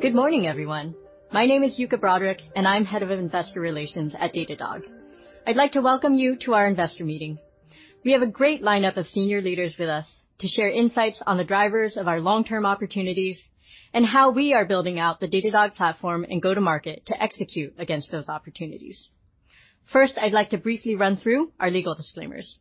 Good morning, everyone. My name is Yuka Broderick, and I'm Head of Investor Relations at Datadog. I'd like to welcome you to our investor meeting. We have a great lineup of senior leaders with us to share insights on the drivers of our long-term opportunities and how we are building out the Datadog platform and go-to-market to execute against those opportunities. First, I'd like to briefly run through our legal disclaimers.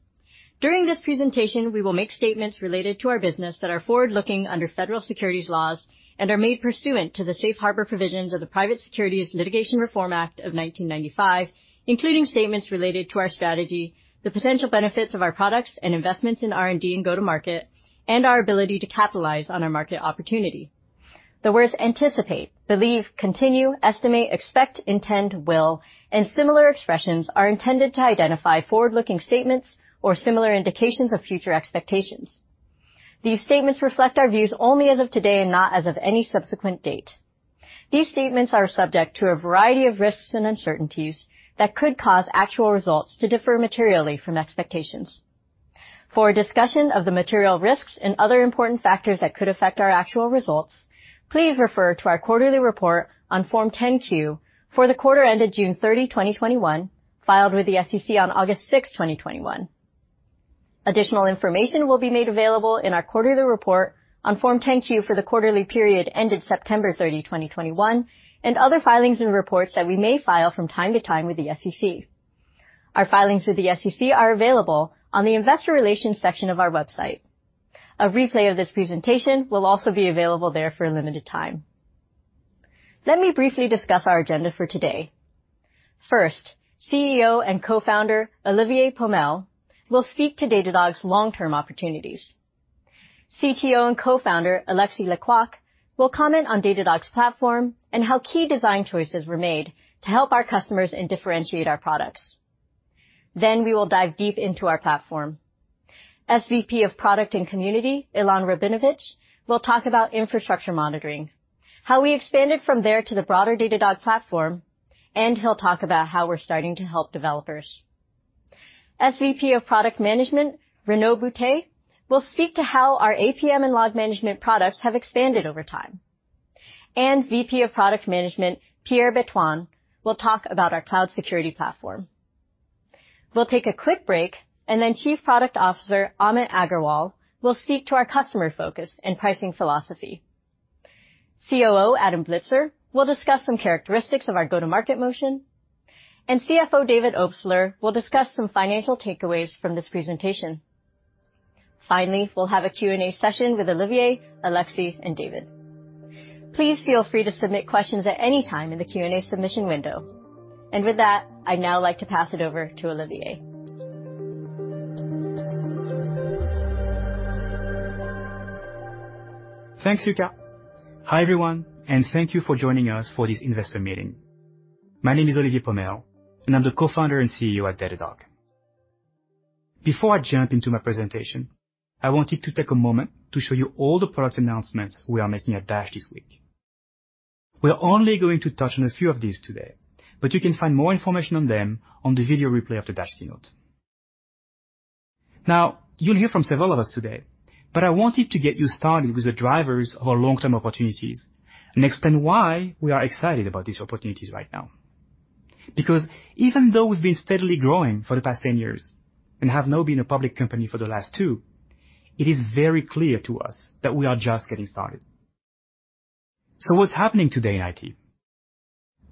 During this presentation, we will make statements related to our business that are forward-looking under federal securities laws and are made pursuant to the Safe Harbor provisions of the Private Securities Litigation Reform Act of 1995, including statements related to our strategy, the potential benefits of our products and investments in R&D and go-to-market, and our ability to capitalize on our market opportunity. The words anticipate, believe, continue, estimate, expect, intend, will, and similar expressions are intended to identify forward-looking statements or similar indications of future expectations. These statements reflect our views only as of today and not as of any subsequent date. These statements are subject to a variety of risks and uncertainties that could cause actual results to differ materially from expectations. For a discussion of the material risks and other important factors that could affect our actual results, please refer to our quarterly report on Form 10-Q for the quarter ended June 30, 2021, filed with the SEC on August 6, 2021. Additional information will be made available in our quarterly report on Form 10-Q for the quarterly period ended September 30, 2021, and other filings and reports that we may file from time to time with the SEC. Our filings with the SEC are available on the investor relations section of our website. A replay of this presentation will also be available there for a limited time. Let me briefly discuss our agenda for today. First, CEO and co-founder Olivier Pomel will speak to Datadog's long-term opportunities. CTO and co-founder Alexis Lê-Quôc will comment on Datadog's platform and how key design choices were made to help our customers and differentiate our products. We will dive deep into our platform. SVP of product and community Ilan Rabinovitch will talk about Infrastructure Monitoring, how we expanded from there to the broader Datadog platform, and he'll talk about how we're starting to help developers. SVP of product management Renaud Boutet will speak to how our APM and Log Management products have expanded over time. VP of product management Pierre Bétouin will talk about our Cloud Security Platform. We'll take a quick break, and then Chief Product Officer Amit Agarwal will speak to our customer focus and pricing philosophy. COO Adam Blitzer will discuss some characteristics of our go-to-market motion. CFO David Obstler will discuss some financial takeaways from this presentation. Finally, we'll have a Q&A session with Olivier, Alexis, and David. Please feel free to submit questions at any time in the Q&A submission window. With that, I'd now like to pass it over to Olivier. Thanks, Yuka. Hi, everyone, and thank you for joining us for this investor meeting. My name is Olivier Pomel, and I'm the co-founder and CEO at Datadog. Before I jump into my presentation, I wanted to take a moment to show you all the product announcements we are making at DASH this week. We're only going to touch on a few of these today, but you can find more information on them on the video replay of the DASH keynote. Now, you'll hear from several of us today, but I wanted to get you started with the drivers of our long-term opportunities and explain why we are excited about these opportunities right now. Because even though we've been steadily growing for the past 10 years and have now been a public company for the last 2, it is very clear to us that we are just getting started. What's happening today in IT?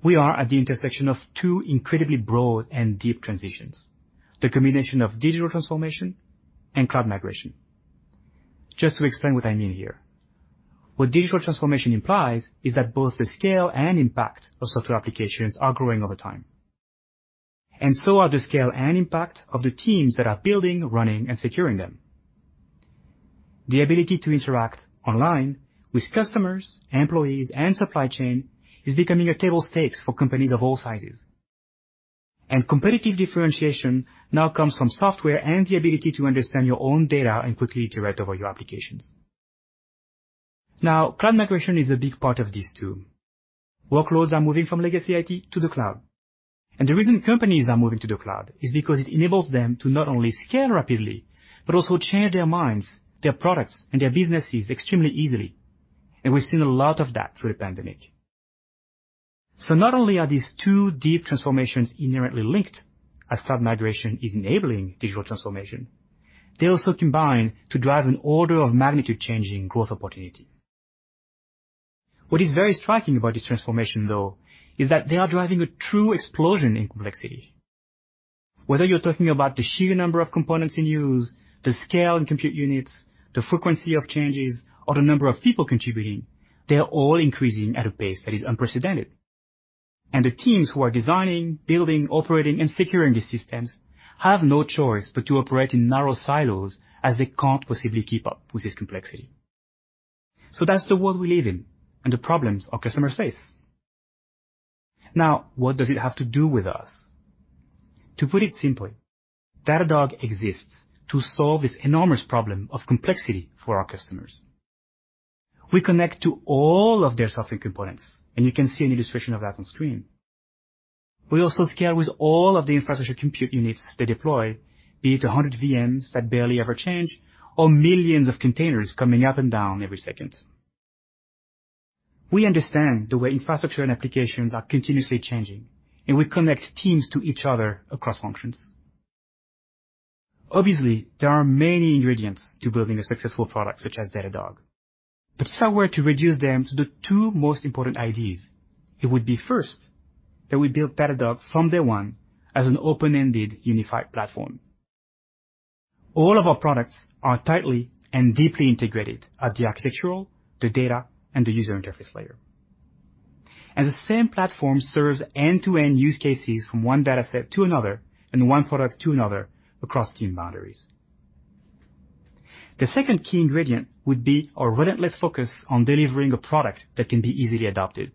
We are at the intersection of two incredibly broad and deep transitions, the combination of digital transformation and cloud migration. Just to explain what I mean here. What digital transformation implies is that both the scale and impact of software applications are growing all the time, and so are the scale and impact of the teams that are building, running, and securing them. The ability to interact online with customers, employees, and supply chain is becoming a table stakes for companies of all sizes. Competitive differentiation now comes from software and the ability to understand your own data and quickly iterate over your applications. Now, cloud migration is a big part of this too. Workloads are moving from legacy IT to the cloud, and the reason companies are moving to the cloud is because it enables them to not only scale rapidly, but also change their minds, their products, and their businesses extremely easily. We've seen a lot of that through the pandemic. Not only are these two deep transformations inherently linked, as cloud migration is enabling digital transformation, they also combine to drive an order of magnitude changing growth opportunity. What is very striking about this transformation, though, is that they are driving a true explosion in complexity. Whether you're talking about the sheer number of components in use, the scale in compute units, the frequency of changes, or the number of people contributing, they are all increasing at a pace that is unprecedented. The teams who are designing, building, operating, and securing these systems have no choice but to operate in narrow silos as they can't possibly keep up with this complexity. That's the world we live in and the problems our customers face. Now, what does it have to do with us? To put it simply, Datadog exists to solve this enormous problem of complexity for our customers. We connect to all of their software components, and you can see an illustration of that on screen. We also scale with all of the infrastructure compute units they deploy, be it 100 VMs that barely ever change or millions of containers coming up and down every second. We understand the way infrastructure and applications are continuously changing, and we connect teams to each other across functions. Obviously, there are many ingredients to building a successful product such as Datadog. If I were to reduce them to the two most important ideas, it would be first, that we build Datadog from day one as an open-ended unified platform. All of our products are tightly and deeply integrated at the architectural, the data, and the user interface layer. The same platform serves end-to-end use cases from one data set to another and one product to another across team boundaries. The second key ingredient would be our relentless focus on delivering a product that can be easily adopted.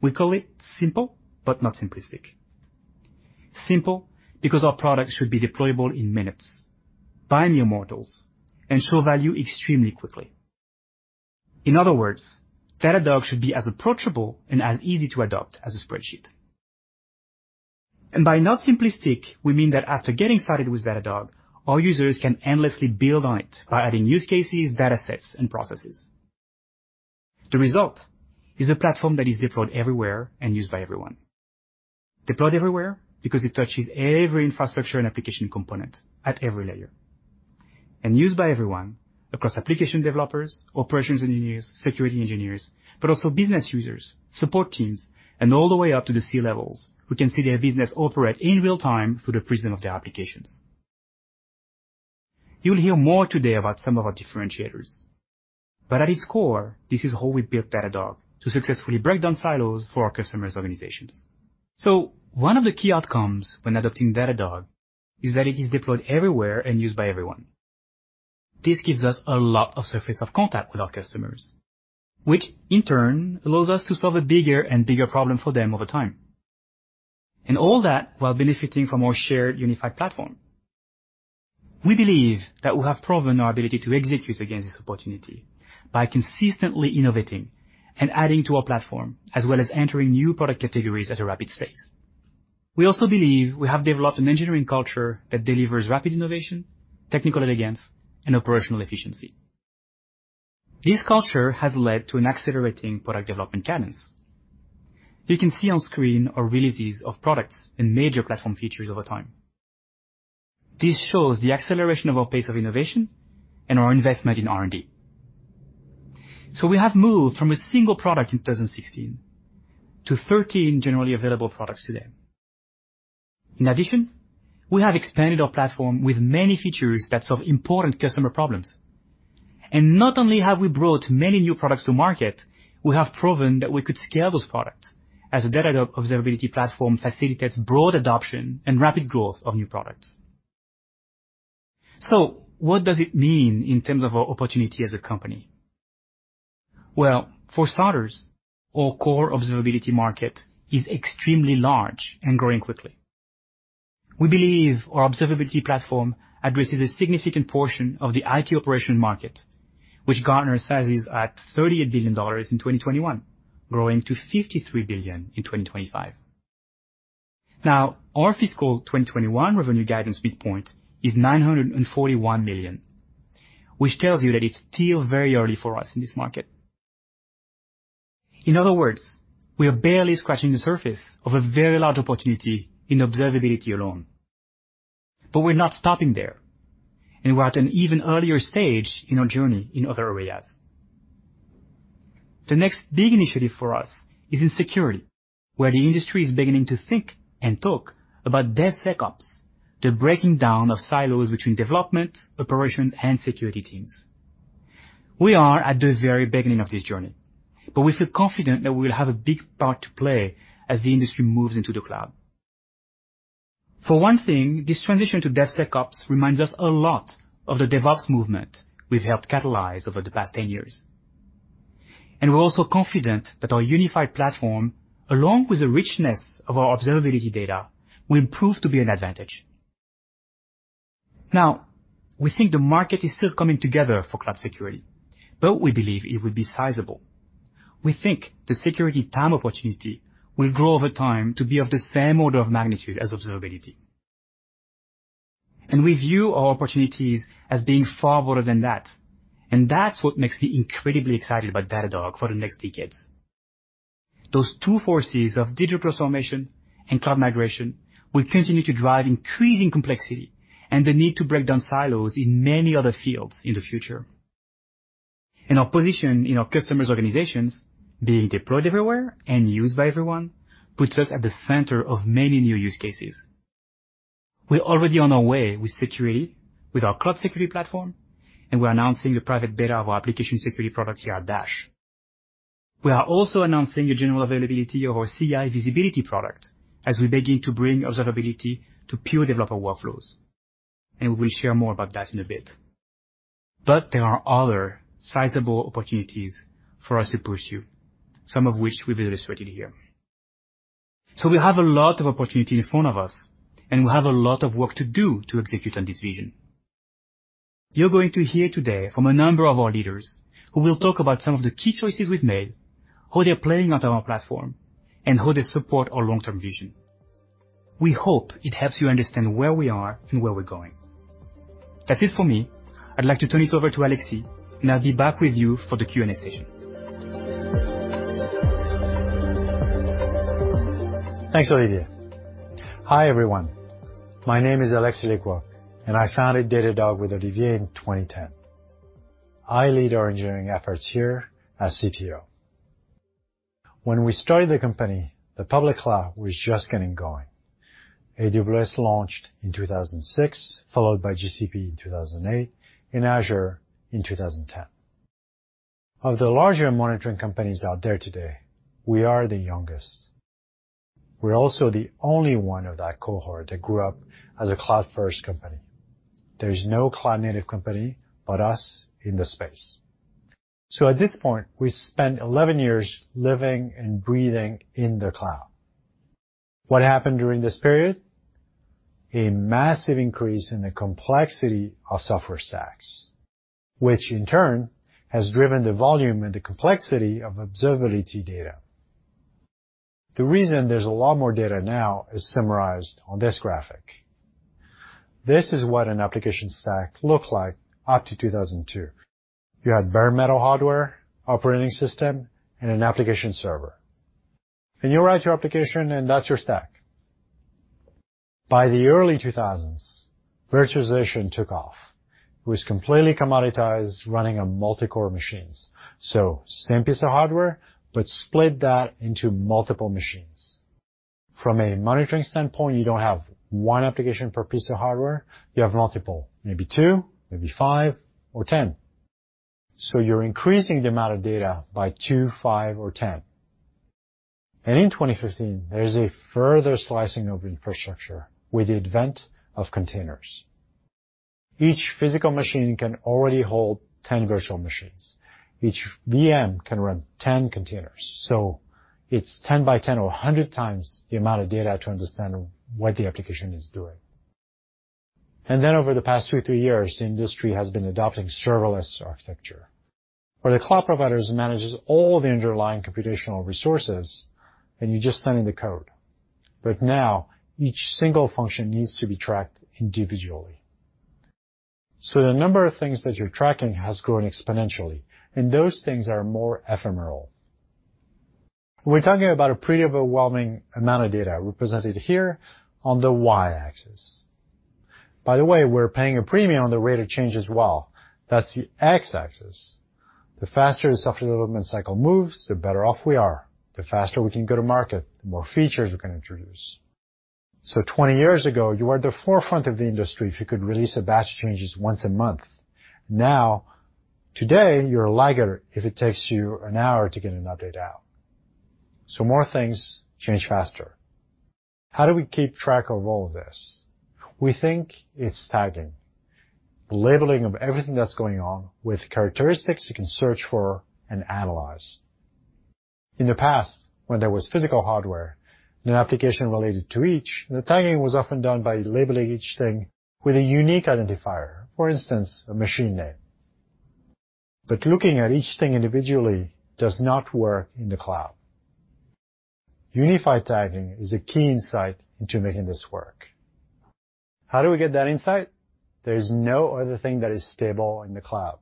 We call it simple, but not simplistic. Simple, because our product should be deployable in minutes by mere mortals and show value extremely quickly. In other words, Datadog should be as approachable and as easy to adopt as a spreadsheet. By not simplistic, we mean that after getting started with Datadog, our users can endlessly build on it by adding use cases, data sets, and processes. The result is a platform that is deployed everywhere and used by everyone. Deployed everywhere because it touches every infrastructure and application component at every layer. Used by everyone across application developers, operations engineers, security engineers, but also business users, support teams, and all the way up to the C-levels who can see their business operate in real-time through the prism of their applications. You'll hear more today about some of our differentiators. At its core, this is how we built Datadog to successfully break down silos for our customers' organizations. One of the key outcomes when adopting Datadog is that it is deployed everywhere and used by everyone. This gives us a lot of surface of contact with our customers, which in turn allows us to solve a bigger and bigger problem for them over time. All that while benefiting from our shared unified platform. We believe that we have proven our ability to execute against this opportunity by consistently innovating and adding to our platform, as well as entering new product categories at a rapid pace. We also believe we have developed an engineering culture that delivers rapid innovation, technical elegance, and operational efficiency. This culture has led to an accelerating product development cadence. You can see on screen our releases of products and major platform features over time. This shows the acceleration of our pace of innovation and our investment in R&D. We have moved from a single product in 2016 to 13 generally available products today. In addition, we have expanded our platform with many features that solve important customer problems. Not only have we brought many new products to market, we have proven that we could scale those products as a Datadog observability platform facilitates broad adoption and rapid growth of new products. What does it mean in terms of our opportunity as a company? Well, for starters, our core observability market is extremely large and growing quickly. We believe our observability platform addresses a significant portion of the IT operation market, which Gartner says is at $38 billion in 2021, growing to $53 billion in 2025. Now, our fiscal 2021 revenue guidance midpoint is $941 million, which tells you that it's still very early for us in this market. In other words, we are barely scratching the surface of a very large opportunity in observability alone. We're not stopping there, and we're at an even earlier stage in our journey in other areas. The next big initiative for us is in security, where the industry is beginning to think and talk about DevSecOps, the breaking down of silos between development, operations, and security teams. We are at the very beginning of this journey, but we feel confident that we will have a big part to play as the industry moves into the cloud. For one thing, this transition to DevSecOps reminds us a lot of the DevOps movement we've helped catalyze over the past 10 years. We're also confident that our unified platform, along with the richness of our observability data, will prove to be an advantage. Now, we think the market is still coming together for cloud security, but we believe it will be sizable. We think the security TAM opportunity will grow over time to be of the same order of magnitude as observability. We view our opportunities as being far broader than that, and that's what makes me incredibly excited about Datadog for the next decades. Those two forces of digital transformation and cloud migration will continue to drive increasing complexity and the need to break down silos in many other fields in the future. Our position in our customers' organizations, being deployed everywhere and used by everyone, puts us at the center of many new use cases. We're already on our way with security with our Cloud Security Platform, and we're announcing the private beta of our Application Security product here at DASH. We are also announcing a general availability of our CI Visibility product as we begin to bring observability to pure developer workflows, and we will share more about that in a bit. There are other sizable opportunities for us to pursue, some of which we've illustrated here. We have a lot of opportunity in front of us, and we have a lot of work to do to execute on this vision. You're going to hear today from a number of our leaders who will talk about some of the key choices we've made, how they're playing out on our platform, and how they support our long-term vision. We hope it helps you understand where we are and where we're going. That's it for me. I'd like to turn it over to Alexis, and I'll be back with you for the Q&A session. Thanks, Olivier. Hi, everyone. My name is Alexis Lê-Quôc, and I founded Datadog with Olivier in 2010. I lead our engineering efforts here as CTO. When we started the company, the public cloud was just getting going. AWS launched in 2006, followed by GCP in 2008, and Azure in 2010. Of the larger monitoring companies out there today, we are the youngest. We're also the only one of that cohort that grew up as a cloud-first company. There is no cloud native company but us in the space. At this point, we spent 11 years living and breathing in the cloud. What happened during this period? A massive increase in the complexity of software stacks, which in turn has driven the volume and the complexity of observability data. The reason there's a lot more data now is summarized on this graphic. This is what an application stack looked like up to 2002. You had bare metal hardware, operating system, and an application server. You write your application, and that's your stack. By the early 2000s, virtualization took off. It was completely commoditized running on multi-core machines. Same piece of hardware, but split that into multiple machines. From a monitoring standpoint, you don't have one application per piece of hardware, you have multiple. Maybe two, maybe five or 10. You're increasing the amount of data by two, five or 10. In 2015, there is a further slicing of infrastructure with the advent of containers. Each physical machine can already hold 10 virtual machines. Each VM can run 10 containers. It's 10 by 10 or 100x the amount of data to understand what the application is doing. Then over the past 2, 3 years, the industry has been adopting serverless architecture. Where the cloud providers manages all the underlying computational resources, and you're just sending the code. Now each single function needs to be tracked individually. The number of things that you're tracking has grown exponentially, and those things are more ephemeral. We're talking about a pretty overwhelming amount of data represented here on the Y-axis. By the way, we're paying a premium on the rate of change as well. That's the X-axis. The faster the software development cycle moves, the better off we are. The faster we can go to market, the more features we can introduce. Twenty years ago, you are at the forefront of the industry if you could release a batch of changes once a month. Now, today, you're a lagger if it takes you an hour to get an update out. More things change faster. How do we keep track of all of this? We think it's tagging. Labeling of everything that's going on with characteristics you can search for and analyze. In the past, when there was physical hardware and an application related to each, the tagging was often done by labeling each thing with a unique identifier. For instance, a machine name. Looking at each thing individually does not work in the cloud. Unified tagging is a key insight into making this work. How do we get that insight? There's no other thing that is stable in the cloud.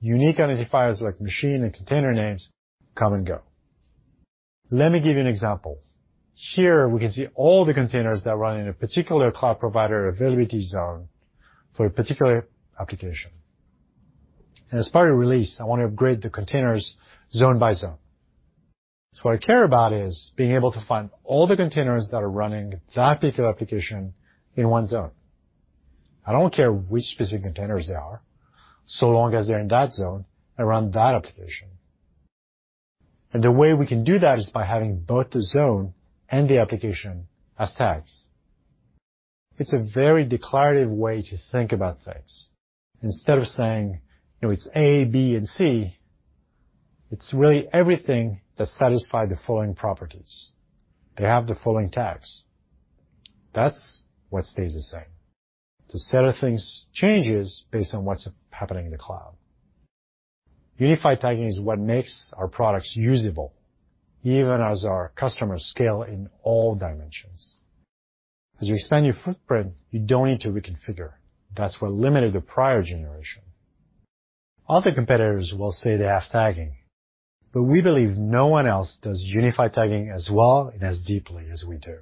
Unique identifiers like machine and container names come and go. Let me give you an example. Here we can see all the containers that run in a particular cloud provider availability zone for a particular application. As part of release, I want to upgrade the containers zone by zone. What I care about is being able to find all the containers that are running that particular application in one zone. I don't care which specific containers they are, so long as they're in that zone around that application. The way we can do that is by having both the zone and the application as tags. It's a very declarative way to think about things. Instead of saying, you know, it's A, B, and C, it's really everything that satisfy the following properties. They have the following tags. That's what stays the same. The set of things changes based on what's happening in the cloud. Unified tagging is what makes our products usable, even as our customers scale in all dimensions. As you expand your footprint, you don't need to reconfigure. That's what limited the prior generation. Other competitors will say they have tagging, but we believe no one else does unified tagging as well and as deeply as we do.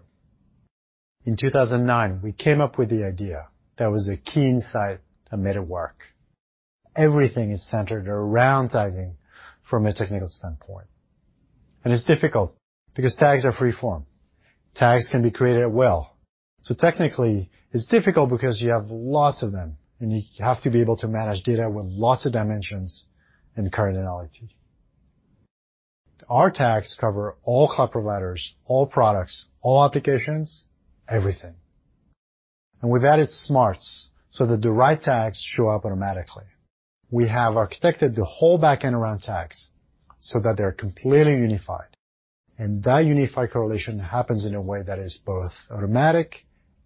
In 2009, we came up with the idea. That was a key insight that made it work. Everything is centered around tagging from a technical standpoint. It's difficult because tags are free-form. Tags can be created at will. Technically, it's difficult because you have lots of them, and you have to be able to manage data with lots of dimensions and cardinality. Our tags cover all cloud providers, all products, all applications, everything. We've added smarts so that the right tags show up automatically. We have architected the whole back-end around tags so that they're completely unified. That unified correlation happens in a way that is both automatic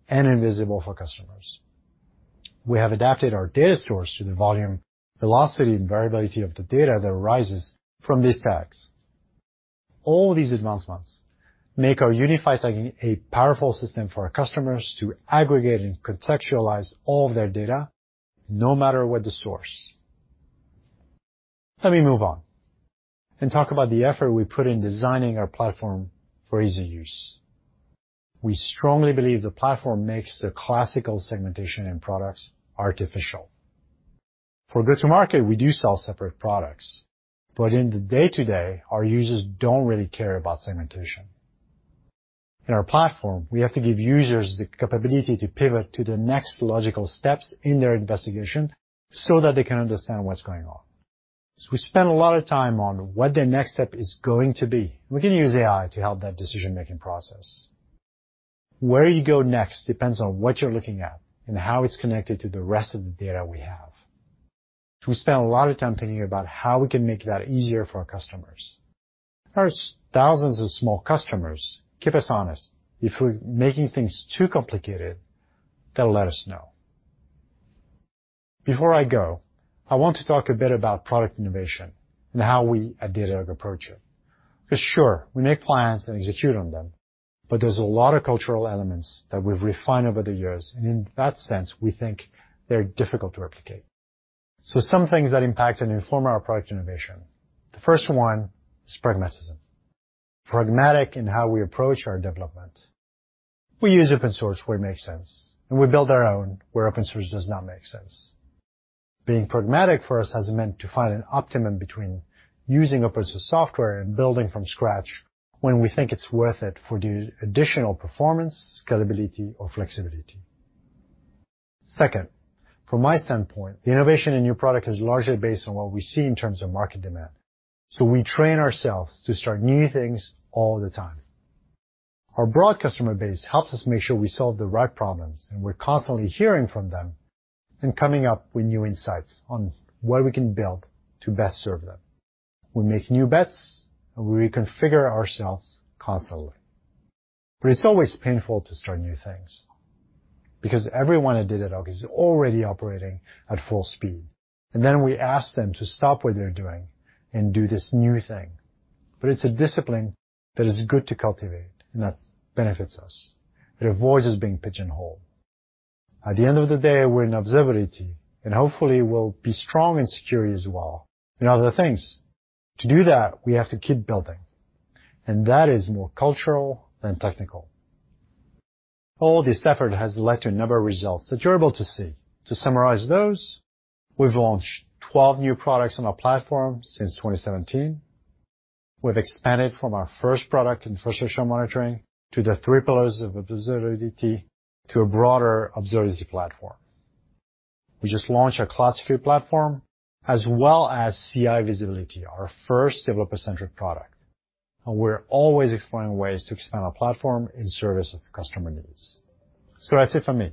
and invisible for customers. We have adapted our data stores to the volume, velocity, and variability of the data that arises from these tags. All these advancements make our unified tagging a powerful system for our customers to aggregate and contextualize all of their data, no matter what the source. Let me move on and talk about the effort we put in designing our platform for easy use. We strongly believe the platform makes the classical segmentation in products artificial. For go-to-market, we do sell separate products, but in the day-to-day, our users don't really care about segmentation. In our platform, we have to give users the capability to pivot to the next logical steps in their investigation so that they can understand what's going on. We spend a lot of time on what the next step is going to be. We can use AI to help that decision-making process. Where you go next depends on what you're looking at and how it's connected to the rest of the data we have. We spend a lot of time thinking about how we can make that easier for our customers. Our thousands of small customers keep us honest. If we're making things too complicated, they'll let us know. Before I go, I want to talk a bit about product innovation and how we at Datadog approach it. 'Cause sure, we make plans and execute on them, but there's a lot of cultural elements that we've refined over the years. In that sense, we think they're difficult to replicate. Some things that impact and inform our product innovation. The first one is pragmatism. Pragmatic in how we approach our development. We use open source where it makes sense, and we build our own where open source does not make sense. Being pragmatic for us has meant to find an optimum between using open source software and building from scratch when we think it's worth it for the additional performance, scalability, or flexibility. Second, from my standpoint, the innovation in new product is largely based on what we see in terms of market demand. We train ourselves to start new things all the time. Our broad customer base helps us make sure we solve the right problems, and we're constantly hearing from them and coming up with new insights on what we can build to best serve them. We make new bets, and we reconfigure ourselves constantly. It's always painful to start new things because everyone at Datadog is already operating at full speed, and then we ask them to stop what they're doing and do this new thing. It's a discipline that is good to cultivate and that benefits us. It avoids us being pigeonholed. At the end of the day, we're in observability and hopefully we'll be strong in security as well and other things. To do that, we have to keep building, and that is more cultural than technical. All this effort has led to a number of results that you're able to see. To summarize those, we've launched 12 new products on our platform since 2017. We've expanded from our first product, Infrastructure Monitoring, to the three pillars of Observability, to a broader observability platform. We just launched our Cloud Security Platform as well as CI Visibility, our first developer-centric product. We're always exploring ways to expand our platform in service of the customer needs. That's it for me.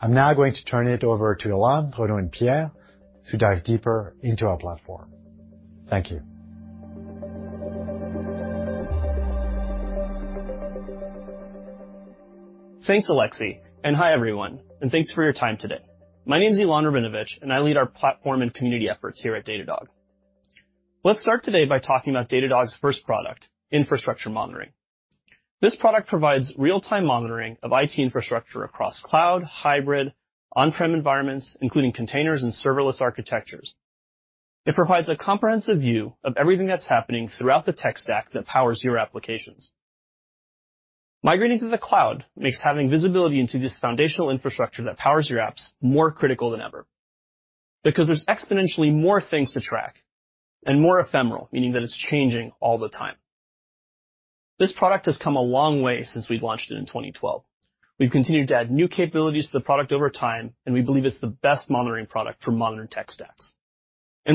I'm now going to turn it over to Ilan, Renaud, and Pierre to dive deeper into our platform. Thank you. Thanks, Alexis, and hi, everyone, and thanks for your time today. My name is Ilan Rabinovitch, and I lead our platform and community efforts here at Datadog. Let's start today by talking about Datadog's first product, Infrastructure Monitoring. This product provides real-time monitoring of IT infrastructure across cloud, hybrid, on-prem environments, including containers and serverless architectures. It provides a comprehensive view of everything that's happening throughout the tech stack that powers your applications. Migrating to the cloud makes having visibility into this foundational infrastructure that powers your apps more critical than ever because there's exponentially more things to track and more ephemeral, meaning that it's changing all the time. This product has come a long way since we launched it in 2012. We've continued to add new capabilities to the product over time, and we believe it's the best monitoring product for modern tech stacks.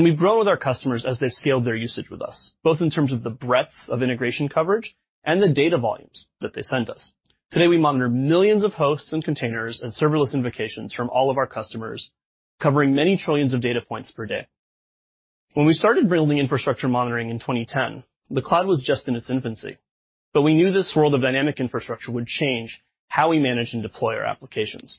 We've grown with our customers as they've scaled their usage with us, both in terms of the breadth of integration coverage and the data volumes that they send us. Today, we monitor millions of hosts and containers and serverless invocations from all of our customers, covering many trillions of data points per day. When we started building Infrastructure Monitoring in 2010, the cloud was just in its infancy. We knew this world of dynamic infrastructure would change how we manage and deploy our applications.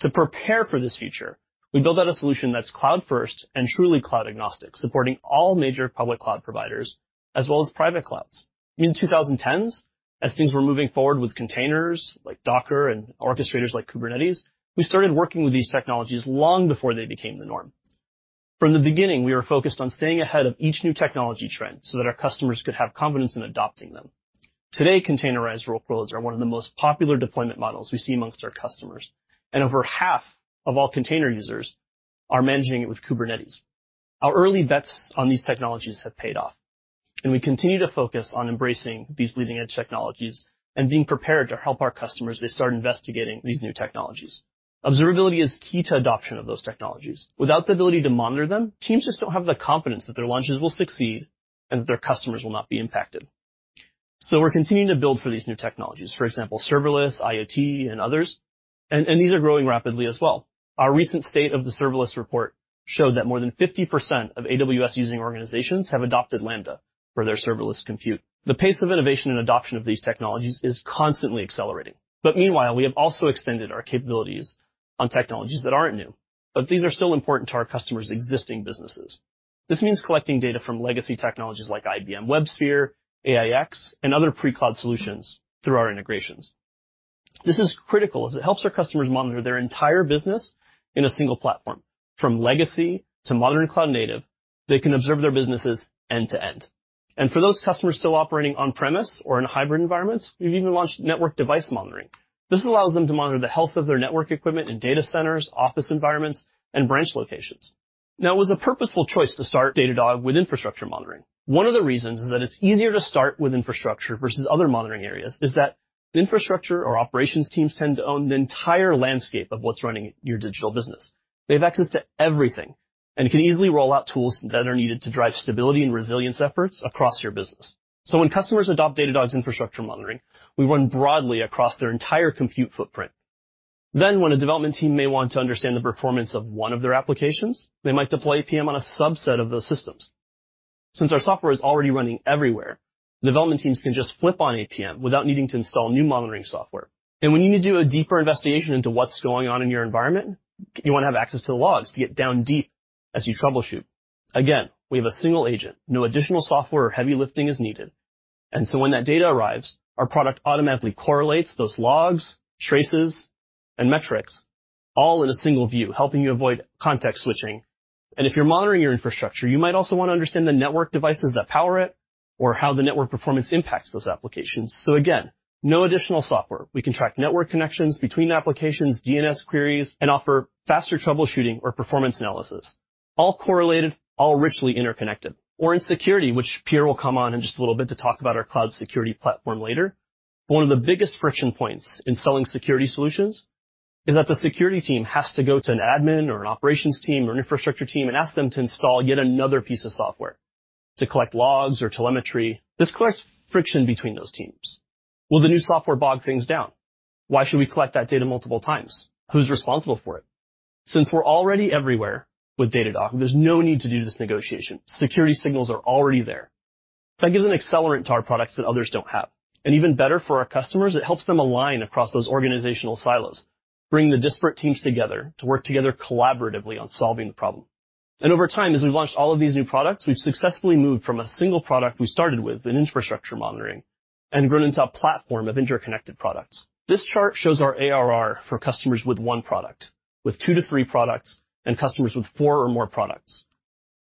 To prepare for this future, we built out a solution that's cloud-first and truly cloud agnostic, supporting all major public cloud providers as well as private clouds. In the 2010s, as things were moving forward with containers like Docker and orchestrators like Kubernetes, we started working with these technologies long before they became the norm. From the beginning, we were focused on staying ahead of each new technology trend so that our customers could have confidence in adopting them. Today, containerized workloads are one of the most popular deployment models we see among our customers, and over half of all container users are managing it with Kubernetes. Our early bets on these technologies have paid off, and we continue to focus on embracing these leading-edge technologies and being prepared to help our customers as they start investigating these new technologies. Observability is key to adoption of those technologies. Without the ability to monitor them, teams just don't have the confidence that their launches will succeed and that their customers will not be impacted. We're continuing to build for these new technologies, for example, serverless, IoT, and others. These are growing rapidly as well. Our recent State of the Serverless report showed that more than 50% of AWS-using organizations have adopted Lambda for their serverless compute. The pace of innovation and adoption of these technologies is constantly accelerating. Meanwhile, we have also extended our capabilities on technologies that aren't new, but these are still important to our customers' existing businesses. This means collecting data from legacy technologies like IBM WebSphere, AIX, and other pre-cloud solutions through our integrations. This is critical as it helps our customers monitor their entire business in a single platform. From legacy to modern cloud native, they can observe their businesses end to end. For those customers still operating on-premises or in hybrid environments, we've even launched Network Device Monitoring. This allows them to monitor the health of their network equipment in data centers, office environments, and branch locations. Now, it was a purposeful choice to start Datadog with Infrastructure Monitoring. One of the reasons is that it's easier to start with infrastructure versus other monitoring areas, in that infrastructure or operations teams tend to own the entire landscape of what's running your digital business. They have access to everything and can easily roll out tools that are needed to drive stability and resilience efforts across your business. When customers adopt Datadog's Infrastructure Monitoring, we run broadly across their entire compute footprint. When a development team may want to understand the performance of one of their applications, they might deploy APM on a subset of those systems. Since our software is already running everywhere, development teams can just flip on APM without needing to install new monitoring software. When you need to do a deeper investigation into what's going on in your environment, you wanna have access to the logs to get down deep as you troubleshoot. Again, we have a single agent. No additional software or heavy lifting is needed. When that data arrives, our product automatically correlates those logs, traces, and metrics all in a single view, helping you avoid context switching. If you're monitoring your infrastructure, you might also wanna understand the network devices that power it or how the network performance impacts those applications. Again, no additional software. We can track network connections between applications, DNS queries, and offer faster troubleshooting or performance analysis, all correlated, all richly interconnected. In security, which Pierre Bétouin will come on in just a little bit to talk about our Cloud Security Platform later. One of the biggest friction points in selling security solutions is that the security team has to go to an admin or an operations team or an infrastructure team and ask them to install yet another piece of software to collect logs or telemetry. This creates friction between those teams. Will the new software bog things down? Why should we collect that data multiple times? Who's responsible for it? Since we're already everywhere with Datadog, there's no need to do this negotiation. Security signals are already there. That gives an accelerant to our products that others don't have. Even better for our customers, it helps them align across those organizational silos, bringing the disparate teams together to work together collaboratively on solving the problem. Over time, as we've launched all of these new products, we've successfully moved from a single product we started with in Infrastructure Monitoring and grown into a platform of interconnected products. This chart shows our ARR for customers with one product, with two to three products, and customers with four or more products.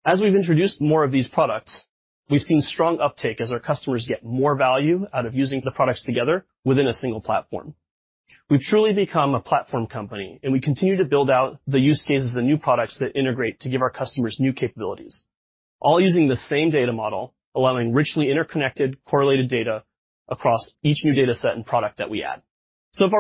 As we've introduced more of these products, we've seen strong uptake as our customers get more value out of using the products together within a single platform. We've truly become a platform company, and we continue to build out the use cases and new products that integrate to give our customers new capabilities, all using the same data model, allowing richly interconnected, correlated data across each new data set and product that we add.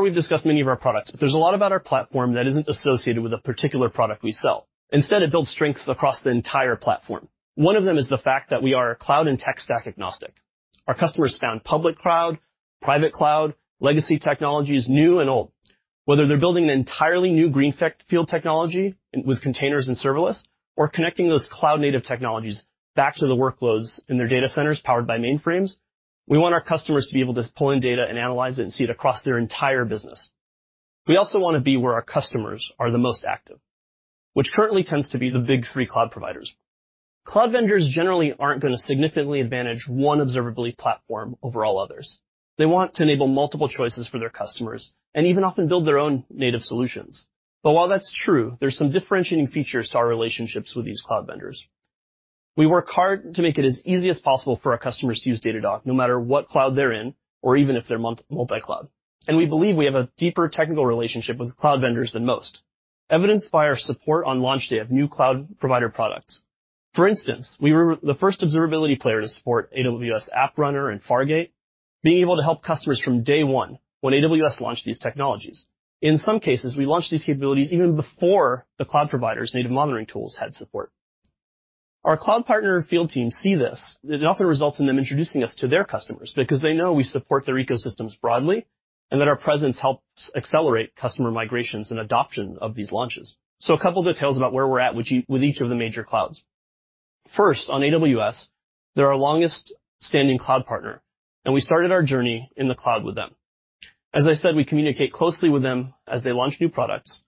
We've discussed many of our products, but there's a lot about our platform that isn't associated with a particular product we sell. Instead, it builds strength across the entire platform. One of them is the fact that we are cloud and tech stack agnostic. Our customers span public cloud, private cloud, legacy technologies, new and old. Whether they're building an entirely new green field technology with containers and serverless or connecting those cloud-native technologies back to the workloads in their data centers powered by mainframes, we want our customers to be able to pull in data and analyze it and see it across their entire business. We also wanna be where our customers are the most active, which currently tends to be the big three cloud providers. Cloud vendors generally aren't gonna significantly advantage one observability platform over all others. They want to enable multiple choices for their customers and even often build their own native solutions. While that's true, there's some differentiating features to our relationships with these cloud vendors. We work hard to make it as easy as possible for our customers to use Datadog no matter what cloud they're in or even if they're multi-cloud. We believe we have a deeper technical relationship with cloud vendors than most. Evidenced by our support on launch day of new cloud provider products. For instance, we were the first observability player to support AWS App Runner and Fargate, being able to help customers from day one when AWS launched these technologies. In some cases, we launched these capabilities even before the cloud provider's native monitoring tools had support. Our cloud partner field teams see this. It often results in them introducing us to their customers because they know we support their ecosystems broadly and that our presence helps accelerate customer migrations and adoption of these launches. A couple details about where we're at with each, with each of the major clouds. First, on AWS, they're our longest-standing cloud partner, and we started our journey in the cloud with them. As I said, we communicate closely with them as they launch new products,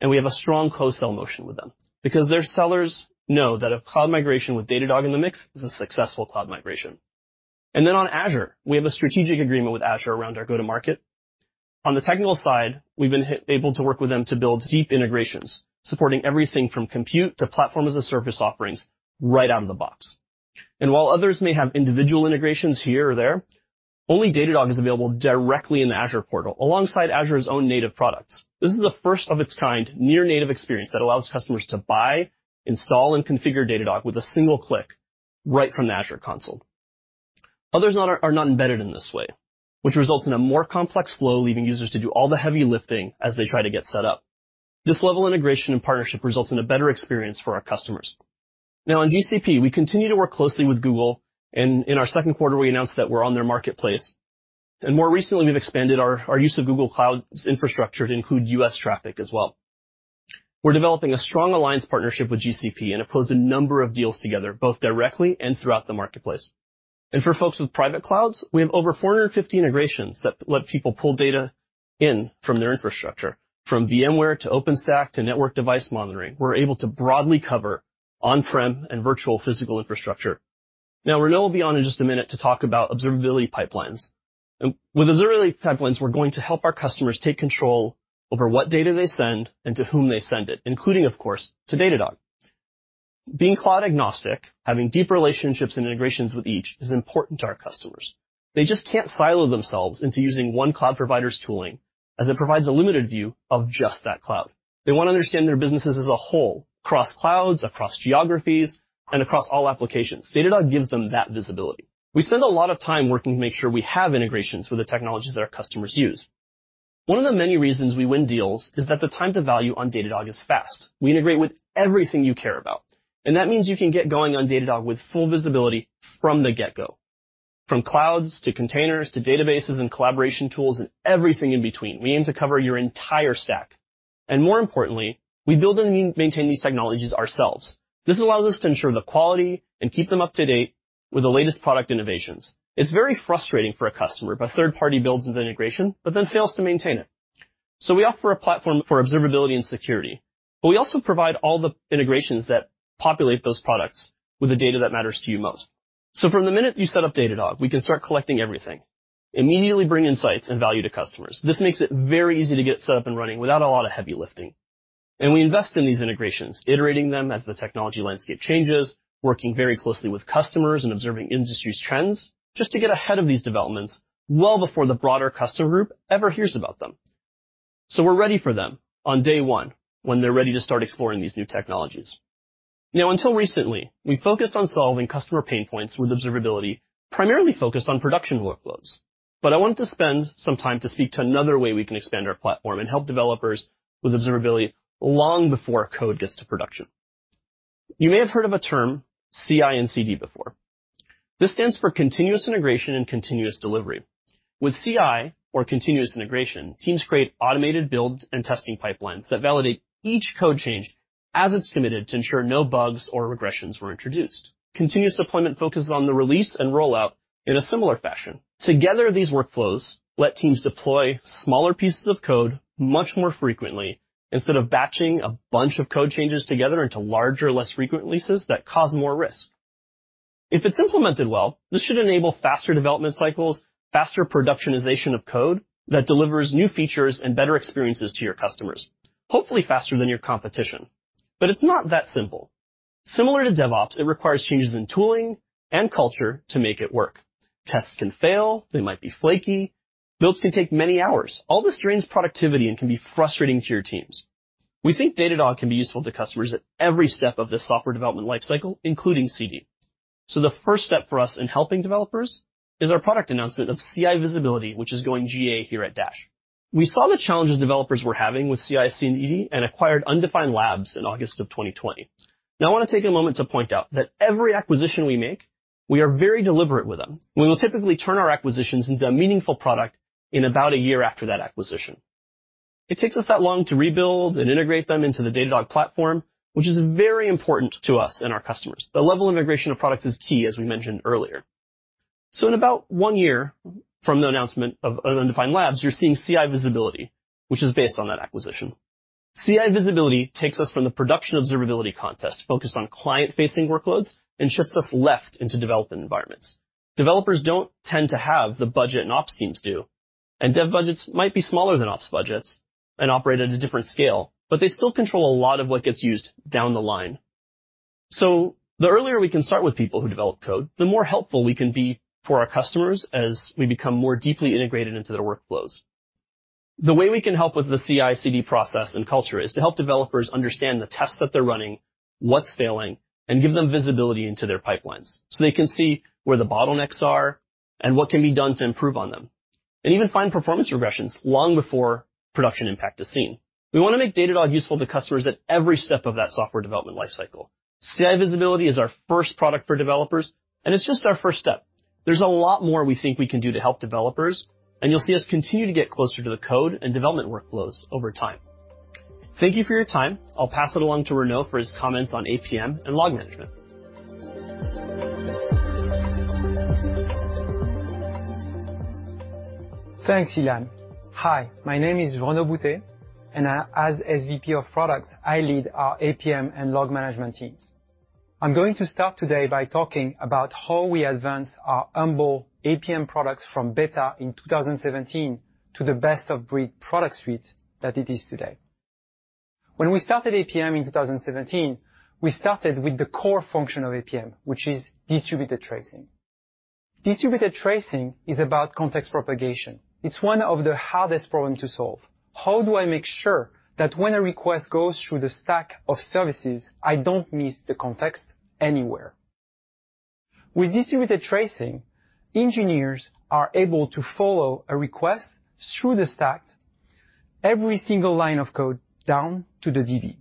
and we have a strong co-sell motion with them because their sellers know that a cloud migration with Datadog in the mix is a successful cloud migration. On Azure, we have a strategic agreement with Azure around our go-to-market. On the technical side, we've been able to work with them to build deep integrations, supporting everything from compute to platform as a service offerings right out of the box. While others may have individual integrations here or there, only Datadog is available directly in the Azure portal alongside Azure's own native products. This is the first of its kind near-native experience that allows customers to buy, install, and configure Datadog with a single click right from the Azure console. Others are not embedded in this way, which results in a more complex flow, leaving users to do all the heavy lifting as they try to get set up. This level of integration and partnership results in a better experience for our customers. Now in GCP, we continue to work closely with Google and in our second quarter, we announced that we're on their marketplace. More recently, we've expanded our use of Google Cloud's infrastructure to include U.S. traffic as well. We're developing a strong alliance partnership with GCP, and have closed a number of deals together, both directly and throughout the marketplace. For folks with private clouds, we have over 450 integrations that let people pull data in from their infrastructure. From VMware, to OpenStack, to Network Device Monitoring, we're able to broadly cover on-prem and virtual physical infrastructure. Now, Renaud will be on in just a minute to talk about Observability Pipelines. With Observability Pipelines, we're going to help our customers take control over what data they send and to whom they send it, including, of course, to Datadog. Being cloud agnostic, having deep relationships and integrations with each is important to our customers. They just can't silo themselves into using one cloud provider's tooling, as it provides a limited view of just that cloud. They wanna understand their businesses as a whole, across clouds, across geographies, and across all applications. Datadog gives them that visibility. We spend a lot of time working to make sure we have integrations with the technologies that our customers use. One of the many reasons we win deals is that the time to value on Datadog is fast. We integrate with everything you care about. That means you can get going on Datadog with full visibility from the get-go. From clouds to containers, to databases and collaboration tools, and everything in between. We aim to cover your entire stack. More importantly, we build and maintain these technologies ourselves. This allows us to ensure the quality and keep them up to date with the latest product innovations. It's very frustrating for a customer if a third party builds an integration, but then fails to maintain it. We offer a platform for observability and security, but we also provide all the integrations that populate those products with the data that matters to you most. From the minute you set up Datadog, we can start collecting everything immediately, bringing insights and value to customers. This makes it very easy to get set up and running without a lot of heavy lifting. We invest in these integrations, iterating them as the technology landscape changes, working very closely with customers and observing industry's trends just to get ahead of these developments well before the broader customer group ever hears about them. We're ready for them on day one when they're ready to start exploring these new technologies. Now, until recently, we focused on solving customer pain points with observability, primarily focused on production workloads. I want to spend some time to speak to another way we can expand our platform and help developers with observability long before code gets to production. You may have heard of a term CI and CD before. This stands for continuous integration and continuous delivery. With CI or continuous integration, teams create automated build and testing pipelines that validate each code change as it's committed to ensure no bugs or regressions were introduced. Continuous deployment focuses on the release and rollout in a similar fashion. Together, these workflows let teams deploy smaller pieces of code much more frequently instead of batching a bunch of code changes together into larger, less frequent leases that cause more risk. If it's implemented well, this should enable faster development cycles, faster productionization of code that delivers new features and better experiences to your customers, hopefully faster than your competition. It's not that simple. Similar to DevOps, it requires changes in tooling and culture to make it work. Tests can fail, they might be flaky. Builds can take many hours. All this drains productivity and can be frustrating to your teams. We think Datadog can be useful to customers at every step of the software development lifecycle, including CD. The first step for us in helping developers is our product announcement of CI Visibility, which is going GA here at DASH. We saw the challenges developers were having with CI/CD and acquired Undefined Labs in August 2020. Now, I wanna take a moment to point out that every acquisition we make, we are very deliberate with them. We will typically turn our acquisitions into a meaningful product in about a year after that acquisition. It takes us that long to rebuild and integrate them into the Datadog platform, which is very important to us and our customers. The level of integration of products is key, as we mentioned earlier. In about one year from the announcement of Undefined Labs, you're seeing CI Visibility, which is based on that acquisition. CI Visibility takes us from the production observability context focused on client-facing workloads and shifts us left into development environments. Developers don't tend to have the budget and ops teams do, and dev budgets might be smaller than ops budgets and operate at a different scale, but they still control a lot of what gets used down the line. The earlier we can start with people who develop code, the more helpful we can be for our customers as we become more deeply integrated into their workflows. The way we can help with the CI/CD process and culture is to help developers understand the tests that they're running, what's failing, and give them visibility into their pipelines, so they can see where the bottlenecks are and what can be done to improve on them, and even find performance regressions long before production impact is seen. We wanna make Datadog useful to customers at every step of that software development lifecycle. CI Visibility is our first product for developers, and it's just our first step. There's a lot more we think we can do to help developers, and you'll see us continue to get closer to the code and development workflows over time. Thank you for your time. I'll pass it along to Renaud for his comments on APM and Log Management. Thanks, Ilan. Hi, my name is Renaud Boutet, and as SVP of Product, I lead our APM and Log Management teams. I'm going to start today by talking about how we advance our humble APM products from beta in 2017 to the best of breed product suite that it is today. When we started APM in 2017, we started with the core function of APM, which is distributed tracing. Distributed tracing is about context propagation. It's one of the hardest problem to solve. How do I make sure that when a request goes through the stack of services, I don't miss the context anywhere? With distributed tracing, engineers are able to follow a request through the stack, every single line of code down to the DB.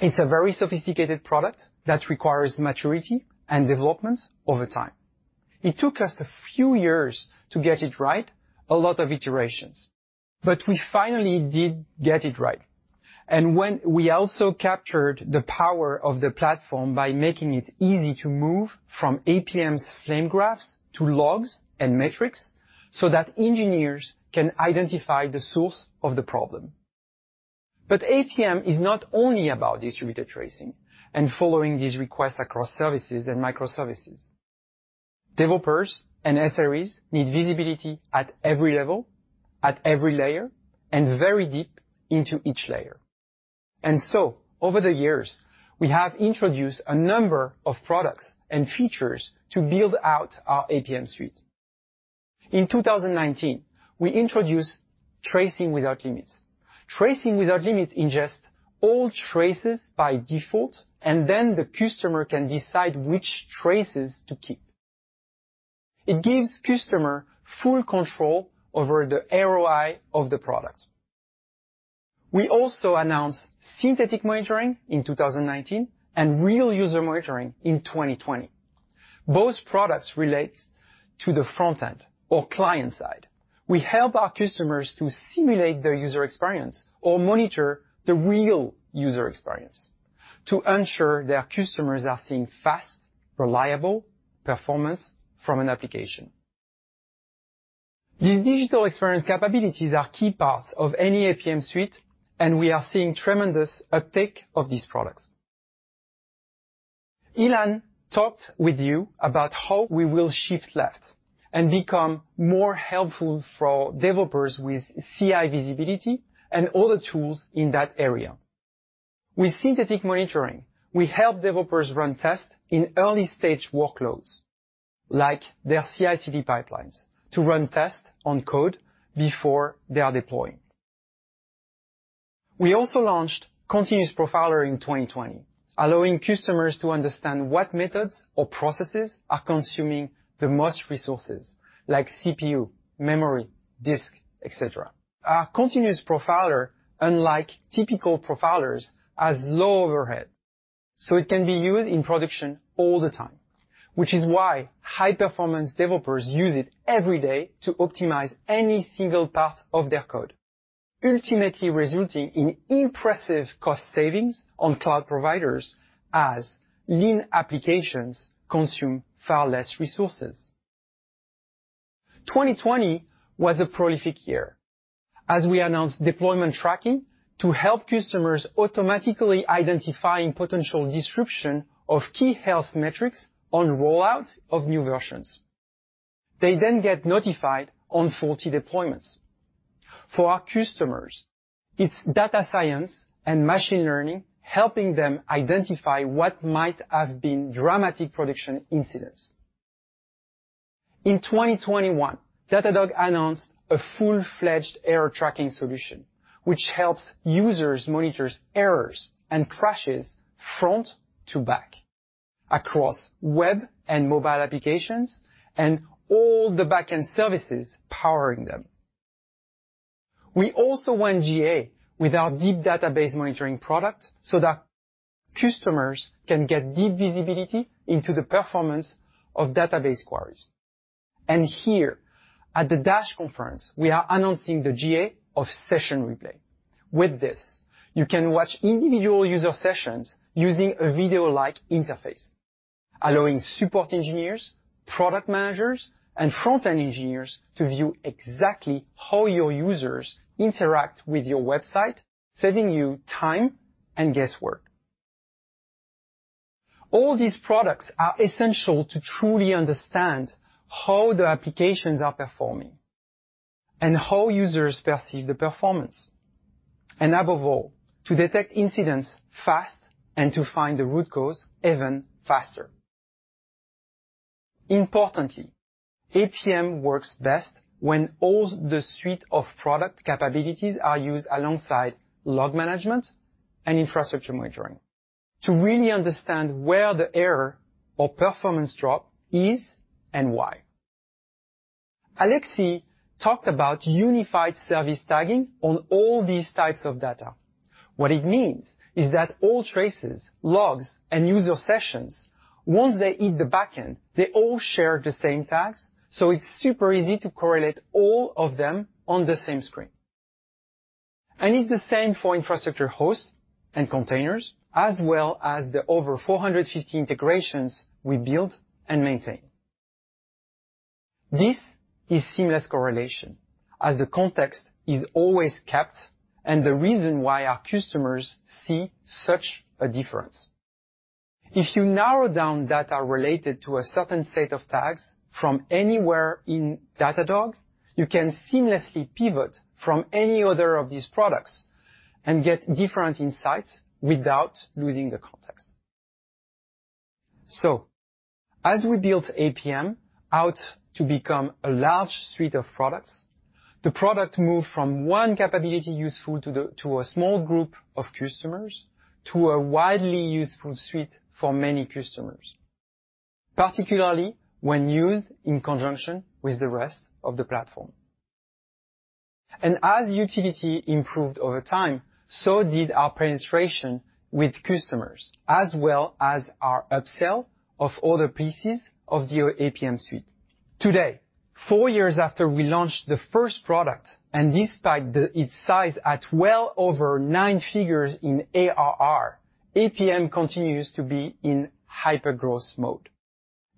It's a very sophisticated product that requires maturity and development over time. It took us a few years to get it right, a lot of iterations, but we finally did get it right. When we also captured the power of the platform by making it easy to move from APM's flame graphs to logs and metrics so that engineers can identify the source of the problem. APM is not only about distributed tracing and following these requests across services and microservices. Developers and SREs need visibility at every level, at every layer, and very deep into each layer. Over the years, we have introduced a number of products and features to build out our APM suite. In 2019, we introduced Tracing without Limits. Tracing without Limits ingests all traces by default, and then the customer can decide which traces to keep. It gives customer full control over the ROI of the product. We also announced Synthetic Monitoring in 2019 and Real User Monitoring in 2020. Both products relate to the front end or client side. We help our customers to simulate their user experience or monitor the real user experience to ensure their customers are seeing fast, reliable performance from an application. These digital experience capabilities are key parts of any APM suite, and we are seeing tremendous uptake of these products. Ilan talked with you about how we will shift left and become more helpful for developers with CI Visibility and other tools in that area. With Synthetic Monitoring, we help developers run tests in early-stage workloads, like their CI/CD pipelines, to run tests on code before they are deployed. We also launched Continuous Profiler in 2020, allowing customers to understand what methods or processes are consuming the most resources, like CPU, memory, disk, et cetera. Our Continuous Profiler, unlike typical profilers, has low overhead, so it can be used in production all the time, which is why high-performance developers use it every day to optimize any single part of their code, ultimately resulting in impressive cost savings on cloud providers as lean applications consume far less resources. 2020 was a prolific year as we announced Deployment Tracking to help customers automatically identifying potential disruption of key health metrics on rollouts of new versions. They then get notified on faulty deployments. For our customers, it's data science and machine learning helping them identify what might have been dramatic production incidents. In 2021, Datadog announced a full-fledged Error Tracking solution, which helps users monitor errors and crashes front to back across web and mobile applications and all the backend services powering them. We also went GA with our deep Database Monitoring product so that customers can get deep visibility into the performance of database queries. Here at the DASH conference, we are announcing the GA of Session Replay. With this, you can watch individual user sessions using a video-like interface, allowing support engineers, product managers, and front-end engineers to view exactly how your users interact with your website, saving you time and guesswork. All these products are essential to truly understand how the applications are performing and how users perceive the performance, and above all, to detect incidents fast and to find the root cause even faster. Importantly, APM works best when all the suite of product capabilities are used alongside Log Management and Infrastructure Monitoring to really understand where the error or performance drop is and why. Alexis talked about unified service tagging on all these types of data. What it means is that all traces, logs, and user sessions, once they hit the backend, they all share the same tags, so it's super easy to correlate all of them on the same screen. It's the same for infrastructure hosts and containers, as well as the over 450 integrations we build and maintain. This is seamless correlation as the context is always kept and the reason why our customers see such a difference. If you narrow down data related to a certain set of tags from anywhere in Datadog, you can seamlessly pivot from any other of these products and get different insights without losing the context. As we built APM out to become a large suite of products. The product moved from one capability useful to a small group of customers to a widely useful suite for many customers, particularly when used in conjunction with the rest of the platform. As utility improved over time, so did our penetration with customers, as well as our upsell of other pieces of the APM suite. Today, four years after we launched the first product, and despite its size at well over nine figures in ARR, APM continues to be in hypergrowth mode.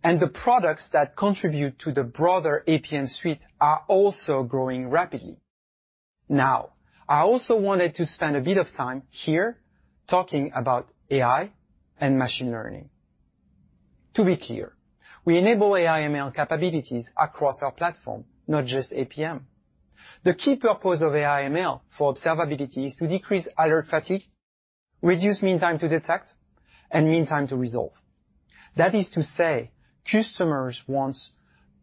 The products that contribute to the broader APM suite are also growing rapidly. Now, I also wanted to spend a bit of time here talking about AI and machine learning. To be clear, we enable AI/ML capabilities across our platform, not just APM. The key purpose of AI/ML for observability is to decrease alert fatigue, reduce mean time to detect and mean time to resolve. That is to say customers want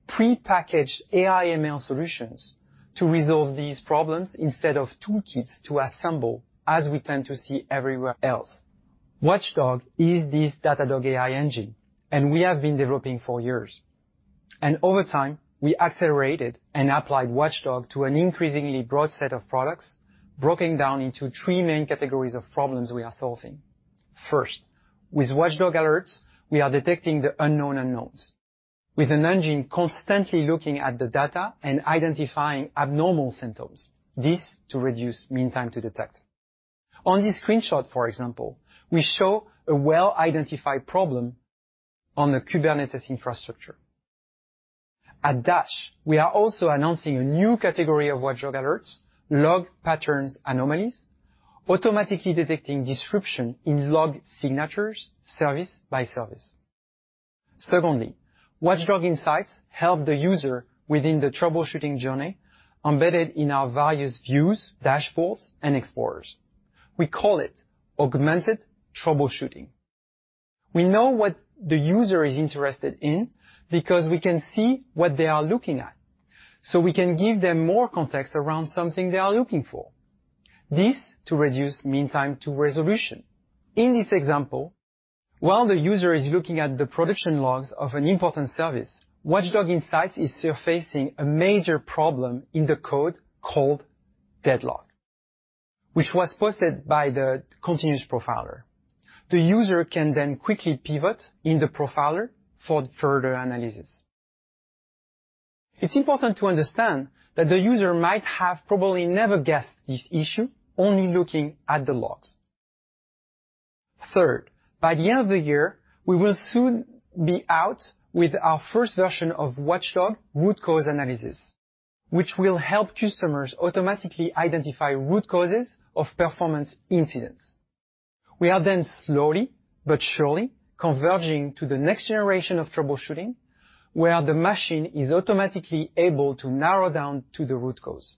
prepackaged AI/ML solutions to resolve these problems instead of toolkits to assemble, as we tend to see everywhere else. Watchdog is Datadog's AI engine, and we have been developing for years. Over time, we accelerated and applied Watchdog to an increasingly broad set of products, broken down into three main categories of problems we are solving. First, with Watchdog Alerts, we are detecting the unknown unknowns with an engine constantly looking at the data and identifying abnormal symptoms, this to reduce mean time to detect. On this screenshot, for example, we show a well-identified problem on the Kubernetes infrastructure. At DASH, we are also announcing a new category of Watchdog alerts, log pattern anomalies, automatically detecting disruption in log signatures service by service. Secondly, Watchdog Insights help the user within the troubleshooting journey embedded in our various views, dashboards and explorers. We call it augmented troubleshooting. We know what the user is interested in because we can see what they are looking at, so we can give them more context around something they are looking for. This to reduce mean time to resolution. In this example, while the user is looking at the production logs of an important service, Watchdog Insights is surfacing a major problem in the code called deadlock, which was spotted by the Continuous Profiler. The user can then quickly pivot in the profiler for further analysis. It's important to understand that the user might have probably never guessed this issue, only looking at the logs. Third, by the end of the year, we will soon be out with our first version of Watchdog Root Cause Analysis, which will help customers automatically identify root causes of performance incidents. We are then slowly but surely converging to the next generation of troubleshooting, where the machine is automatically able to narrow down to the root cause,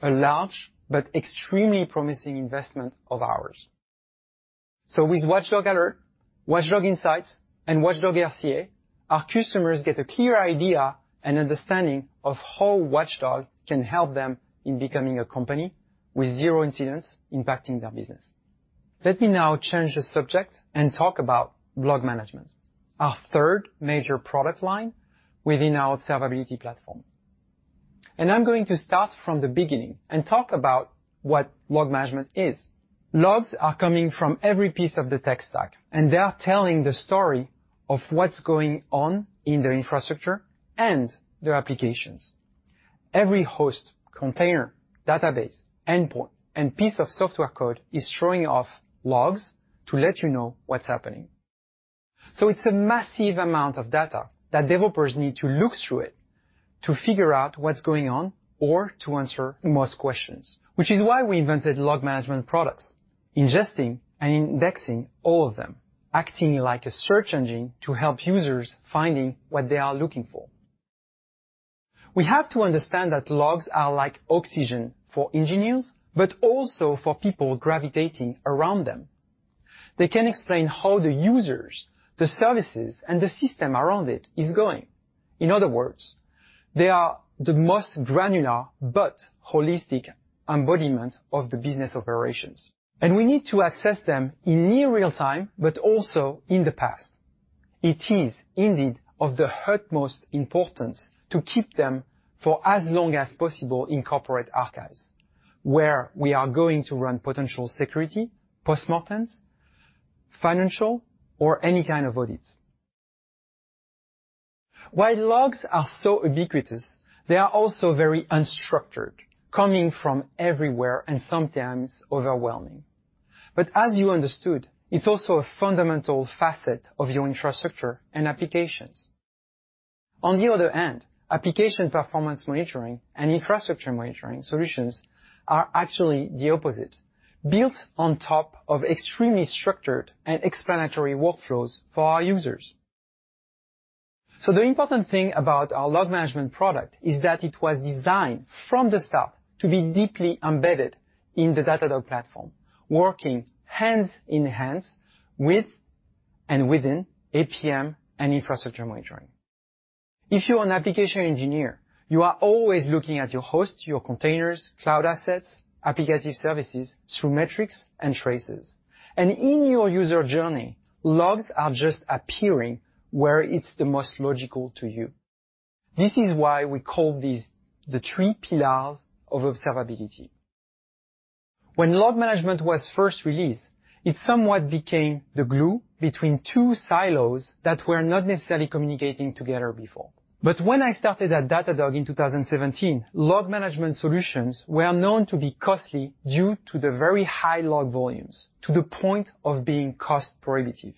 a large but extremely promising investment of ours. With Watchdog Alert, Watchdog Insights, and Watchdog RCA, our customers get a clear idea and understanding of how Watchdog can help them in becoming a company with zero incidents impacting their business. Let me now change the subject and talk about Log Management, our third major product line within our observability platform. I'm going to start from the beginning and talk about what Log Management is. Logs are coming from every piece of the tech stack, and they are telling the story of what's going on in their infrastructure and their applications. Every host, container, database, endpoint, and piece of software code is throwing off logs to let you know what's happening. It's a massive amount of data that developers need to look through it to figure out what's going on or to answer the most questions. Which is why we invented Log Management products, ingesting and indexing all of them, acting like a search engine to help users finding what they are looking for. We have to understand that logs are like oxygen for engineers but also for people gravitating around them. They can explain how the users, the services, and the system around it is going. In other words, they are the most granular but holistic embodiment of the business operations, and we need to access them in near real time, but also in the past. It is indeed of the utmost importance to keep them for as long as possible in corporate archives, where we are going to run potential security postmortems, financial or any kind of audits. While logs are so ubiquitous, they are also very unstructured, coming from everywhere and sometimes overwhelming. As you understood, it's also a fundamental facet of your infrastructure and applications. On the other end, Application Performance Monitoring and Infrastructure Monitoring solutions are actually the opposite, built on top of extremely structured and explanatory workflows for our users. The important thing about our Log Management product is that it was designed from the start to be deeply embedded in the Datadog platform, working hand in hand with and within APM and Infrastructure Monitoring. If you're an application engineer, you are always looking at your host, your containers, cloud assets, application services through metrics and traces. In your user journey, logs are just appearing where it's the most logical to you. This is why we call these the three pillars of observability. When Log Management was first released, it somewhat became the glue between two silos that were not necessarily communicating together before. When I started at Datadog in 2017, Log Management solutions were known to be costly due to the very high log volumes, to the point of being cost prohibitive.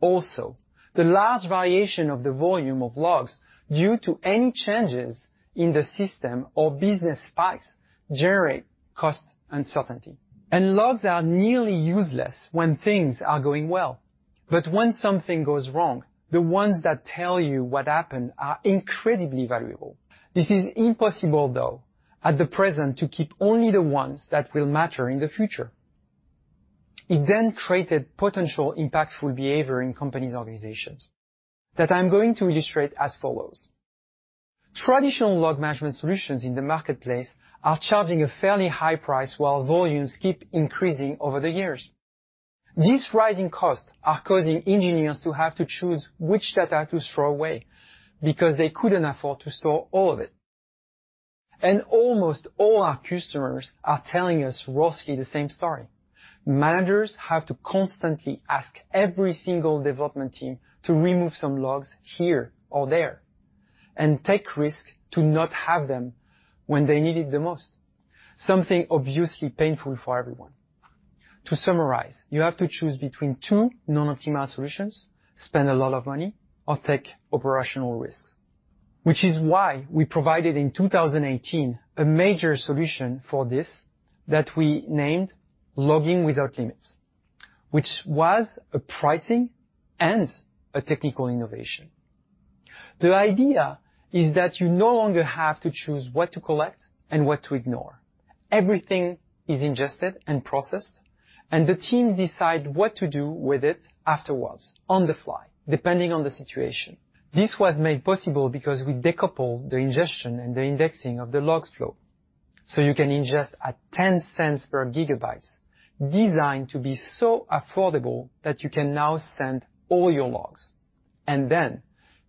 Also, the large variation of the volume of logs due to any changes in the system or business spikes generate cost uncertainty. Logs are nearly useless when things are going well. When something goes wrong, the ones that tell you what happened are incredibly valuable. This is impossible, though, at the present, to keep only the ones that will matter in the future. It then created potential impactful behavior in companies' organizations that I'm going to illustrate as follows. Traditional log management solutions in the marketplace are charging a fairly high price while volumes keep increasing over the years. These rising costs are causing engineers to have to choose which data to throw away because they couldn't afford to store all of it. Almost all our customers are telling us roughly the same story. Managers have to constantly ask every single development team to remove some logs here or there and take risks to not have them when they need it the most. Something obviously painful for everyone. To summarize, you have to choose between two non-optimal solutions, spend a lot of money or take operational risks. Which is why we provided in 2018 a major solution for this that we named Logging without Limits, which was a pricing and a technical innovation. The idea is that you no longer have to choose what to collect and what to ignore. Everything is ingested and processed, and the teams decide what to do with it afterwards on the fly, depending on the situation. This was made possible because we decoupled the ingestion and the indexing of the logs flow. You can ingest at 10 cents per gigabyte designed to be so affordable that you can now send all your logs. Then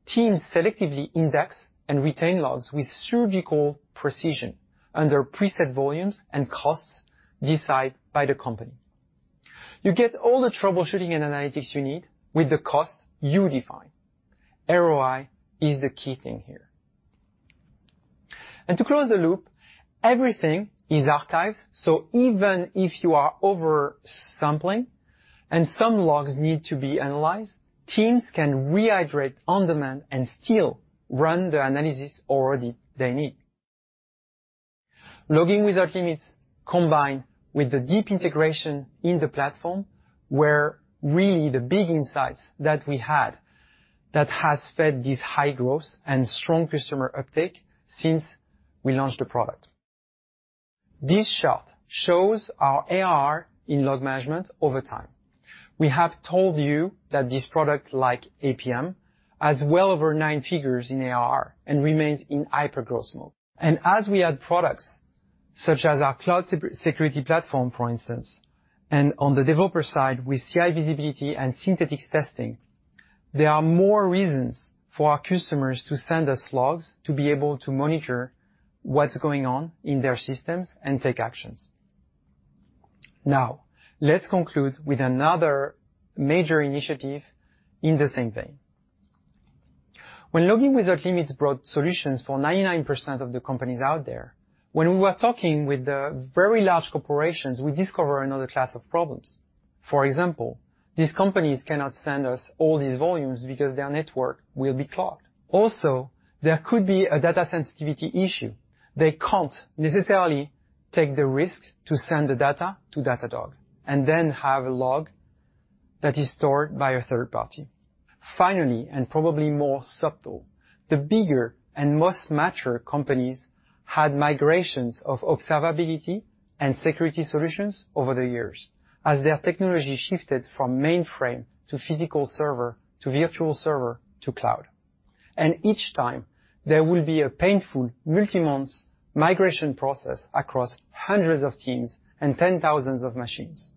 teams selectively index and retain logs with surgical precision under preset volumes and costs decided by the company. You get all the troubleshooting and analytics you need with the cost you define. ROI is the key thing here. To close the loop, everything is archived, so even if you are oversampling and some logs need to be analyzed, teams can rehydrate on-demand and still run the analysis or they need. Logging without Limits, combined with the deep integration in the platform, were really the big insights that we had that has fed this high growth and strong customer uptake since we launched the product. This chart shows our ARR in log management over time. We have told you that this product, like APM, has well over nine figures in ARR and remains in hypergrowth mode. As we add products, such as our Cloud Security Platform, for instance, and on the developer side with CI Visibility and synthetics testing, there are more reasons for our customers to send us logs to be able to monitor what's going on in their systems and take actions. Now, let's conclude with another major initiative in the same vein. When Logging without Limits brought solutions for 99% of the companies out there, when we were talking with the very large corporations, we discover another class of problems. For example, these companies cannot send us all these volumes because their network will be clogged. Also, there could be a data sensitivity issue. They can't necessarily take the risk to send the data to Datadog and then have a log that is stored by a third party. Finally, and probably more subtle, the bigger and most mature companies had migrations of observability and security solutions over the years as their technology shifted from mainframe to physical server to virtual server to cloud. Each time, there will be a painful multi-month migration process across hundreds of teams and tens of thousands of machines.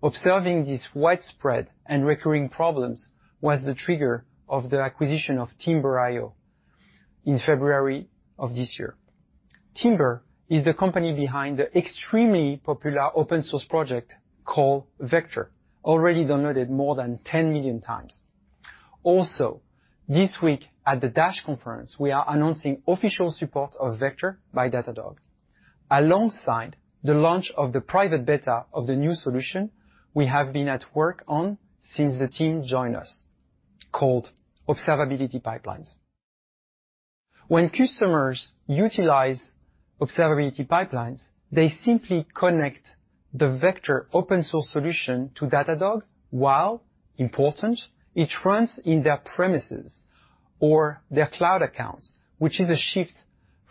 Observing these widespread and recurring problems was the trigger of the acquisition of Timber Technologies in February of this year. Timber Technologies is the company behind the extremely popular open source project called Vector, already downloaded more than 10 million times. Also, this week at the DASH conference, we are announcing official support of Vector by Datadog. Alongside the launch of the private beta of the new solution we have been at work on since the team joined us, called Observability Pipelines. When customers utilize Observability Pipelines, they simply connect the Vector open source solution to Datadog while, importantly, it runs in their premises or their cloud accounts, which is a shift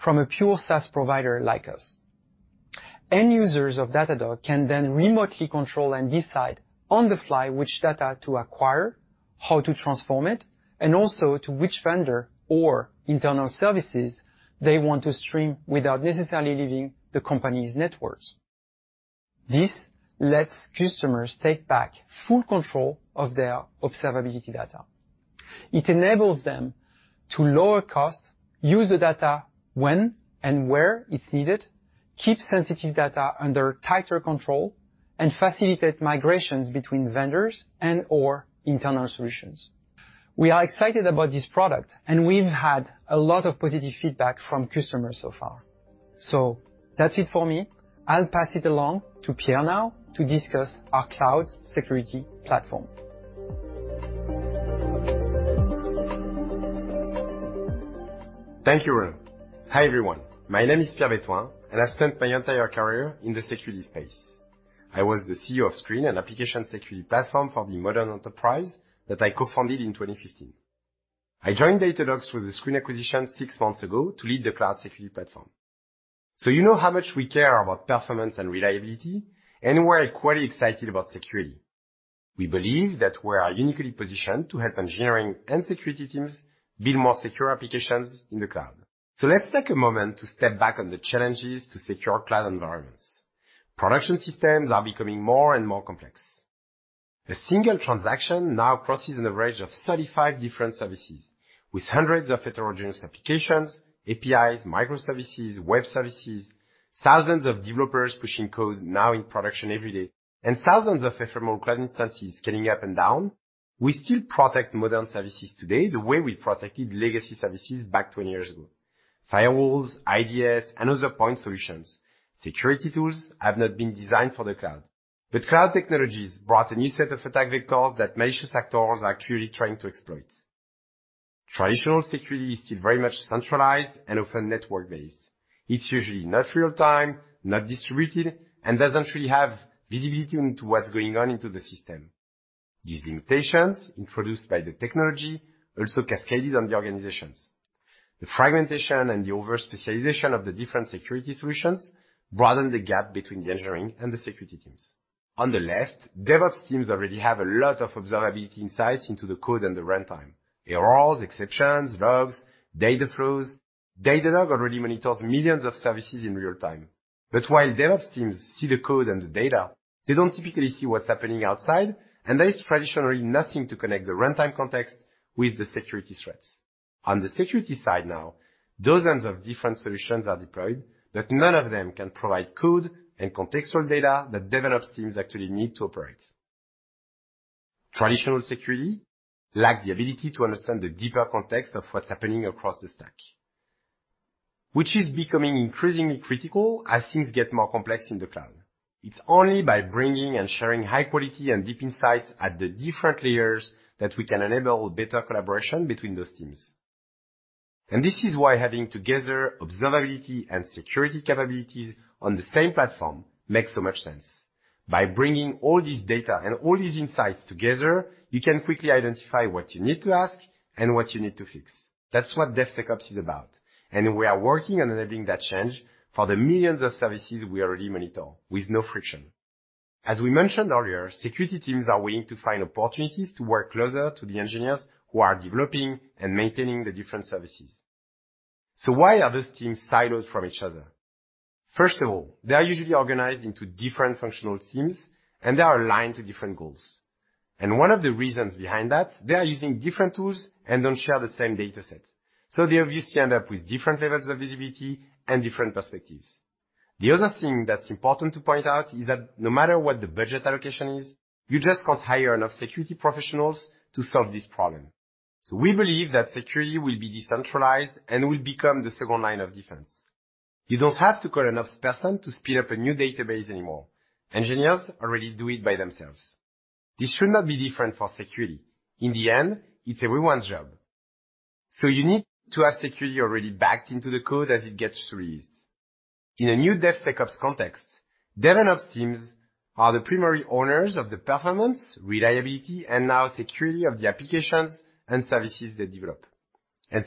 from a pure SaaS provider like us. End users of Datadog can then remotely control and decide on the fly which data to acquire, how to transform it, and also to which vendor or internal services they want to stream without necessarily leaving the company's networks. This lets customers take back full control of their observability data. It enables them to lower costs, use the data when and where it's needed, keep sensitive data under tighter control, and facilitate migrations between vendors and/or internal solutions. We are excited about this product, and we've had a lot of positive feedback from customers so far. That's it for me. I'll pass it along to Pierre now to discuss our Cloud Security Platform. Thank you, Renaud. Hi, everyone. My name is Pierre Bétouin, and I've spent my entire career in the security space. I was the CEO of Sqreen, an application security platform for the modern enterprise that I co-founded in 2015. I joined Datadog through the Sqreen acquisition six months ago to lead the cloud security platform. You know how much we care about performance and reliability, and we're equally excited about security. We believe that we are uniquely positioned to help engineering and security teams build more secure applications in the cloud. Let's take a moment to step back on the challenges to secure cloud environments. Production systems are becoming more and more complex. A single transaction now crosses an average of 35 different services with hundreds of heterogeneous applications, APIs, microservices, web services, thousands of developers pushing code now in production every day, and thousands of ephemeral cloud instances scaling up and down. We still protect modern services today the way we protected legacy services back 20 years ago. Firewalls, IDS, and other point solutions. Security tools have not been designed for the cloud. Cloud technologies brought a new set of attack vectors that malicious actors are actually trying to exploit. Traditional security is still very much centralized and often network-based. It's usually not real-time, not distributed, and doesn't really have visibility into what's going on in the system. These limitations introduced by the technology also cascaded on the organizations. The fragmentation and the overspecialization of the different security solutions broadened the gap between the engineering and the security teams. On the left, DevOps teams already have a lot of observability insights into the code and the runtime, errors, exceptions, logs, data flows. Datadog already monitors millions of services in real time. While DevOps teams see the code and the data, they don't typically see what's happening outside, and there is traditionally nothing to connect the runtime context with the security threats. On the security side now, dozens of different solutions are deployed, but none of them can provide code and contextual data that DevOps teams actually need to operate. Traditional security lack the ability to understand the deeper context of what's happening across the stack, which is becoming increasingly critical as things get more complex in the cloud. It's only by bringing and sharing high quality and deep insights at the different layers that we can enable better collaboration between those teams. This is why having together observability and security capabilities on the same platform makes so much sense. By bringing all this data and all these insights together, you can quickly identify what you need to ask and what you need to fix. That's what DevSecOps is about, and we are working on enabling that change for the millions of services we already monitor with no friction. As we mentioned earlier, security teams are willing to find opportunities to work closer to the engineers who are developing and maintaining the different services. Why are those teams siloed from each other? First of all, they are usually organized into different functional teams, and they are aligned to different goals. One of the reasons behind that, they are using different tools and don't share the same data sets. They obviously end up with different levels of visibility and different perspectives. The other thing that's important to point out is that no matter what the budget allocation is, you just can't hire enough security professionals to solve this problem. We believe that security will be decentralized and will become the second line of defense. You don't have to call an ops person to spin up a new database anymore. Engineers already do it by themselves. This should not be different for security. In the end, it's everyone's job. You need to have security already backed into the code as it gets released. In a new DevSecOps context, DevOps teams are the primary owners of the performance, reliability, and now security of the applications and services they develop.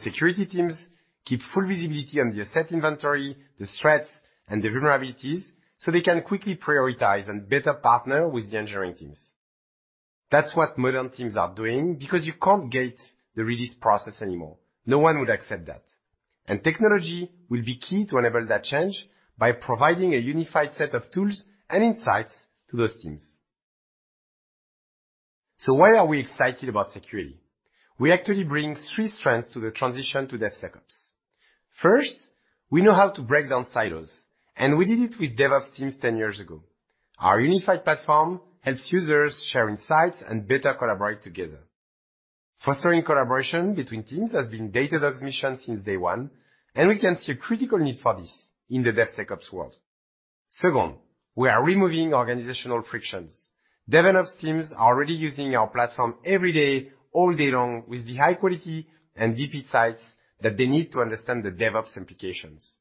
Security teams keep full visibility on the asset inventory, the threats, and the vulnerabilities, so they can quickly prioritize and better partner with the engineering teams. That's what modern teams are doing because you can't gate the release process anymore. No one would accept that. Technology will be key to enable that change by providing a unified set of tools and insights to those teams. Why are we excited about security? We actually bring three strengths to the transition to DevSecOps. First, we know how to break down silos, and we did it with DevOps teams ten years ago. Our unified platform helps users share insights and better collaborate together. Fostering collaboration between teams has been Datadog's mission since day one, and we can see a critical need for this in the DevSecOps world. Second, we are removing organizational frictions. DevOps teams are already using our platform every day, all day long with the high quality and deep insights that they need to understand the DevOps implications.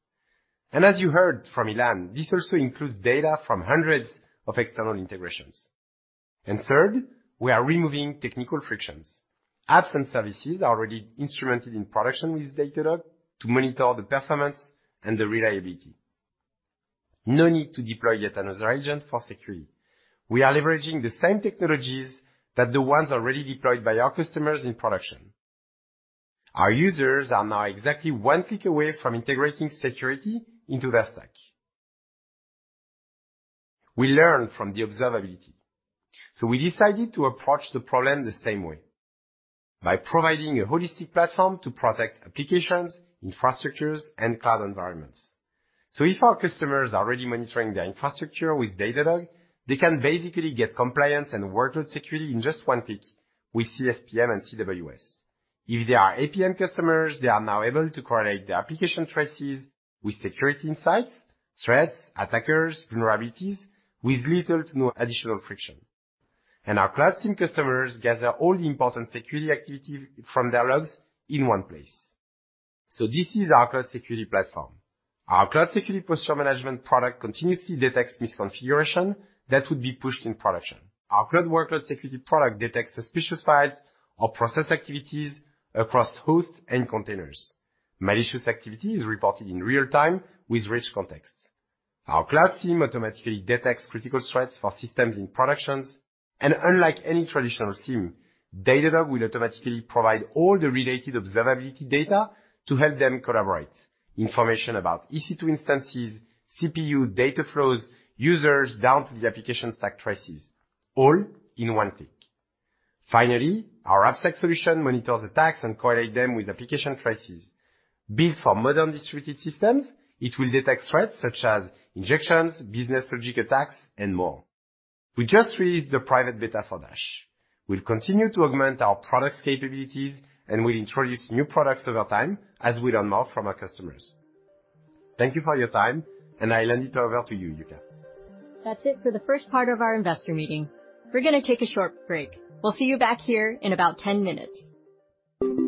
As you heard from Ilan, this also includes data from hundreds of external integrations. Third, we are removing technical frictions. Apps and services are already instrumented in production with Datadog to monitor the performance and the reliability. No need to deploy yet another agent for security. We are leveraging the same technologies that the ones already deployed by our customers in production. Our users are now exactly one click away from integrating security into their stack. We learn from the observability. We decided to approach the problem the same way, by providing a holistic platform to protect applications, infrastructures, and cloud environments. If our customers are already monitoring their infrastructure with Datadog, they can basically get compliance and workload security in just one click with CSPM and CWS. If they are APM customers, they are now able to correlate their application traces with security insights, threats, attackers, vulnerabilities with little to no additional friction. Our Cloud SIEM customers gather all the important security activity from their logs in one place. This is our Cloud Security Platform. Our Cloud Security Posture Management product continuously detects misconfigurations that would be pushed in production. Our Cloud Workload Security product detects suspicious files or process activities across hosts and containers. Malicious activity is reported in real time with rich context. Our Cloud SIEM automatically detects critical threats for systems in production. Unlike any traditional SIEM, Datadog will automatically provide all the related observability data to help them collaborate. Information about EC2 instances, CPU, data flows, users down to the application stack traces all in one click. Finally, our AppSec solution monitors attacks and correlate them with application traces. Built for modern distributed systems, it will detect threats such as injections, business logic attacks, and more. We just released the private beta for DASH. We'll continue to augment our product's capabilities, and we'll introduce new products over time as we learn more from our customers. Thank you for your time, and I'll hand it over to you, Yuka. That's it for the first part of our investor meeting. We're gonna take a short break. We'll see you back here in about 10 minutes. My name is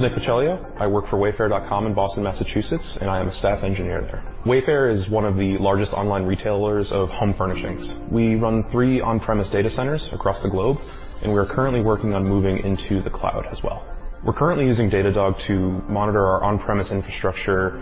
Nick Miceli. I work for wayfair.com in Boston, Massachusetts, and I am a staff engineer there. Wayfair is one of the largest online retailers of home furnishings. We run three on-premise data centers across the globe, and we are currently working on moving into the cloud as well. We're currently using Datadog to monitor our on-premise infrastructure,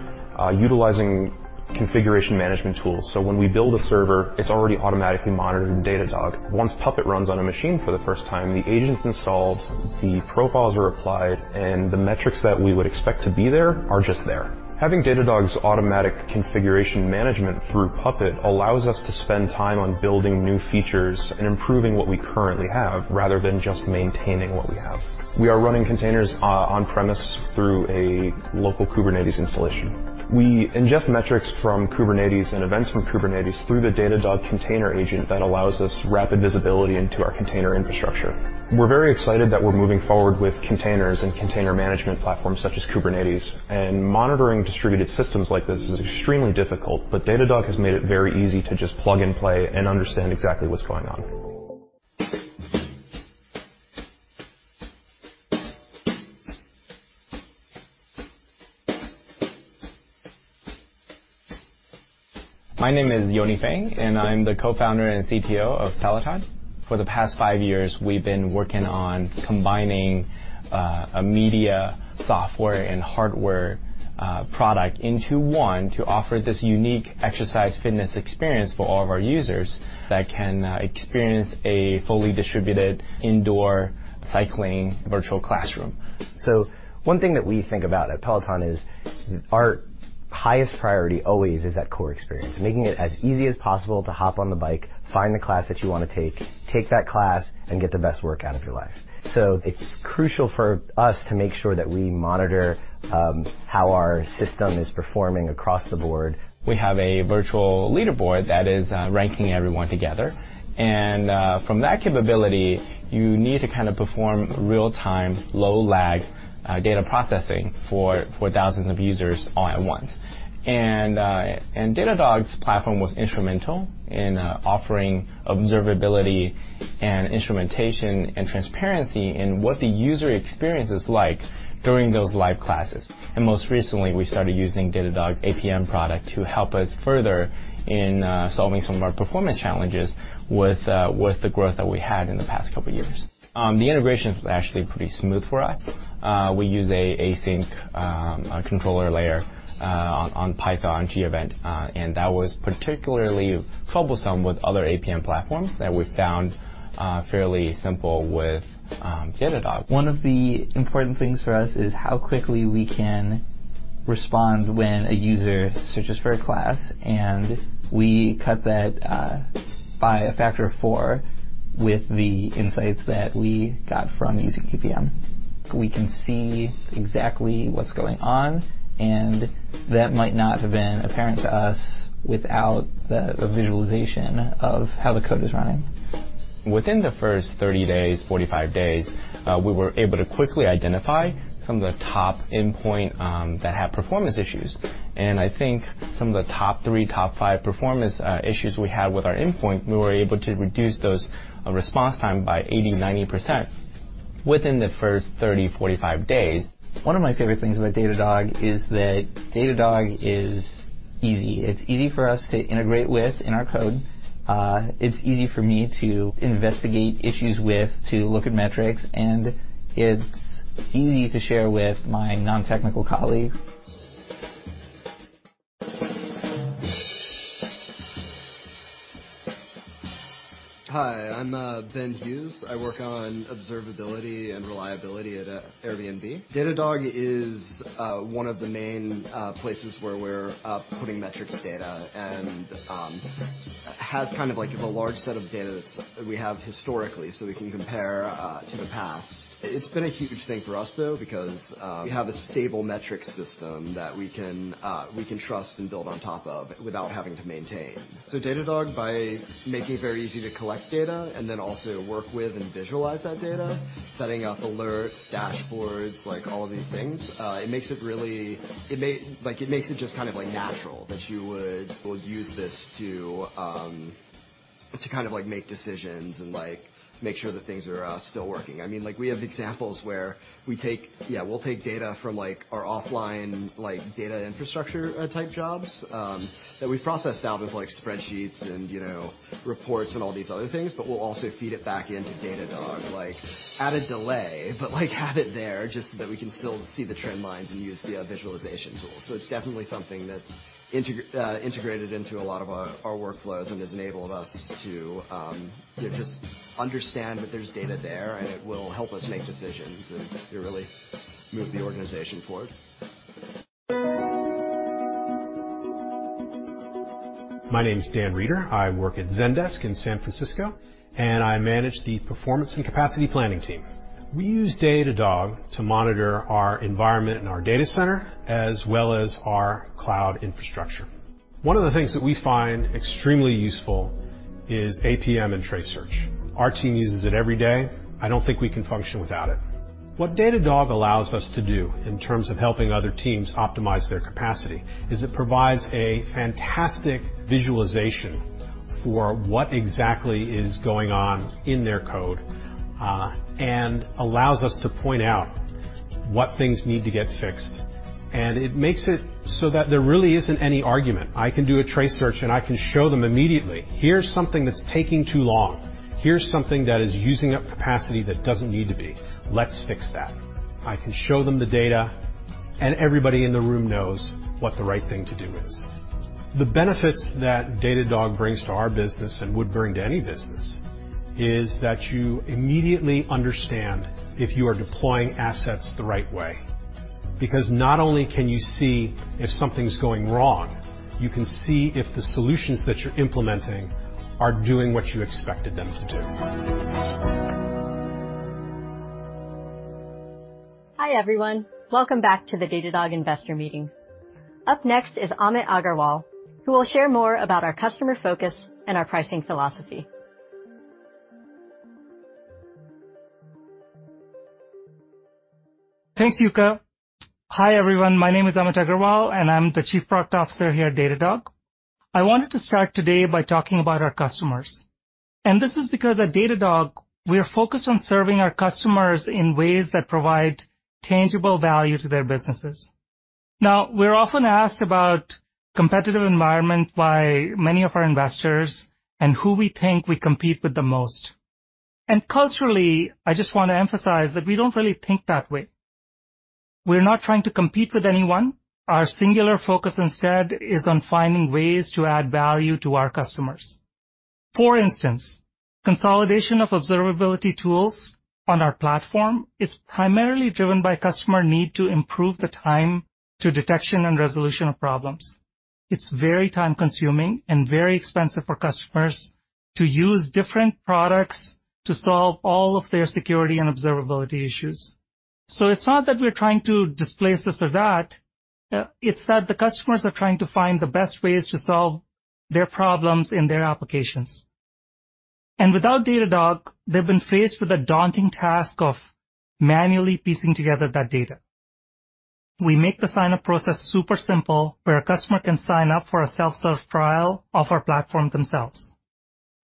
utilizing configuration management tools. When we build a server, it's already automatically monitored in Datadog. Once Puppet runs on a machine for the first time, the agent's installed, the profiles are applied, and the metrics that we would expect to be there are just there. Having Datadog's automatic configuration management through Puppet allows us to spend time on building new features and improving what we currently have rather than just maintaining what we have. We are running containers on premise through a local Kubernetes installation. We ingest metrics from Kubernetes and events from Kubernetes through the Datadog container agent that allows us rapid visibility into our container infrastructure. We're very excited that we're moving forward with containers and container management platforms such as Kubernetes, and monitoring distributed systems like this is extremely difficult. Datadog has made it very easy to just plug and play and understand exactly what's going on. My name is Yony Feng, and I'm the Co-Founder and CTO of Peloton. For the past five years, we've been working on combining a media software and hardware product into one to offer this unique exercise fitness experience for all of our users that can experience a fully distributed indoor cycling virtual classroom. One thing that we think about at Peloton is our Highest priority always is that core experience, making it as easy as possible to hop on the bike, find the class that you wanna take that class, and get the best workout of your life. It's crucial for us to make sure that we monitor how our system is performing across the board. We have a virtual leaderboard that is ranking everyone together. From that capability, you need to kind of perform real-time, low-lag data processing for thousands of users all at once. Datadog's platform was instrumental in offering observability and instrumentation and transparency in what the user experience is like during those live classes. Most recently, we started using Datadog's APM product to help us further in solving some of our performance challenges with the growth that we had in the past couple years. The integration is actually pretty smooth for us. We use an async controller layer on Python Gevent, and that was particularly troublesome with other APM platforms that we found fairly simple with Datadog. One of the important things for us is how quickly we can respond when a user searches for a class, and we cut that by a factor of four with the insights that we got from using APM. We can see exactly what's going on, and that might not have been apparent to us without the visualization of how the code is running. Within the first 30 days, 45 days, we were able to quickly identify some of the top endpoint that had performance issues. I think some of the top 3, top 5 performance issues we had with our endpoint, we were able to reduce those response time by 80, 90% within the first 30, 45 days. One of my favorite things about Datadog is that Datadog is easy. It's easy for us to integrate with in our code. It's easy for me to investigate issues with, to look at metrics, and it's easy to share with my non-technical colleagues. Hi, I'm Ben Hughes. I work on observability and reliability at Airbnb. Datadog is one of the main places where we're putting metrics data and has kind of like a large set of data that we have historically, so we can compare to the past. It's been a huge thing for us, though, because we have a stable metrics system that we can trust and build on top of without having to maintain. Datadog, by making it very easy to collect data and then also work with and visualize that data, setting up alerts, dashboards, like all of these things, it makes it really. Like it makes it just kind of like natural that you would use this to kind of like make decisions and like make sure that things are still working. I mean, like, we have examples where we take data from like our offline data infrastructure type jobs that we've processed out with like spreadsheets and, you know, reports and all these other things, but we'll also feed it back into Datadog. Like, add a delay, but, like, have it there just so that we can still see the trend lines and use the visualization tools. It's definitely something that's integrated into a lot of our workflows and has enabled us to, you know, just understand that there's data there, and it will help us make decisions, and it really move the organization forward. My name is Dan Reeder. I work at Zendesk in San Francisco, and I manage the Performance and Capacity Planning team. We use Datadog to monitor our environment and our data center, as well as our cloud infrastructure. One of the things that we find extremely useful is APM and Trace Search. Our team uses it every day. I don't think we can function without it. What Datadog allows us to do in terms of helping other teams optimize their capacity, is it provides a fantastic visualization for what exactly is going on in their code, and allows us to point out what things need to get fixed. It makes it so that there really isn't any argument. I can do a trace search, and I can show them immediately, "Here's something that's taking too long. Here's something that is using up capacity that doesn't need to be. Let's fix that." I can show them the data, and everybody in the room knows what the right thing to do is. The benefits that Datadog brings to our business and would bring to any business is that you immediately understand if you are deploying assets the right way. Because not only can you see if something's going wrong, you can see if the solutions that you're implementing are doing what you expected them to do. Hi, everyone. Welcome back to the Datadog Investor Meeting. Up next is Amit Agarwal, who will share more about our customer focus and our pricing philosophy. Thanks, Yuka. Hi, everyone. My name is Amit Agarwal, and I'm the Chief Product Officer here at Datadog. I wanted to start today by talking about our customers. This is because at Datadog, we are focused on serving our customers in ways that provide tangible value to their businesses. Now, we're often asked about competitive environment by many of our investors and who we think we compete with the most. Culturally, I just want to emphasize that we don't really think that way. We're not trying to compete with anyone. Our singular focus instead is on finding ways to add value to our customers. For instance, consolidation of observability tools on our platform is primarily driven by customer need to improve the time to detection and resolution of problems. It's very time-consuming and very expensive for customers to use different products to solve all of their security and observability issues. It's not that we're trying to displace this or that, it's that the customers are trying to find the best ways to solve their problems in their applications. Without Datadog, they've been faced with the daunting task of manually piecing together that data. We make the sign-up process super simple, where a customer can sign up for a self-serve trial of our platform themselves.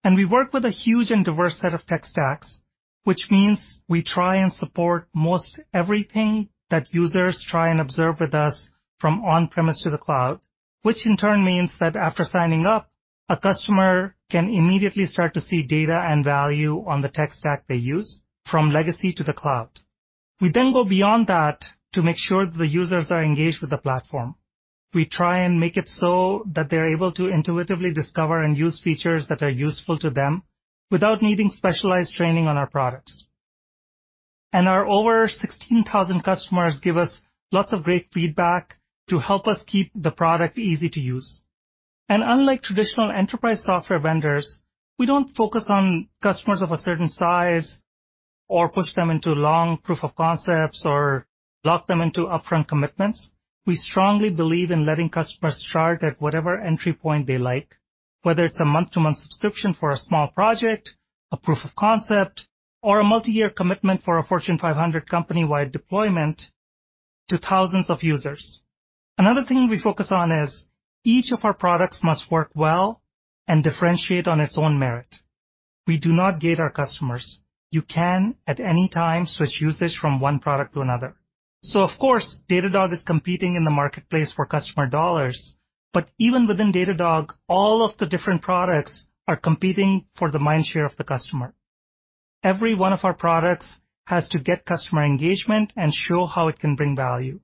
We work with a huge and diverse set of tech stacks, which means we try and support most everything that users try and observe with us from on-premise to the cloud, which in turn means that after signing up, a customer can immediately start to see data and value on the tech stack they use from legacy to the cloud. We then go beyond that to make sure the users are engaged with the platform. We try and make it so that they're able to intuitively discover and use features that are useful to them without needing specialized training on our products. Our over 16,000 customers give us lots of great feedback to help us keep the product easy to use. Unlike traditional enterprise software vendors, we don't focus on customers of a certain size or push them into long proof of concepts or lock them into upfront commitments. We strongly believe in letting customers start at whatever entry point they like, whether it's a month-to-month subscription for a small project, a proof of concept, or a multi-year commitment for a Fortune 500 company-wide deployment to thousands of users. Another thing we focus on is each of our products must work well and differentiate on its own merit. We do not gate our customers. You can, at any time, switch usage from one product to another. Of course, Datadog is competing in the marketplace for customer dollars. But even within Datadog, all of the different products are competing for the mind share of the customer. Every one of our products has to get customer engagement and show how it can bring value.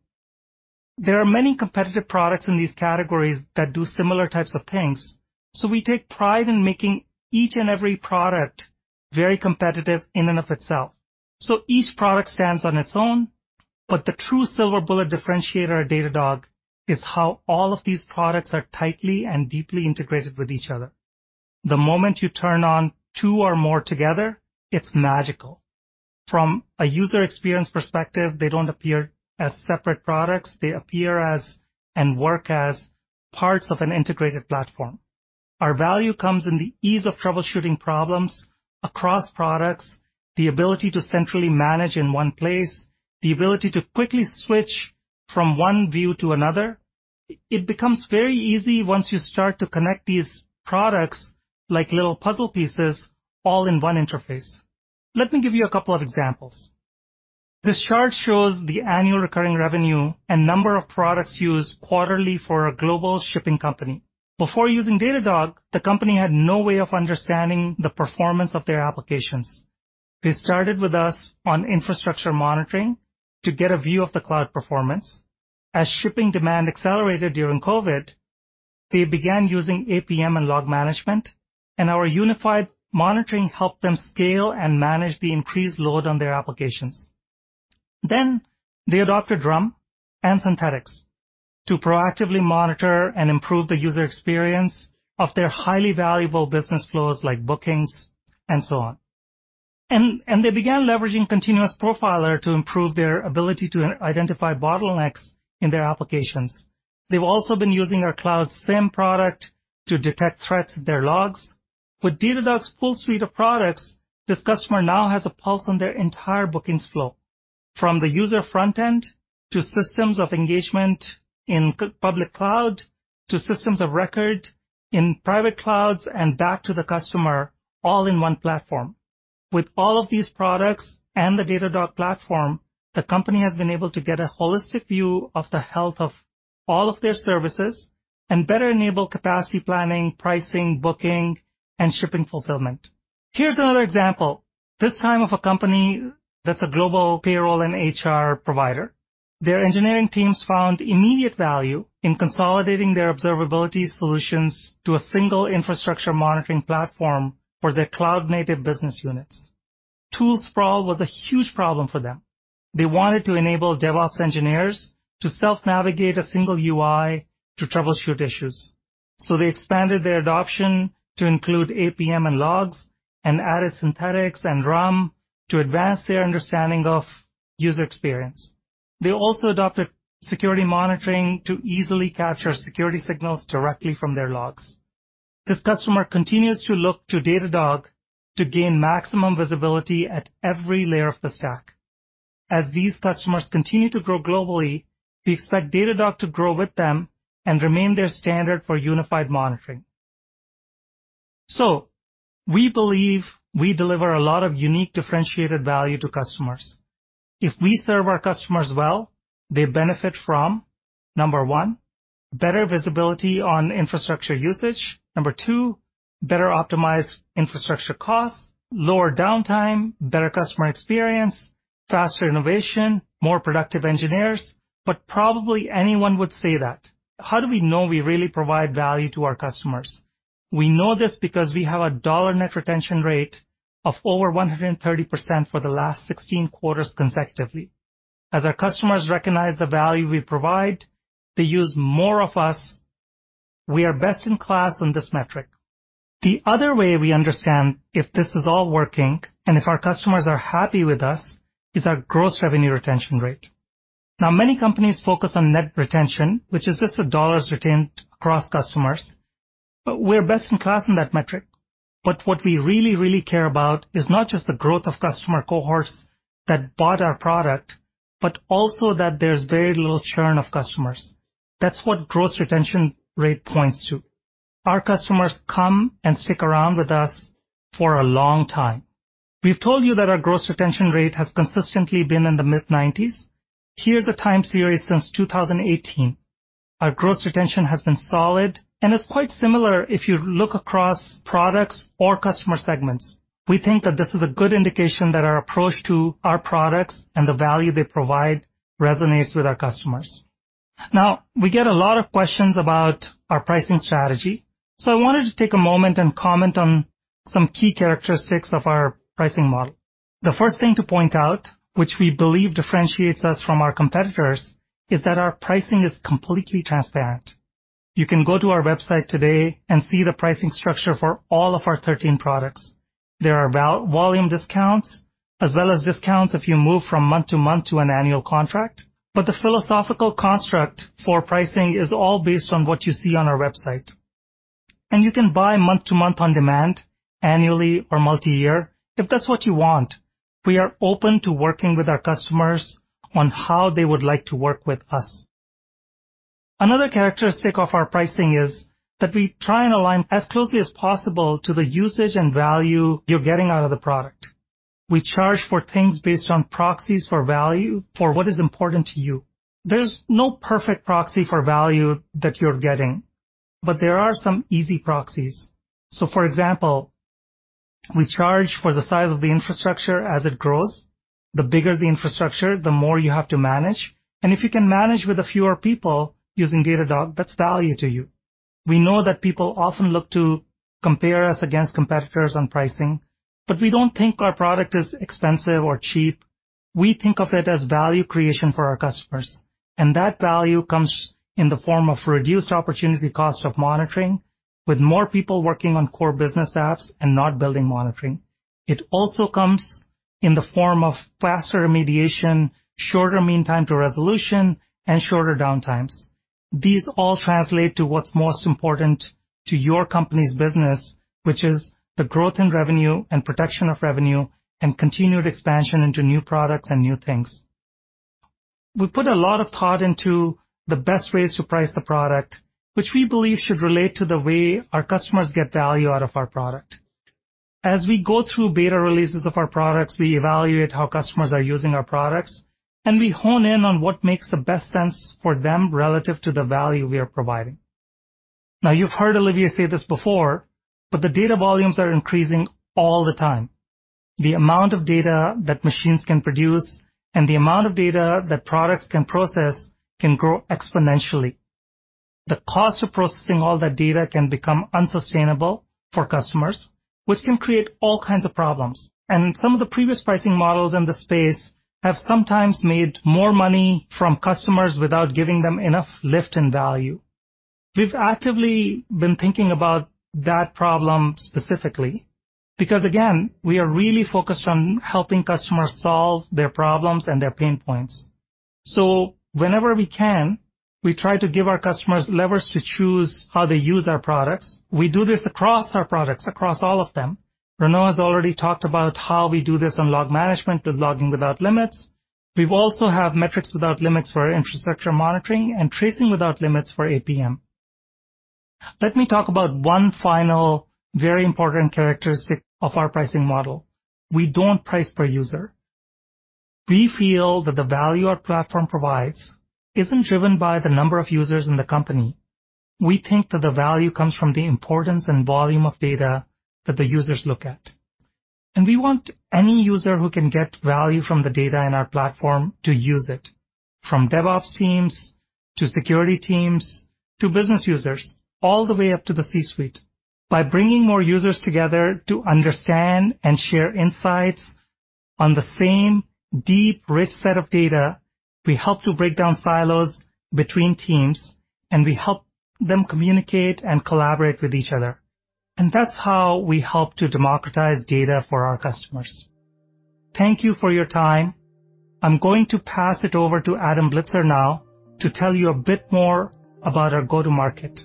There are many competitive products in these categories that do similar types of things, so we take pride in making each and every product very competitive in and of itself. Each product stands on its own, but the true silver bullet differentiator at Datadog is how all of these products are tightly and deeply integrated with each other. The moment you turn on two or more together, it's magical. From a user experience perspective, they don't appear as separate products. They appear as and work as parts of an integrated platform. Our value comes in the ease of troubleshooting problems across products, the ability to centrally manage in one place, the ability to quickly switch from one view to another. It becomes very easy once you start to connect these products like little puzzle pieces all in one interface. Let me give you a couple of examples. This chart shows the annual recurring revenue and number of products used quarterly for a global shipping company. Before using Datadog, the company had no way of understanding the performance of their applications. They started with us on Infrastructure Monitoring to get a view of the cloud performance. As shipping demand accelerated during COVID, they began using APM and log management, and our unified monitoring helped them scale and manage the increased load on their applications. They adopted RUM and Synthetics to proactively monitor and improve the user experience of their highly valuable business flows, like bookings and so on. They began leveraging Continuous Profiler to improve their ability to identify bottlenecks in their applications. They've also been using our Cloud SIEM product to detect threats in their logs. With Datadog's full suite of products, this customer now has a pulse on their entire bookings flow, from the user front end to systems of engagement in public cloud, to systems of record in private clouds and back to the customer, all in one platform. With all of these products and the Datadog platform, the company has been able to get a holistic view of the health of all of their services and better enable capacity planning, pricing, booking, and shipping fulfillment. Here's another example, this time of a company that's a global payroll and HR provider. Their engineering teams found immediate value in consolidating their observability solutions to a single infrastructure monitoring platform for their cloud-native business units. Tool sprawl was a huge problem for them. They wanted to enable DevOps engineers to self-navigate a single UI to troubleshoot issues. They expanded their adoption to include APM and logs and added Synthetics and RUM to advance their understanding of user experience. They also adopted security monitoring to easily capture security signals directly from their logs. This customer continues to look to Datadog to gain maximum visibility at every layer of the stack. As these customers continue to grow globally, we expect Datadog to grow with them and remain their standard for unified monitoring. We believe we deliver a lot of unique differentiated value to customers. If we serve our customers well, they benefit from, number one, better visibility on infrastructure usage. Number two, better optimized infrastructure costs, lower downtime, better customer experience, faster innovation, more productive engineers. Probably anyone would say that. How do we know we really provide value to our customers? We know this because we have a dollar net retention rate of over 130% for the last 16 quarters consecutively. As our customers recognize the value we provide, they use more of us. We are best in class on this metric. The other way we understand if this is all working and if our customers are happy with us is our gross revenue retention rate. Now, many companies focus on net retention, which is just the dollars retained across customers. We're best in class in that metric. What we really, really care about is not just the growth of customer cohorts that bought our product, but also that there's very little churn of customers. That's what gross retention rate points to. Our customers come and stick around with us for a long time. We've told you that our gross retention rate has consistently been in the mid-90s. Here's a time series since 2018. Our gross retention has been solid and is quite similar if you look across products or customer segments. We think that this is a good indication that our approach to our products and the value they provide resonates with our customers. Now, we get a lot of questions about our pricing strategy. I wanted to take a moment and comment on some key characteristics of our pricing model. The first thing to point out, which we believe differentiates us from our competitors, is that our pricing is completely transparent. You can go to our website today and see the pricing structure for all of our 13 products. There are volume discounts as well as discounts if you move from month to month to an annual contract. But the philosophical construct for pricing is all based on what you see on our website. You can buy month to month on demand annually or multi-year if that's what you want. We are open to working with our customers on how they would like to work with us. Another characteristic of our pricing is that we try and align as closely as possible to the usage and value you're getting out of the product. We charge for things based on proxies for value for what is important to you. There's no perfect proxy for value that you're getting, but there are some easy proxies. For example, we charge for the size of the infrastructure as it grows. The bigger the infrastructure, the more you have to manage. If you can manage with a fewer people using Datadog, that's value to you. We know that people often look to compare us against competitors on pricing, but we don't think our product is expensive or cheap. We think of it as value creation for our customers, and that value comes in the form of reduced opportunity cost of monitoring with more people working on core business apps and not building monitoring. It also comes in the form of faster remediation, shorter mean time to resolution, and shorter downtimes. These all translate to what's most important to your company's business, which is the growth in revenue and protection of revenue and continued expansion into new products and new things. We put a lot of thought into the best ways to price the product, which we believe should relate to the way our customers get value out of our product. As we go through beta releases of our products, we evaluate how customers are using our products, and we hone in on what makes the best sense for them relative to the value we are providing. Now, you've heard Olivier say this before, but the data volumes are increasing all the time. The amount of data that machines can produce and the amount of data that products can process can grow exponentially. The cost of processing all that data can become unsustainable for customers, which can create all kinds of problems. Some of the previous pricing models in the space have sometimes made more money from customers without giving them enough lift in value. We've actively been thinking about that problem specifically because again, we are really focused on helping customers solve their problems and their pain points. Whenever we can, we try to give our customers levers to choose how they use our products. We do this across our products, across all of them. Renaud has already talked about how we do this on Log Management with Logging without Limits. We also have Metrics without Limits for Infrastructure Monitoring and Tracing without Limits for APM. Let me talk about one final very important characteristic of our pricing model. We don't price per user. We feel that the value our platform provides isn't driven by the number of users in the company. We think that the value comes from the importance and volume of data that the users look at. We want any user who can get value from the data in our platform to use it, from DevOps teams to security teams to business users, all the way up to the C-suite. By bringing more users together to understand and share insights on the same deep, rich set of data, we help to break down silos between teams, and we help them communicate and collaborate with each other. That's how we help to democratize data for our customers. Thank you for your time. I'm going to pass it over to Adam Blitzer now to tell you a bit more about our go-to-market.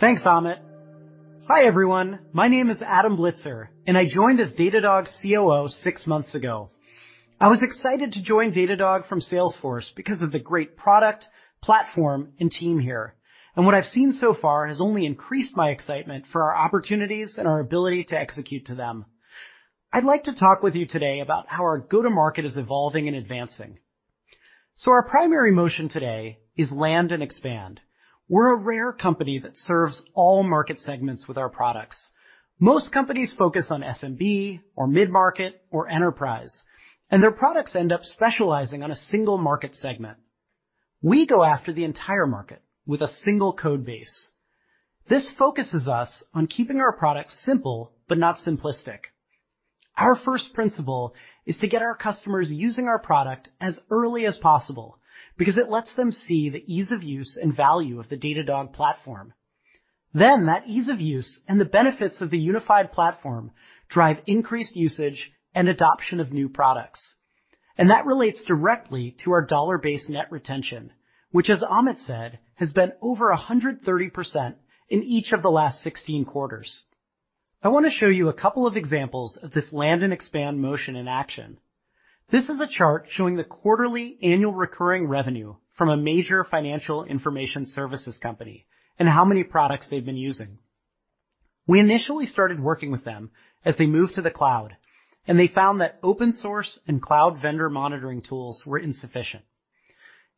Thanks, Amit. Hi, everyone. My name is Adam Blitzer, and I joined as Datadog COO six months ago. I was excited to join Datadog from Salesforce because of the great product, platform, and team here. What I've seen so far has only increased my excitement for our opportunities and our ability to execute to them. I'd like to talk with you today about how our go-to-market is evolving and advancing. Our primary motion today is land and expand. We're a rare company that serves all market segments with our products. Most companies focus on SMB or mid-market or enterprise, and their products end up specializing on a single market segment. We go after the entire market with a single code base. This focuses us on keeping our products simple, but not simplistic. Our first principle is to get our customers using our product as early as possible because it lets them see the ease of use and value of the Datadog platform. That ease of use and the benefits of the unified platform drive increased usage and adoption of new products. That relates directly to our dollar-based net retention, which, as Amit said, has been over 130% in each of the last 16 quarters. I want to show you a couple of examples of this land and expand motion in action. This is a chart showing the quarterly annual recurring revenue from a major financial information services company and how many products they've been using. We initially started working with them as they moved to the cloud, and they found that open source and cloud vendor monitoring tools were insufficient.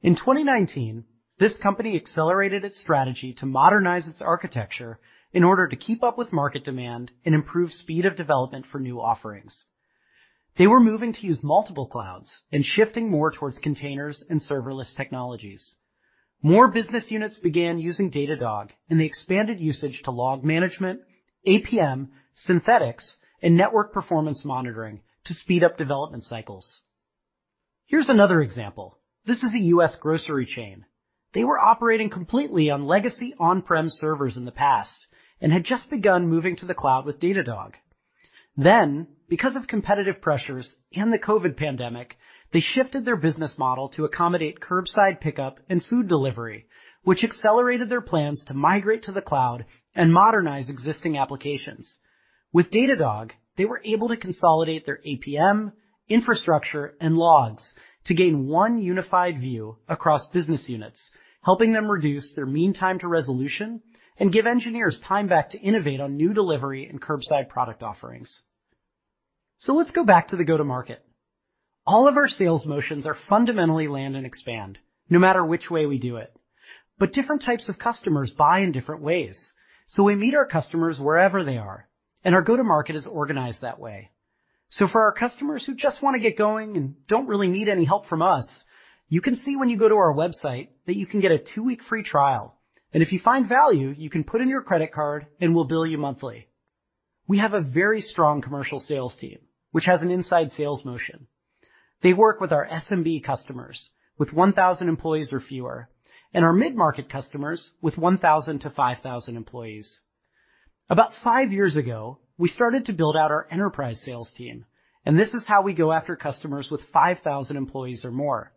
In 2019, this company accelerated its strategy to modernize its architecture in order to keep up with market demand and improve speed of development for new offerings. They were moving to use multiple clouds and shifting more towards containers and serverless technologies. More business units began using Datadog, and they expanded usage to log management, APM, synthetics, and network performance monitoring to speed up development cycles. Here's another example. This is a U.S. grocery chain. They were operating completely on legacy on-prem servers in the past and had just begun moving to the cloud with Datadog. Because of competitive pressures and the COVID pandemic, they shifted their business model to accommodate curbside pickup and food delivery, which accelerated their plans to migrate to the cloud and modernize existing applications. With Datadog, they were able to consolidate their APM, infrastructure, and logs to gain one unified view across business units, helping them reduce their mean time to resolution and give engineers time back to innovate on new delivery and curbside product offerings. Let's go back to the go-to-market. All of our sales motions are fundamentally land and expand, no matter which way we do it. Different types of customers buy in different ways, so we meet our customers wherever they are, and our go-to-market is organized that way. For our customers who just want to get going and don't really need any help from us, you can see when you go to our website that you can get a two-week free trial, and if you find value, you can put in your credit card, and we'll bill you monthly. We have a very strong commercial sales team which has an inside sales motion. They work with our SMB customers with 1,000 employees or fewer and our mid-market customers with 1,000-5,000 employees. About 5 years ago, we started to build out our enterprise sales team, and this is how we go after customers with 5,000 employees or more.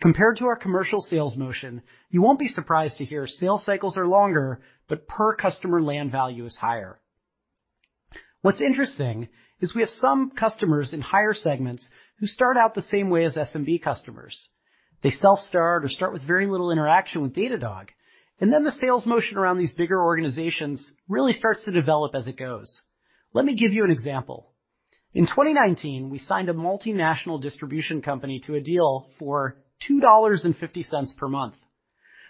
Compared to our commercial sales motion, you won't be surprised to hear sales cycles are longer, but per customer land value is higher. What's interesting is we have some customers in higher segments who start out the same way as SMB customers. They self-start or start with very little interaction with Datadog, and then the sales motion around these bigger organizations really starts to develop as it goes. Let me give you an example. In 2019, we signed a multinational distribution company to a deal for $2.50 per month.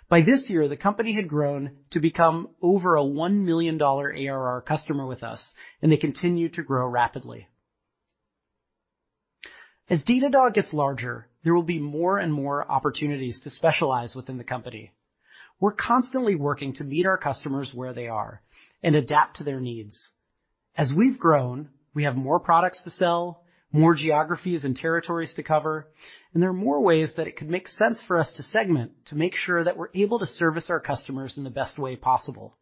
By this year, the company had grown to become over a $1 million ARR customer with us, and they continue to grow rapidly. As Datadog gets larger, there will be more and more opportunities to specialize within the company. We're constantly working to meet our customers where they are and adapt to their needs. As we've grown, we have more products to sell, more geographies and territories to cover, and there are more ways that it could make sense for us to segment to make sure that we're able to service our customers in the best way possible.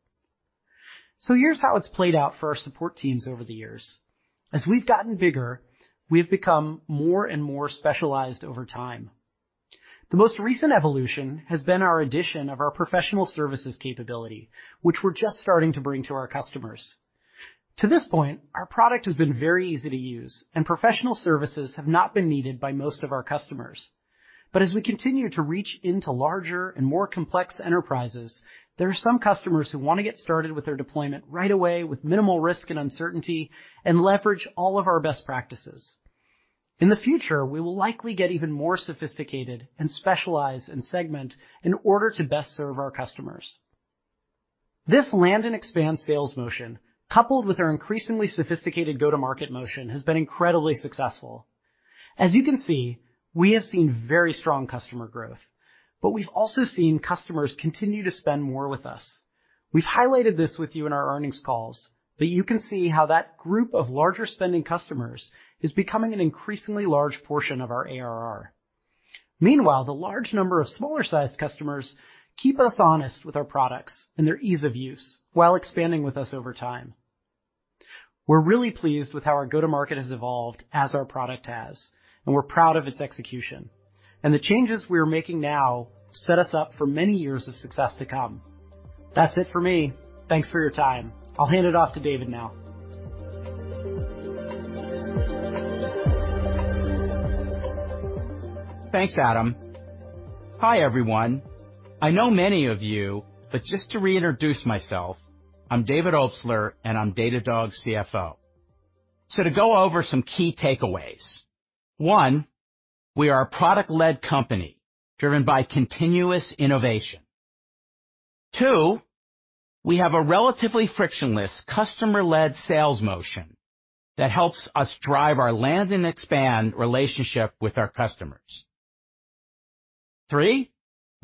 Here's how it's played out for our support teams over the years. As we've gotten bigger, we've become more and more specialized over time. The most recent evolution has been our addition of our professional services capability, which we're just starting to bring to our customers. To this point, our product has been very easy to use, and professional services have not been needed by most of our customers. As we continue to reach into larger and more complex enterprises, there are some customers who want to get started with their deployment right away with minimal risk and uncertainty and leverage all of our best practices. In the future, we will likely get even more sophisticated and specialize and segment in order to best serve our customers. This land and expand sales motion, coupled with our increasingly sophisticated go-to-market motion, has been incredibly successful. As you can see, we have seen very strong customer growth, but we've also seen customers continue to spend more with us. We've highlighted this with you in our earnings calls, but you can see how that group of larger spending customers is becoming an increasingly large portion of our ARR. Meanwhile, the large number of smaller sized customers keep us honest with our products and their ease of use while expanding with us over time. We're really pleased with how our go-to-market has evolved as our product has, and we're proud of its execution. The changes we are making now set us up for many years of success to come. That's it for me. Thanks for your time. I'll hand it off to David now. Thanks, Adam. Hi, everyone. I know many of you, but just to reintroduce myself, I'm David Obstler, and I'm Datadog's CFO. To go over some key takeaways. One, we are a product-led company driven by continuous innovation. Two, we have a relatively frictionless customer-led sales motion that helps us drive our land and expand relationship with our customers. Three,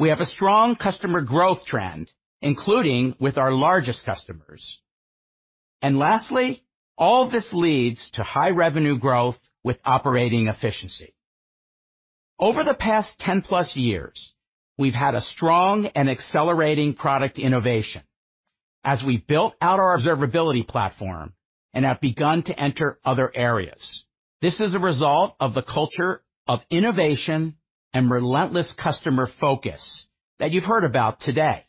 we have a strong customer growth trend, including with our largest customers. Lastly, all this leads to high revenue growth with operating efficiency. Over the past 10+ years, we've had a strong and accelerating product innovation as we built out our observability platform and have begun to enter other areas. This is a result of the culture of innovation and relentless customer focus that you've heard about today.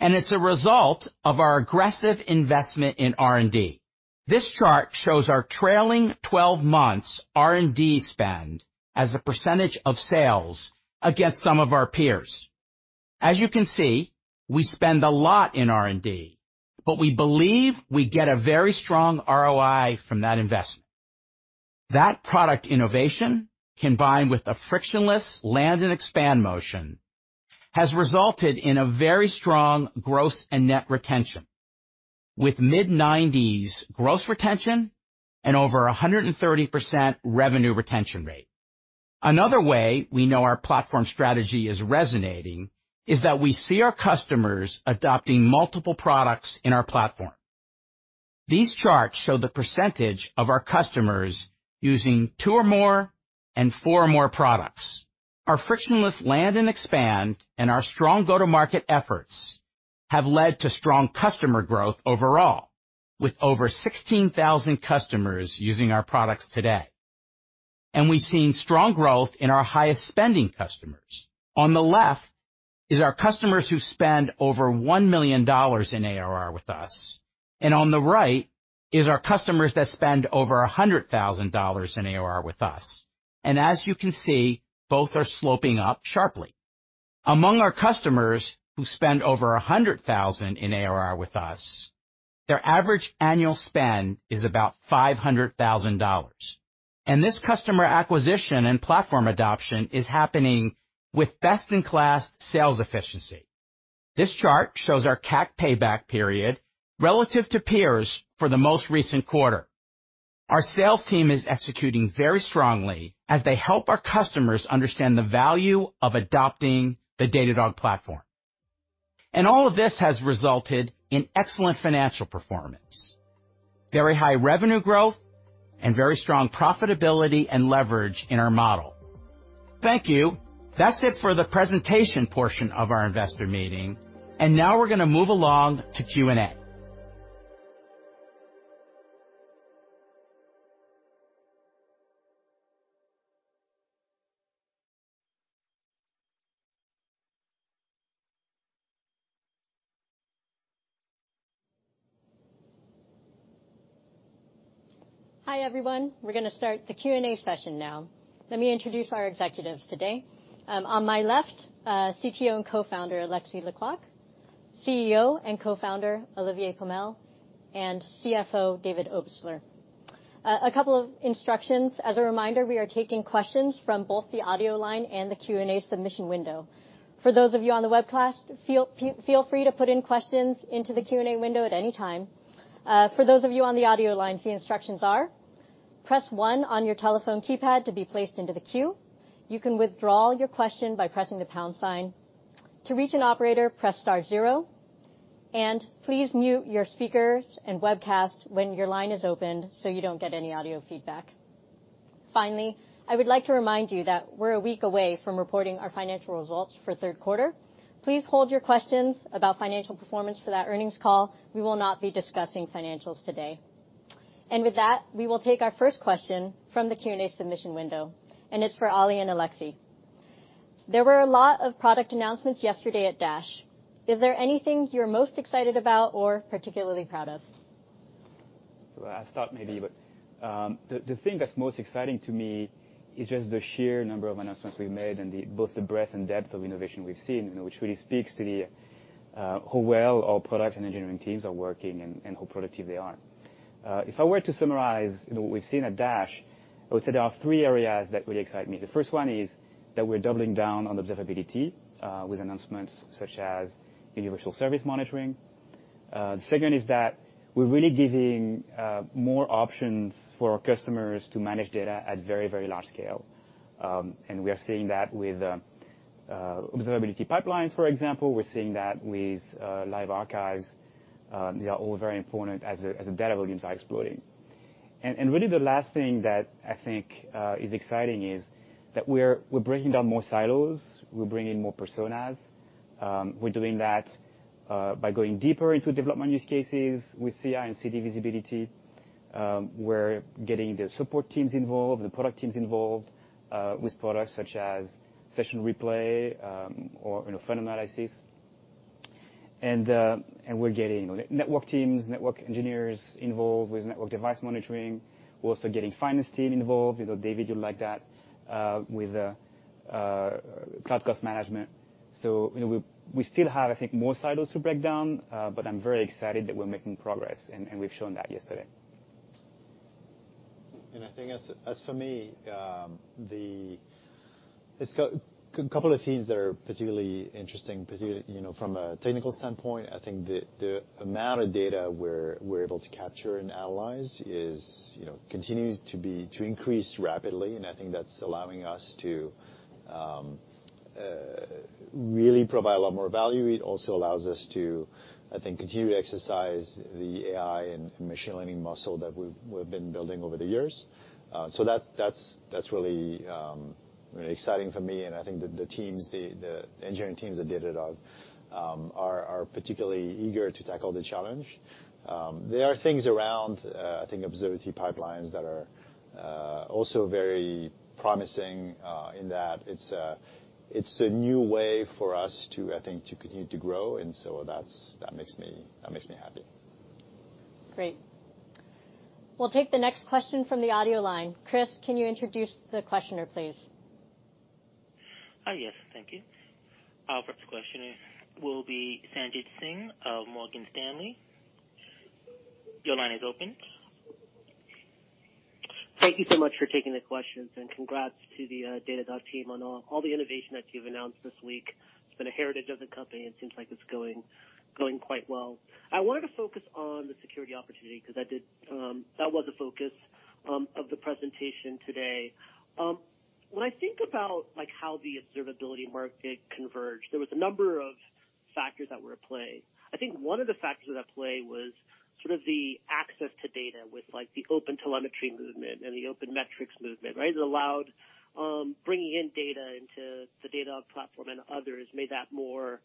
It's a result of our aggressive investment in R&D. This chart shows our trailing twelve months R&D spend as a percentage of sales against some of our peers. As you can see, we spend a lot in R&D, but we believe we get a very strong ROI from that investment. That product innovation, combined with the frictionless land and expand motion, has resulted in a very strong gross and net retention, with mid-90s% gross retention and over 130% revenue retention rate. Another way we know our platform strategy is resonating is that we see our customers adopting multiple products in our platform. These charts show the percentage of our customers using 2 or more and 4 or more products. Our frictionless land and expand, and our strong go-to-market efforts have led to strong customer growth overall, with over 16,000 customers using our products today. We've seen strong growth in our highest spending customers. On the left is our customers who spend over $1 million in ARR with us, and on the right is our customers that spend over $100,000 in ARR with us. As you can see, both are sloping up sharply. Among our customers who spend over $100,000 in ARR with us, their average annual spend is about $500,000. This customer acquisition and platform adoption is happening with best-in-class sales efficiency. This chart shows our CAC payback period relative to peers for the most recent quarter. Our sales team is executing very strongly as they help our customers understand the value of adopting the Datadog platform. All of this has resulted in excellent financial performance, very high revenue growth, and very strong profitability and leverage in our model. Thank you. That's it for the presentation portion of our investor meeting. Now we're going to move along to Q&A. Hi, everyone. We're going to start the Q&A session now. Let me introduce our executives today. On my left, CTO and co-founder Alexis Lê-Quôc, CEO and co-founder Olivier Pomel, and CFO David Obstler. A couple of instructions. As a reminder, we are taking questions from both the audio line and the Q&A submission window. For those of you on the webcast, feel free to put in questions into the Q&A window at any time. For those of you on the audio line, the instructions are, press one on your telephone keypad to be placed into the queue. You can withdraw your question by pressing the pound sign. To reach an operator, press star zero. Please mute your speakers and webcast when your line is opened so you don't get any audio feedback. Finally, I would like to remind you that we're a week away from reporting our financial results for the third quarter. Please hold your questions about financial performance for that earnings call. We will not be discussing financials today. With that, we will take our first question from the Q&A submission window. It's for Olivier Pomel and Alexis Lê-Quôc. There were a lot of product announcements yesterday at DASH. Is there anything you're most excited about or particularly proud of? I'll start with the thing that's most exciting to me is just the sheer number of announcements we've made and both the breadth and depth of innovation we've seen, you know, which really speaks to how well our product and engineering teams are working and how productive they are. If I were to summarize what we've seen at DASH, I would say there are three areas that really excite me. The first one is that we're doubling down on observability with announcements such as Universal Service Monitoring. The second is that we're really giving more options for our customers to manage data at very, very large scale. We are seeing that with Observability Pipelines, for example. We're seeing that with live archives. They are all very important as data volumes are exploding. Really the last thing that I think is exciting is that we're breaking down more silos. We're bringing more personas. We're doing that by going deeper into development use cases with CI and CD visibility. We're getting the support teams involved, the product teams involved, with products such as Session Replay, or, you know, funnel analysis. We're getting network teams, network engineers involved with Network Device Monitoring. We're also getting finance team involved. You know, David, you'll like that, with Cloud Cost Management. You know, we still have, I think, more silos to break down, but I'm very excited that we're making progress, and we've shown that yesterday. I think as for me, it's a couple of themes that are particularly interesting, particularly, you know, from a technical standpoint. I think the amount of data we're able to capture and analyze, you know, continues to increase rapidly, and I think that's allowing us to really provide a lot more value. It also allows us to, I think, continue to exercise the AI and machine learning muscle that we've been building over the years. That's really exciting for me, and I think that the teams, the engineering teams at Datadog are particularly eager to tackle the challenge. There are things around, I think, Observability Pipelines that are also very promising, in that it's a new way for us to, I think, to continue to grow, and so that makes me happy. Great. We'll take the next question from the audio line. Chris, can you introduce the questioner, please? Yes. Thank you. Our first question will be Sanjit Singh of Morgan Stanley. Your line is open. Thank you so much for taking the questions, and congrats to the Datadog team on all the innovation that you've announced this week. It's been a heritage of the company, and it seems like it's going quite well. I wanted to focus on the security opportunity because that was a focus of the presentation today. When I think about, like, how the observability market converged, there was a number of factors that were at play. I think one of the factors at play was sort of the access to data with, like, the OpenTelemetry movement and the OpenMetrics movement, right? It allowed bringing in data into the data platform and others made that more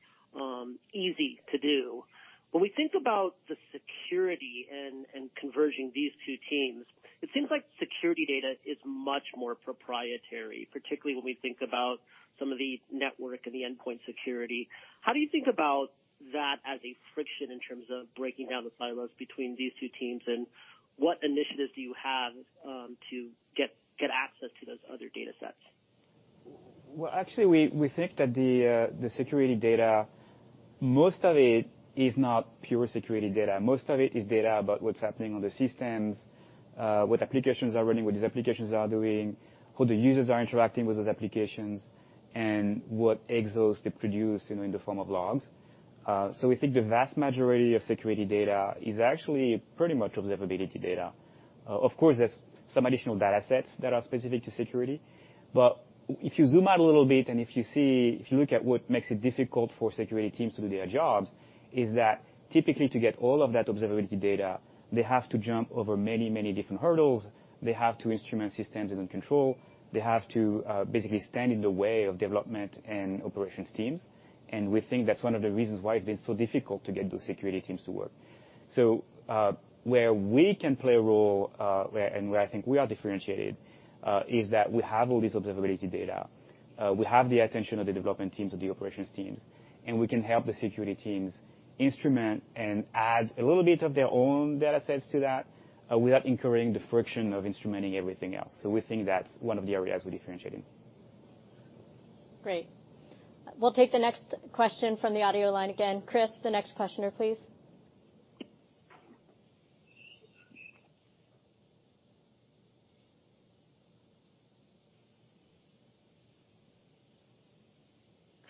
easy to do. When we think about the security and converging these two teams, it seems like security data is much more proprietary, particularly when we think about some of the network and the endpoint security. How do you think about that as a friction in terms of breaking down the silos between these two teams, and what initiatives do you have to get access to those other data sets? Well, actually, we think that the security data, most of it is not pure security data. Most of it is data about what's happening on the systems, what applications are running, what these applications are doing, who the users are interacting with those applications, and what outputs they produce, you know, in the form of logs. We think the vast majority of security data is actually pretty much observability data. Of course, there's some additional data sets that are specific to security. If you zoom out a little bit, if you look at what makes it difficult for security teams to do their jobs, it is that typically to get all of that observability data, they have to jump over many, many different hurdles. They have to instrument systems and control. They have to basically stand in the way of development and operations teams. We think that's one of the reasons why it's been so difficult to get those security teams to work. Where we can play a role, where I think we are differentiated, is that we have all these observability data. We have the attention of the development teams or the operations teams, and we can help the security teams instrument and add a little bit of their own data sets to that, without incurring the friction of instrumenting everything else. We think that's one of the areas we differentiate in. Great. We'll take the next question from the audio line again. Chris, the next questioner, please.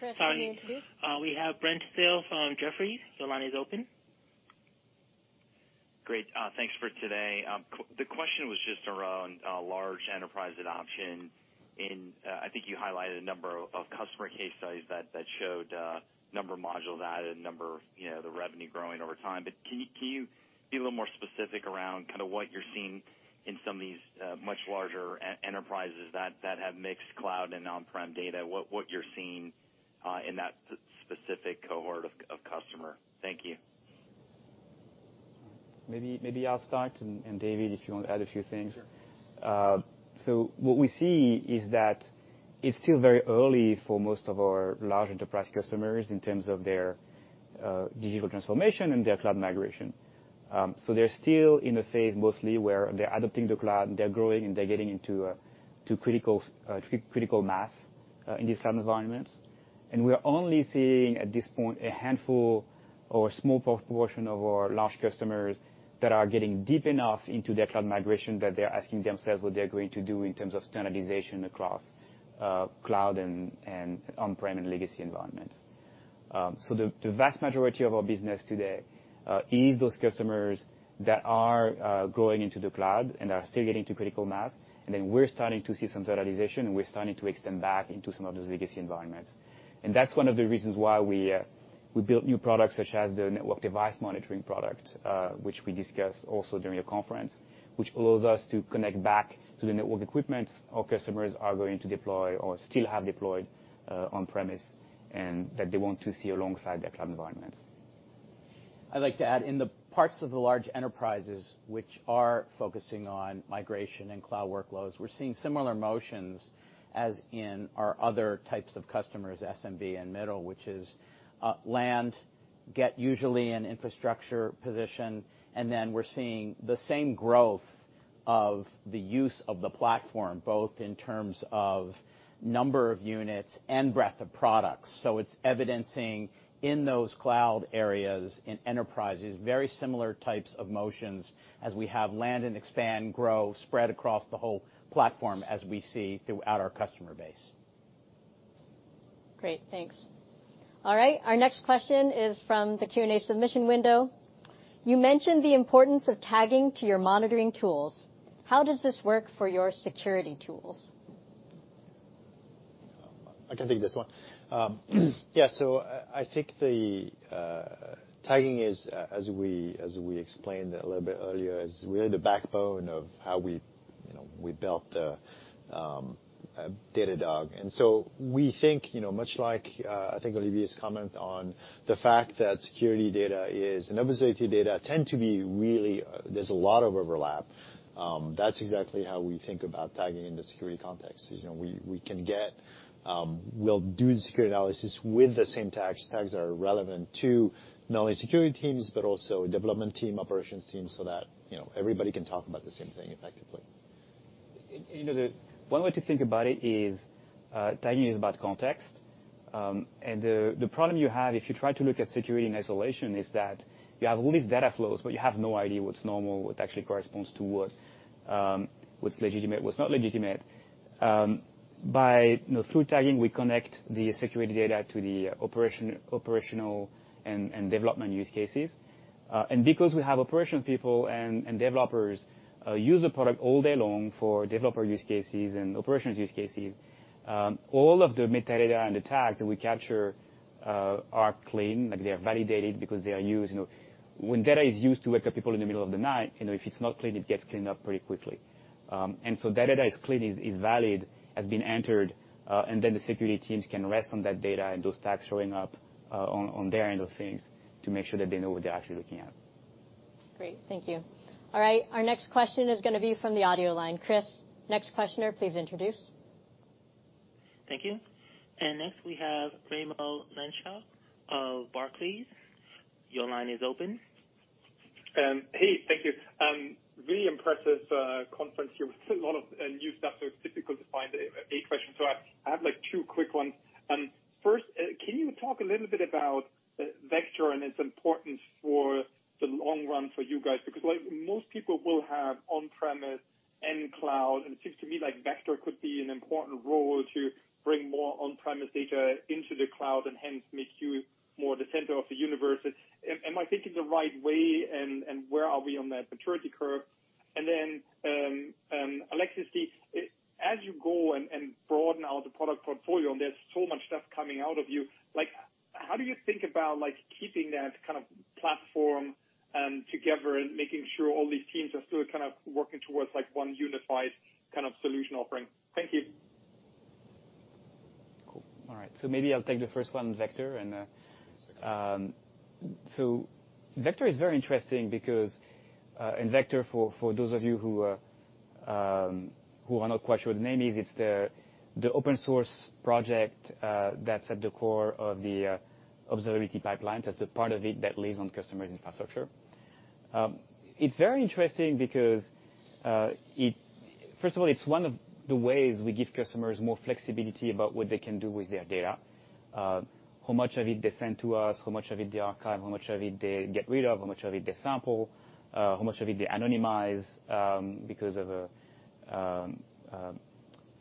Chris, can you introduce? We have Brent Thill from Jefferies. Your line is open. Great. Thanks for today. The question was just around large enterprise adoption. I think you highlighted a number of customer case studies that showed number of modules added, you know, the revenue growing over time. Can you be a little more specific around kinda what you're seeing in some of these much larger enterprises that have mixed cloud and on-prem data? What you're seeing in that specific cohort of customer. Thank you. Maybe I'll start, and David, if you want to add a few things. Sure. What we see is that it's still very early for most of our large enterprise customers in terms of their digital transformation and their cloud migration. They're still in a phase mostly where they're adopting the cloud, and they're growing, and they're getting into to critical mass in these cloud environments. We are only seeing, at this point, a handful or a small proportion of our large customers that are getting deep enough into their cloud migration that they're asking themselves what they're going to do in terms of standardization across cloud and on-prem and legacy environments. The vast majority of our business today is those customers that are going into the cloud and are still getting to critical mass. We're starting to see some totalization, and we're starting to extend back into some of those legacy environments. That's one of the reasons why we built new products such as the Network Device Monitoring product, which we discussed also during the conference, which allows us to connect back to the network equipment our customers are going to deploy or still have deployed, on-premises, and that they want to see alongside their cloud environments. I'd like to add, in the parts of the large enterprises which are focusing on migration and cloud workloads, we're seeing similar motions as in our other types of customers, SMB and middle, which is land and get usually an infrastructure position, and then we're seeing the same growth. Of the use of the platform, both in terms of number of units and breadth of products. It's evidencing in those cloud areas, in enterprises, very similar types of motions as we have land and expand, grow, spread across the whole platform as we see throughout our customer base. Great. Thanks. All right. Our next question is from the Q&A submission window. You mentioned the importance of tagging to your monitoring tools. How does this work for your security tools? I can take this one. Yeah. I think the tagging, as we explained a little bit earlier, is really the backbone of how we, you know, built Datadog. We think, you know, much like I think Olivier's comment on the fact that security data and observability data tend to be really. There's a lot of overlap. That's exactly how we think about tagging in the security context. You know, we'll do the security analysis with the same tags that are relevant to not only security teams, but also development team, operations teams, so that, you know, everybody can talk about the same thing effectively. You know, the one way to think about it is, tagging is about context. The problem you have if you try to look at security in isolation is that you have all these data flows, but you have no idea what's normal, what actually corresponds to what's legitimate, what's not legitimate. You know, through tagging, we connect the security data to the operational and development use cases. Because we have operational people and developers use the product all day long for developer use cases and operations use cases, all of the metadata and the tags that we capture are clean. Like they are validated because they are used. You know, when data is used to wake up people in the middle of the night, you know, if it's not clean, it gets cleaned up pretty quickly. Data that is clean is valid, has been entered, and then the security teams can rest on that data and those tags showing up on their end of things to make sure that they know what they're actually looking at. Great. Thank you. All right. Our next question is gonna be from the audio line. Chris, next questioner, please introduce. Thank you. Next we have Raimo Lenschow of Barclays. Your line is open. Hey, thank you. Really impressive conference here with a lot of new stuff, so it's difficult to find a question. So I have, like, two quick ones. First, can you talk a little bit about Vector and its importance for the long run for you guys? Because, like, most people will have on-premise and cloud, and it seems to me like Vector could be an important role to bring more on-premise data into the cloud and hence make you more the center of the universe. Am I thinking the right way, and where are we on that maturity curve? Alexis, as you go and broaden out the product portfolio, and there's so much stuff coming out of you, like, how do you think about, like, keeping that kind of platform together and making sure all these teams are still kind of working towards, like, one unified kind of solution offering? Thank you. Cool. All right. Maybe I'll take the first one, Vector. Vector is very interesting because Vector, for those of you who are not quite sure what the name is, it's the open source project that's at the core of the Observability Pipelines. That's the part of it that lives on customers' infrastructure. It's very interesting because it first of all, it's one of the ways we give customers more flexibility about what they can do with their data. How much of it they send to us, how much of it they archive, how much of it they get rid of, how much of it they sample, how much of it they anonymize, because of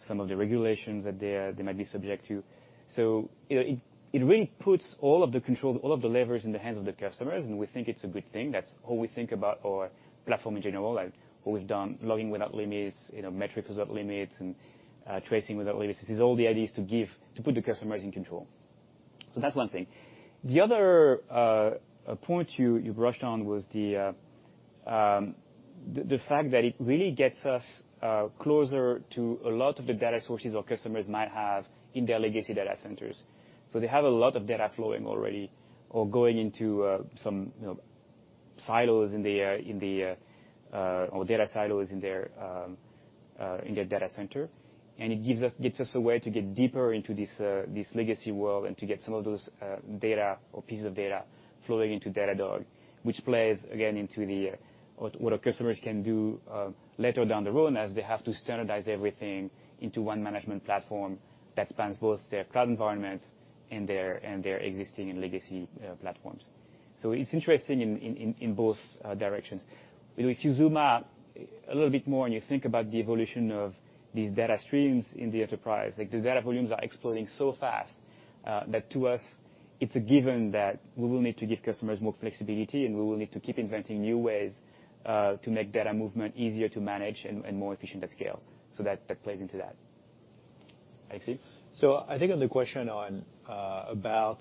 some of the regulations that they might be subject to. You know, it really puts all of the control, all of the levers in the hands of the customers, and we think it's a good thing. That's all we think about our platform in general, like what we've done, Logging without Limits, you know, Metrics without Limits, and Tracing without Limits. This is all the ideas to give to put the customers in control. That's one thing. The other point you brushed on was the fact that it really gets us closer to a lot of the data sources our customers might have in their legacy data centers. They have a lot of data flowing already or going into some, you know, silos in the or data silos in their data center. It gives us a way to get deeper into this legacy world and to get some of those data or pieces of data flowing into Datadog, which plays again into what our customers can do later down the road as they have to standardize everything into one management platform that spans both their cloud environments and their existing and legacy platforms. It's interesting in both directions. You know, if you zoom out a little bit more and you think about the evolution of these data streams in the enterprise, like the data volumes are exploding so fast, that to us it's a given that we will need to give customers more flexibility, and we will need to keep inventing new ways, to make data movement easier to manage and more efficient at scale. That plays into that. Alexis? I think on the question about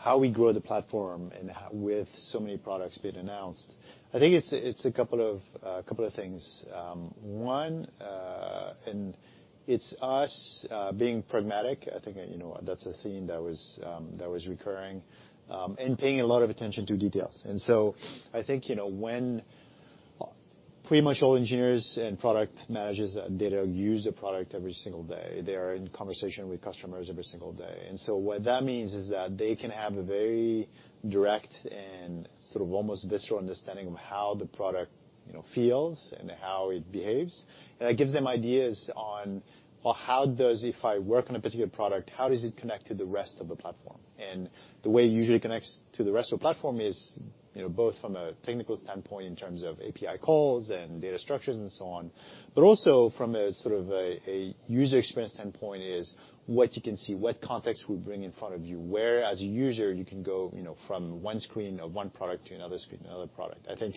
how we grow the platform and how, with so many products being announced, I think it's a couple of things. One, it's us being pragmatic. I think, you know, that's a theme that was recurring and paying a lot of attention to details. I think, you know, pretty much all engineers and product managers at Datadog use the product every single day. They are in conversation with customers every single day. What that means is that they can have a very direct and sort of almost visceral understanding of how the product, you know, feels and how it behaves. It gives them ideas on, well, how does it, if I work on a particular product, how does it connect to the rest of the platform? The way it usually connects to the rest of the platform is, you know, both from a technical standpoint in terms of API calls and data structures and so on, but also from a sort of a user experience standpoint, what you can see, what context we bring in front of you, where, as a user, you can go, you know, from one screen of one product to another screen, another product. I think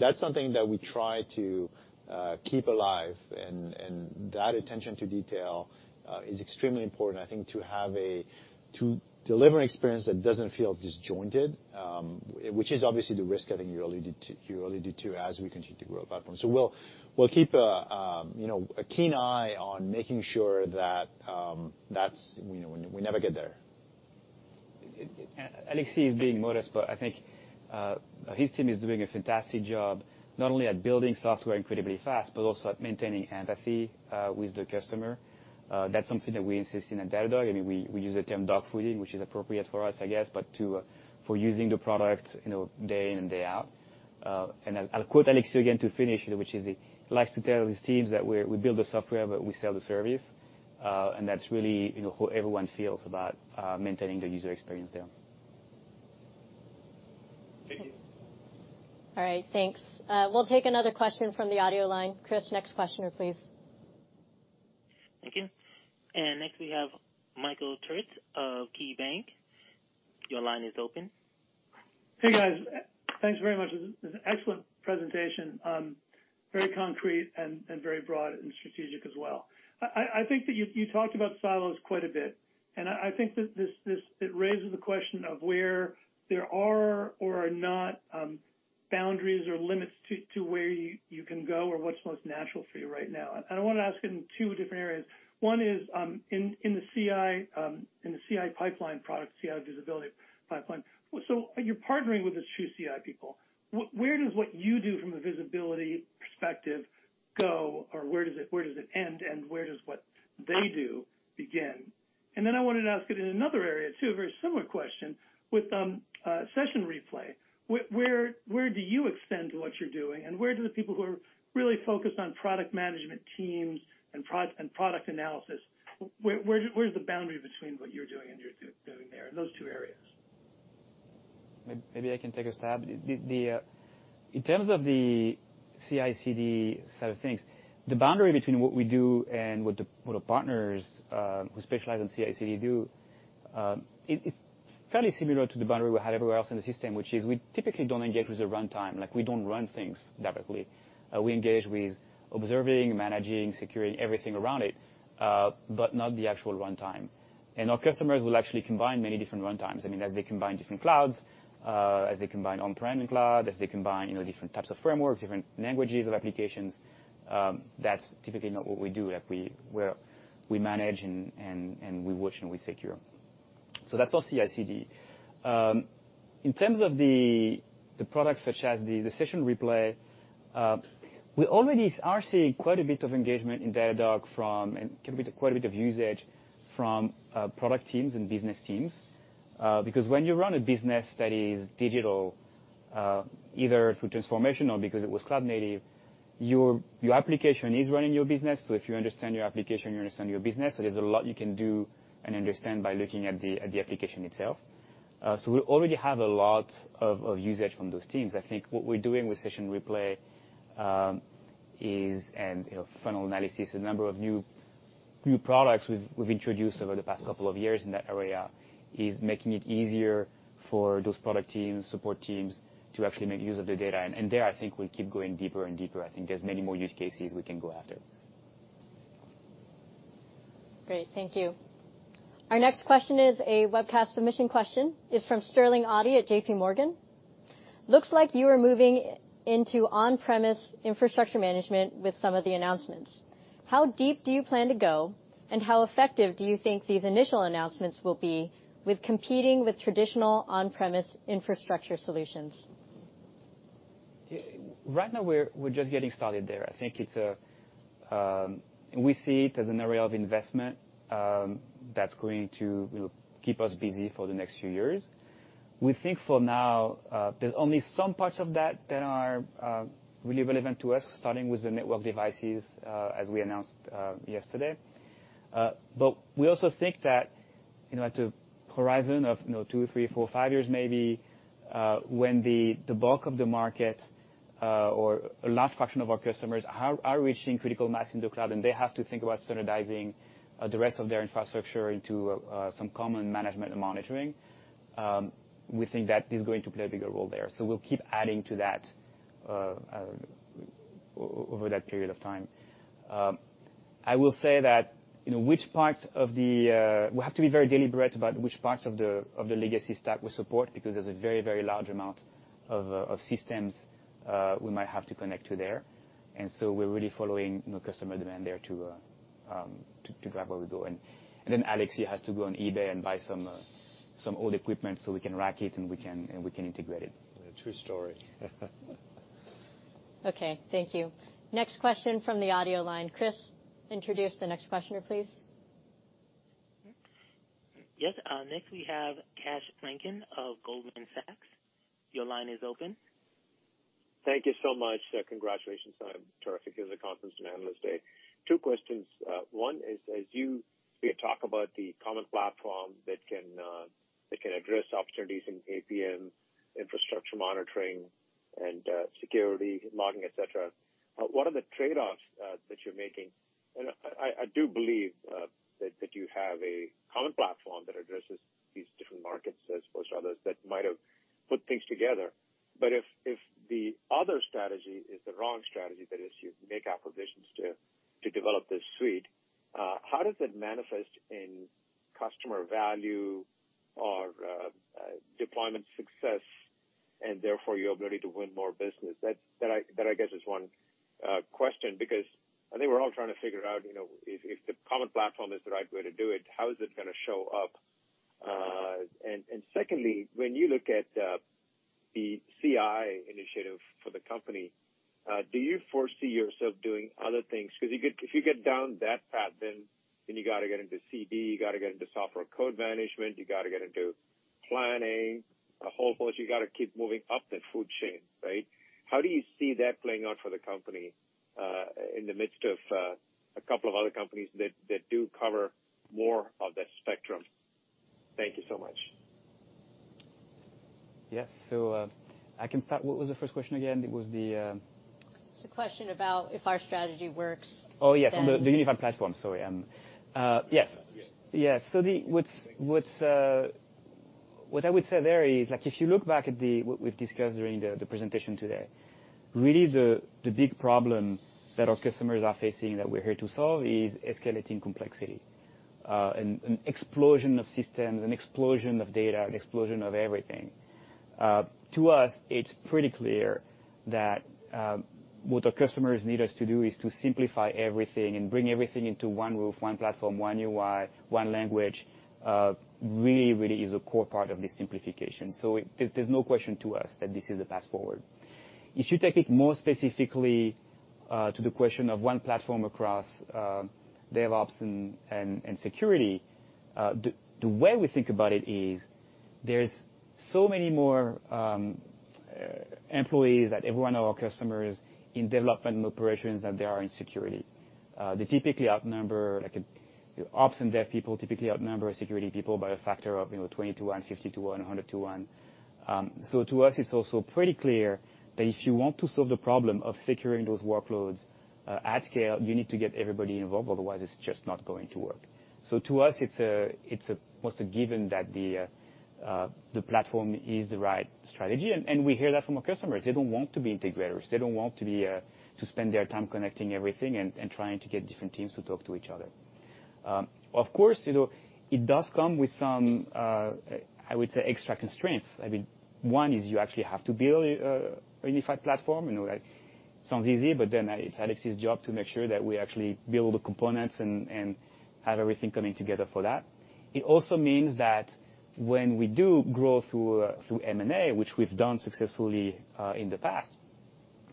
that's something that we try to keep alive and that attention to detail is extremely important, I think, to deliver an experience that doesn't feel disjointed, which is obviously the risk I think you alluded to as we continue to grow the platform. We'll keep a keen eye on making sure that we never get there. Alexis is being modest, but I think his team is doing a fantastic job not only at building software incredibly fast, but also at maintaining empathy with the customer. That's something that we insist in at Datadog. I mean, we use the term dogfooding, which is appropriate for us, I guess, but for using the product, you know, day in and day out. I'll quote Alexis again to finish it, which is he likes to tell his teams that we build the software, but we sell the service. That's really, you know, how everyone feels about maintaining the user experience there. Thank you. All right. Thanks. We'll take another question from the audio line. Chris, next questioner, please. Thank you. Next we have Michael Turits of KeyBanc Capital Markets. Your line is open. Hey, guys. Thanks very much. This is an excellent presentation. Very concrete and very broad and strategic as well. I think that it raises the question of where there are or are not boundaries or limits to where you can go or what's most natural for you right now. I wanna ask in two different areas. One is in the CI pipeline product, CI Visibility pipeline. So you're partnering with these two CI people. Where does what you do from a visibility perspective go? Or where does it end, and where does what they do begin? I wanted to ask it in another area too, a very similar question with Session Replay. Where do you extend what you're doing, and where do the people who are really focused on product management teams and product analysis, where's the boundary between what you're doing and you're doing there in those two areas? Maybe I can take a stab. In terms of the CI/CD side of things, the boundary between what we do and what our partners who specialize in CI/CD do, it is fairly similar to the boundary we have everywhere else in the system, which is we typically don't engage with the runtime. Like, we don't run things directly. We engage with observing, managing, securing everything around it, but not the actual runtime. Our customers will actually combine many different runtimes. I mean, as they combine different clouds, as they combine on-prem and cloud, as they combine, you know, different types of frameworks, different languages of applications, that's typically not what we do. Like we manage and we watch, and we secure. That's for CI/CD. In terms of the products such as the Session Replay, we already are seeing quite a bit of engagement in Datadog from product teams and business teams, and quite a bit of usage from product teams and business teams. Because when you run a business that is digital, either through transformation or because it was cloud native, your application is running your business. If you understand your application, you understand your business, there's a lot you can do and understand by looking at the application itself. We already have a lot of usage from those teams. I think what we're doing with Session Replay and, you know, Funnel Analysis, a number of new products we've introduced over the past couple of years in that area is making it easier for those product teams, support teams to actually make use of the data. There, I think, we keep going deeper and deeper. I think there's many more use cases we can go after. Great. Thank you. Our next question is a webcast submission question. It's from Sterling Auty at JPMorgan. Looks like you are moving into on-premise infrastructure management with some of the announcements. How deep do you plan to go, and how effective do you think these initial announcements will be with competing with traditional on-premise infrastructure solutions? Right now we're just getting started there. I think it's an area of investment that's going to, you know, keep us busy for the next few years. We think for now there's only some parts of that that are really relevant to us, starting with the network devices as we announced yesterday. We also think that, you know, at the horizon of, you know, 2, 3, 4, 5 years maybe, when the bulk of the market or a large fraction of our customers are reaching critical mass in the cloud, and they have to think about standardizing the rest of their infrastructure into some common management and monitoring, we think that is going to play a bigger role there. We'll keep adding to that over that period of time. I will say that we have to be very deliberate about which parts of the legacy stack we support because there's a very large amount of systems we might have to connect to there. We're really following customer demand there to grab where we go. Then Alex here has to go on eBay and buy some old equipment so we can rack it, and we can integrate it. True story. Okay. Thank you. Next question from the audio line. Chris, introduce the next questioner, please. Yes. Next, we have Kash Rangan of Goldman Sachs. Your line is open. Thank you so much. Congratulations on a terrific, as a conference and analyst day. Two questions. One is as you talk about the common platform that can, that can address opportunities in APM, infrastructure monitoring, and, security, logging, et cetera, what are the trade-offs that you're making? I do believe that you have a common platform that addresses these different markets as opposed to others that might have put things together. If the other strategy is the wrong strategy, that is you make acquisitions to develop this suite, how does it manifest in customer value or, deployment success, and therefore your ability to win more business? I guess is one question because I think we're all trying to figure out, you know, if the common platform is the right way to do it, how is it gonna show up? Secondly, when you look at the CI initiative for the company, do you foresee yourself doing other things? If you get down that path, then you gotta get into CD, you gotta get into software code management, you gotta get into planning, a whole bunch. You gotta keep moving up that food chain, right? How do you see that playing out for the company, in the midst of a couple of other companies that do cover more of that spectrum? Thank you so much. Yes. I can start. What was the first question again? It was the It's a question about if our strategy works. Oh, yes. On the unified platform. Sorry. Yes. Yes. Yes. What I would say there is, like, if you look back at what we've discussed during the presentation today, really the big problem that our customers are facing that we're here to solve is escalating complexity and an explosion of systems, an explosion of data, an explosion of everything. To us, it's pretty clear that what our customers need us to do is to simplify everything and bring everything into one roof, one platform, one UI, one language, really is a core part of this simplification. There's no question to us that this is the path forward. If you take it more specifically, to the question of one platform across DevOps and security, the way we think about it is there's so many more employees at every one of our customers in development and operations than there are in security. They typically outnumber Ops and dev people security people by a factor of, you know, 20-to-1, 50-to-1, 100-to-1. To us, it's also pretty clear that if you want to solve the problem of securing those workloads, at scale, you need to get everybody involved, otherwise it's just not going to work. To us, it's almost a given that the platform is the right strategy. We hear that from our customers. They don't want to be integrators. They don't want to be to spend their time connecting everything and trying to get different teams to talk to each other. Of course, you know, it does come with some, I would say, extra constraints. I mean, one is you actually have to build a unified platform. You know, that sounds easy, but then it's Alexis's job to make sure that we actually build the components and have everything coming together for that. It also means that when we do grow through M&A, which we've done successfully in the past,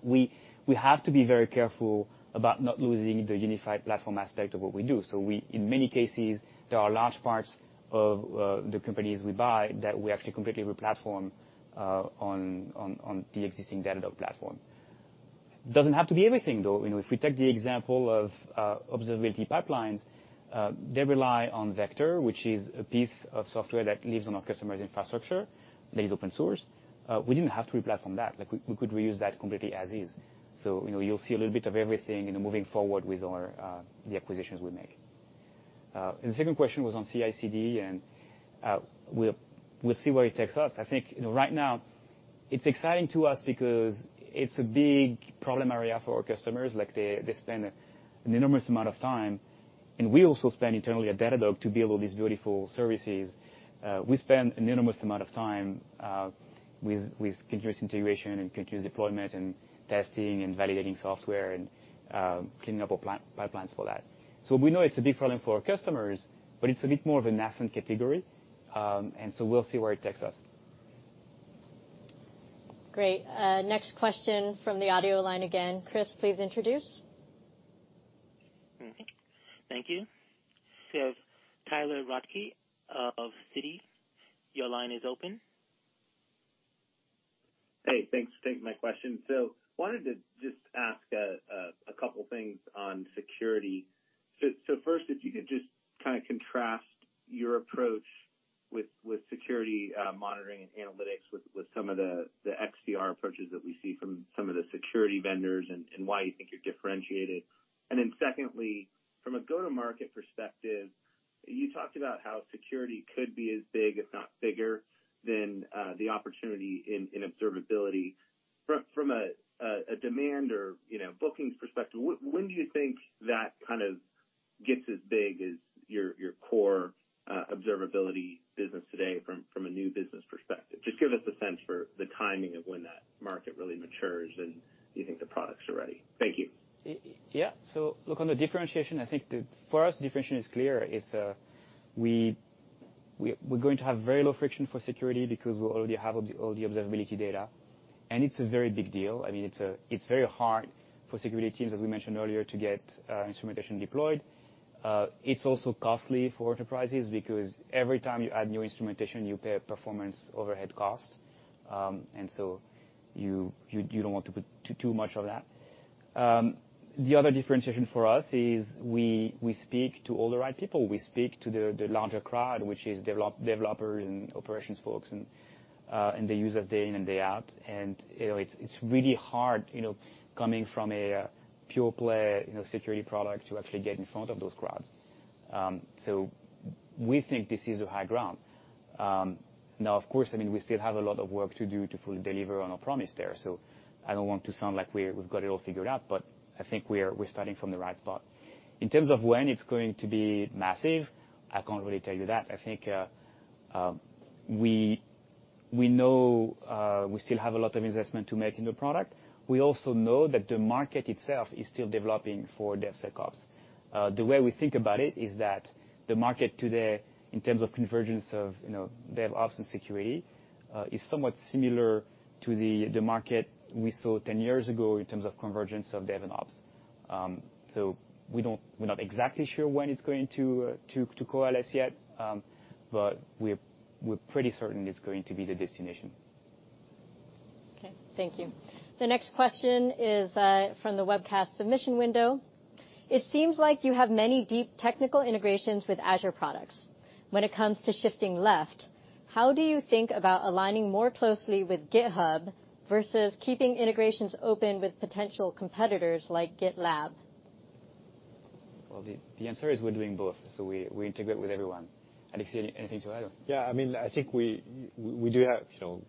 we have to be very careful about not losing the unified platform aspect of what we do. In many cases, there are large parts of the companies we buy that we actually completely replatform on the existing Datadog platform. It doesn't have to be everything, though. You know, if we take the example of observability pipelines, they rely on Vector, which is a piece of software that lives on our customer's infrastructure, that is open source. We didn't have to replatform that. Like, we could reuse that completely as is. You know, you'll see a little bit of everything, you know, moving forward with our the acquisitions we make. The second question was on CI/CD, and we'll see where it takes us. I think, you know, right now it's exciting to us because it's a big problem area for our customers. They spend an enormous amount of time, and we also spend internally at Datadog to build all these beautiful services. We spend an enormous amount of time with continuous integration and continuous deployment and testing and validating software and cleaning up our pipelines for that. We know it's a big problem for our customers, but it's a bit more of a nascent category. We'll see where it takes us. Great. Next question from the audio line again. Chris, please introduce. Thank you. Tyler Radke of Citi, your line is open. Hey, thanks for taking my question. Wanted to just ask a couple things on security. First, if you could just kinda contrast your approach with security monitoring and analytics with some of the XDR approaches that we see from some of the security vendors and why you think you're differentiated. Then secondly, from a go-to-market perspective, you talked about how security could be as big, if not bigger than the opportunity in observability. From a demand or, you know, bookings perspective, when do you think that kind of- Gets as big as your core observability business today from a new business perspective. Just give us a sense for the timing of when that market really matures and you think the products are ready. Thank you. Yeah. Look on the differentiation, I think for us, differentiation is clear. It's, we're going to have very low friction for security because we already have all the observability data, and it's a very big deal. I mean, it's very hard for security teams, as we mentioned earlier, to get instrumentation deployed. It's also costly for enterprises because every time you add new instrumentation, you pay a performance overhead cost. You don't want to put too much of that. The other differentiation for us is we speak to all the right people. We speak to the larger crowd, which is developers and operations folks and the users day in and day out. You know, it's really hard, you know, coming from a pure play, you know, security product to actually get in front of those crowds. We think this is the high ground. Now, of course, I mean, we still have a lot of work to do to fully deliver on our promise there. I don't want to sound like we've got it all figured out, but I think we're starting from the right spot. In terms of when it's going to be massive, I can't really tell you that. I think, we know we still have a lot of investment to make in the product. We also know that the market itself is still developing for DevSecOps. The way we think about it is that the market today, in terms of convergence of, you know, DevOps and security, is somewhat similar to the market we saw ten years ago in terms of convergence of dev and ops. We're not exactly sure when it's going to coalesce yet, but we're pretty certain it's going to be the destination. Okay. Thank you. The next question is from the webcast submission window. It seems like you have many deep technical integrations with Azure products. When it comes to shifting left, how do you think about aligning more closely with GitHub versus keeping integrations open with potential competitors like GitLab? Well, the answer is we're doing both, so we integrate with everyone. Alexis, anything to add? Yeah. I mean, I think we do have, you know,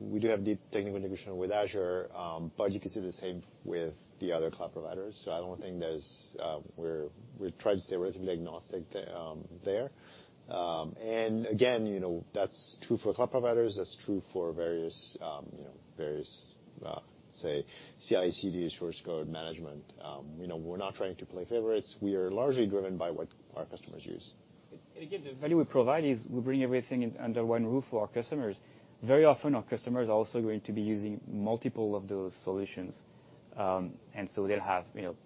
deep technical integration with Azure, but you can see the same with the other cloud providers. We try to stay relatively agnostic there. Again, you know, that's true for cloud providers, that's true for various say CI/CD source code management. You know, we're not trying to play favorites. We are largely driven by what our customers use. Again, the value we provide is we bring everything under one roof for our customers. Very often, our customers are also going to be using multiple of those solutions. They'll have, you know,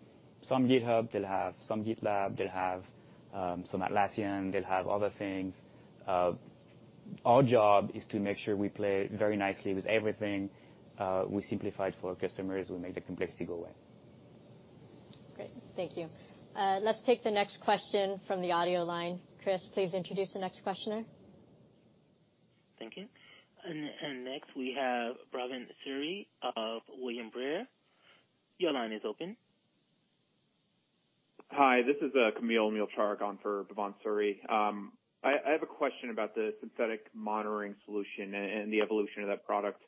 some GitHub, they'll have some GitLab, they'll have some Atlassian, they'll have other things. Our job is to make sure we play very nicely with everything. We simplify it for our customers. We make the complexity go away. Great. Thank you. Let's take the next question from the audio line. Chris, please introduce the next questioner. Thank you. Next we have Bhavan Suri of William Blair. Your line is open. Hi, this is Kamil Mielczarek on for Bhavan Suri. I have a question about the Synthetic Monitoring solution and the evolution of that product.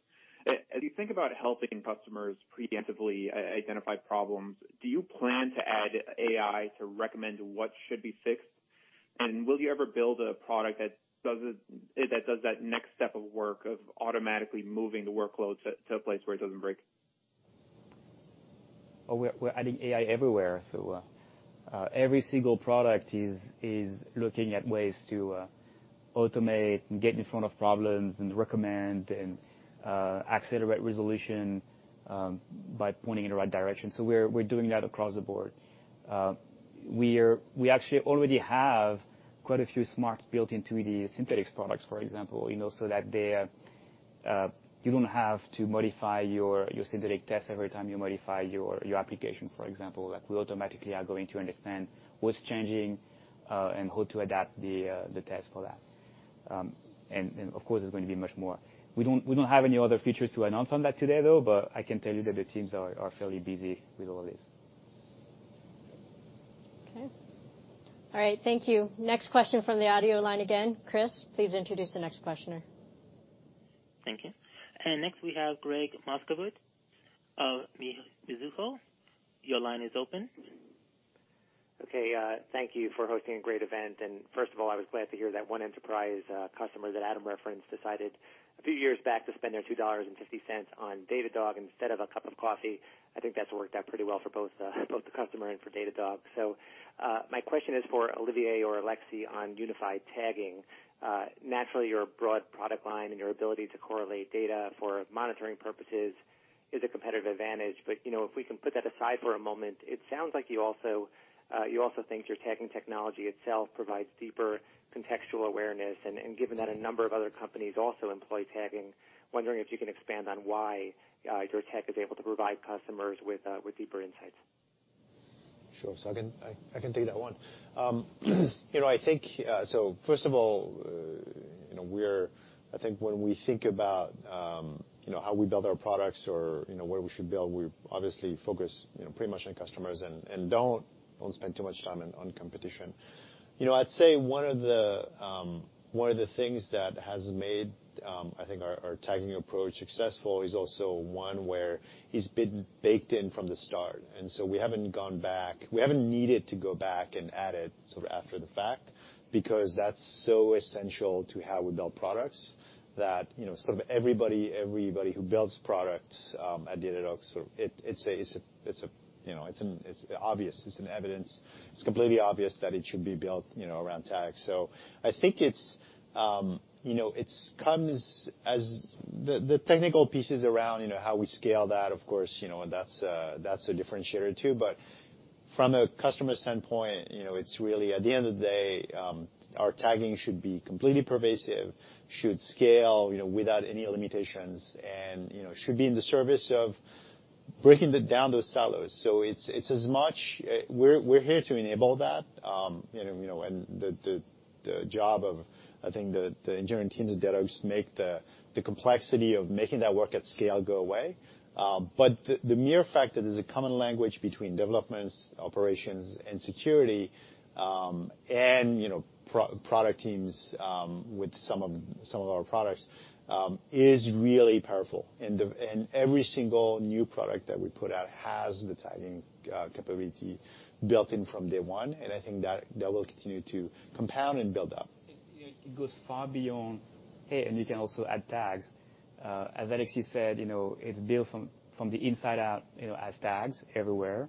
As you think about helping customers preemptively identify problems, do you plan to add AI to recommend what should be fixed? Will you ever build a product that does that next step of work of automatically moving the workloads to a place where it doesn't break? We're adding AI everywhere. Every single product is looking at ways to automate and get in front of problems and recommend and accelerate resolution by pointing in the right direction. We're doing that across the board. We actually already have quite a few smarts built into the Synthetics products, for example, you know, so that they're you don't have to modify your Synthetic test every time you modify your application, for example. Like, we automatically are going to understand what's changing and how to adapt the test for that. Of course, there's going to be much more. We don't have any other features to announce on that today, though, but I can tell you that the teams are fairly busy with all this. Okay. All right. Thank you. Next question from the audio line again. Chris, please introduce the next questioner. Thank you. Next we have Gregg Moskowitz of Mizuho. Your line is open. Okay. Thank you for hosting a great event. First of all, I was glad to hear that one enterprise customer that Adam referenced decided a few years back to spend their $2.50 on Datadog instead of a cup of coffee. I think that's worked out pretty well for both the customer and for Datadog. My question is for Olivier or Alexis on unified tagging. Naturally, your broad product line and your ability to correlate data for monitoring purposes is a competitive advantage. You know, if we can put that aside for a moment, it sounds like you also think your tagging technology itself provides deeper contextual awareness. Given that a number of other companies also employ tagging, wondering if you can expand on why your tech is able to provide customers with deeper insights? Sure. I can take that one. You know, I think first of all, you know, I think when we think about how we build our products or where we should build, we obviously focus pretty much on customers and don't spend too much time on competition. You know, I'd say one of the things that has made our tagging approach successful is also one where it's been baked in from the start, and so we haven't gone back. We haven't needed to go back and add it sort of after the fact, because that's so essential to how we build products that, you know, sort of everybody who builds product at Datadog sort of it's obvious. It's evident. It's completely obvious that it should be built, you know, around tags. I think it's, you know, it comes as the technical pieces around, you know, how we scale that, of course, you know, and that's a differentiator too. From a customer standpoint, you know, it's really at the end of the day, our tagging should be completely pervasive, should scale, you know, without any limitations and, you know, should be in the service of breaking down those silos. It's as much, we're here to enable that. You know, the job of, I think, the engineering teams at Datadog make the complexity of making that work at scale go away. The mere fact that there's a common language between development, operations, and security, and you know, product teams, with some of our products, is really powerful. Every single new product that we put out has the tagging capability built in from day one, and I think that will continue to compound and build up. You know, it goes far beyond, "Hey, and you can also add tags." As Alexis said, you know, it's built from the inside out, you know, as tags everywhere.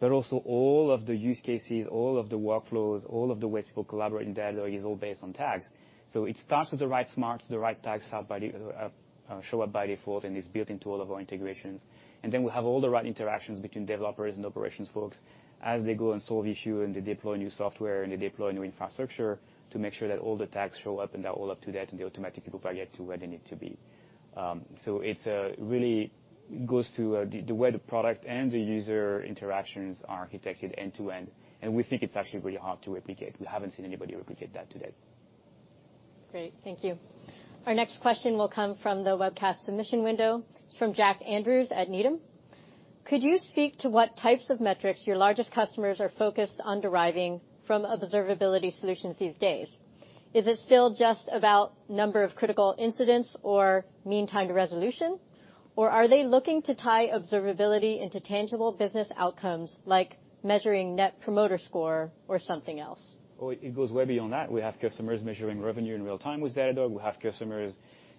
But also all of the use cases, all of the workflows, all of the ways people collaborate in Datadog is all based on tags. So it starts with the right smarts, the right tags show up by default, and it's built into all of our integrations. Then we have all the right interactions between developers and operations folks as they go and solve issue, and they deploy new software, and they deploy new infrastructure to make sure that all the tags show up and they're all up to date and they automatically populate to where they need to be. It really goes to the way the product and the user interactions are architected end-to-end, and we think it's actually really hard to replicate. We haven't seen anybody replicate that to date. Great. Thank you. Our next question will come from the webcast submission window from Jack Andrews at Needham. Could you speak to what types of metrics your largest customers are focused on deriving from observability solutions these days? Is it still just about number of critical incidents or mean time to resolution, or are they looking to tie observability into tangible business outcomes like measuring net promoter score or something else? Oh, it goes way beyond that. We have customers measuring revenue in real time with Datadog. We have customers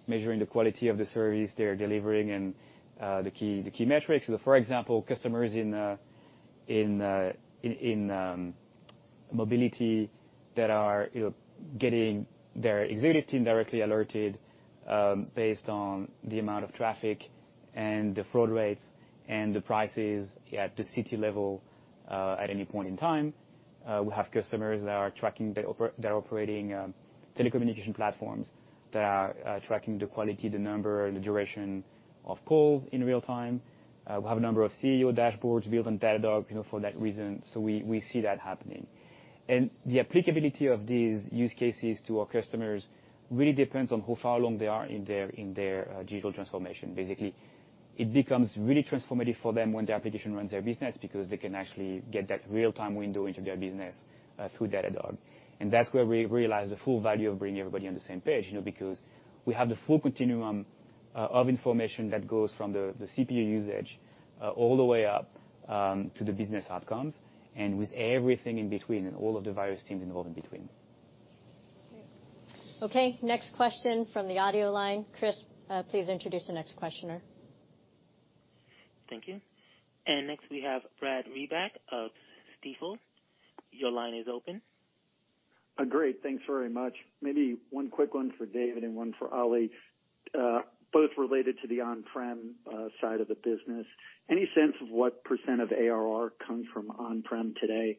measuring the quality of the service they're delivering and the key metrics. For example, customers in mobility that are, you know, getting their executive team directly alerted based on the amount of traffic and the fraud rates and the prices at the city level at any point in time. We have customers that are tracking their operating telecommunication platforms that are tracking the quality, the number, and the duration of calls in real time. We have a number of CEO dashboards built on Datadog, you know, for that reason. We see that happening. The applicability of these use cases to our customers really depends on how far along they are in their digital transformation. Basically, it becomes really transformative for them when the application runs their business because they can actually get that real-time window into their business through Datadog. That's where we realize the full value of bringing everybody on the same page, you know, because we have the full continuum of information that goes from the CPU usage all the way up to the business outcomes and with everything in between and all of the various teams involved in between. Great. Okay, next question from the audio line. Chris, please introduce the next questioner. Thank you. Next we have Brad Reback of Stifel. Your line is open. Great. Thanks very much. Maybe one quick one for David and one for Oli, both related to the on-prem side of the business. Any sense of what % of ARR comes from on-prem today?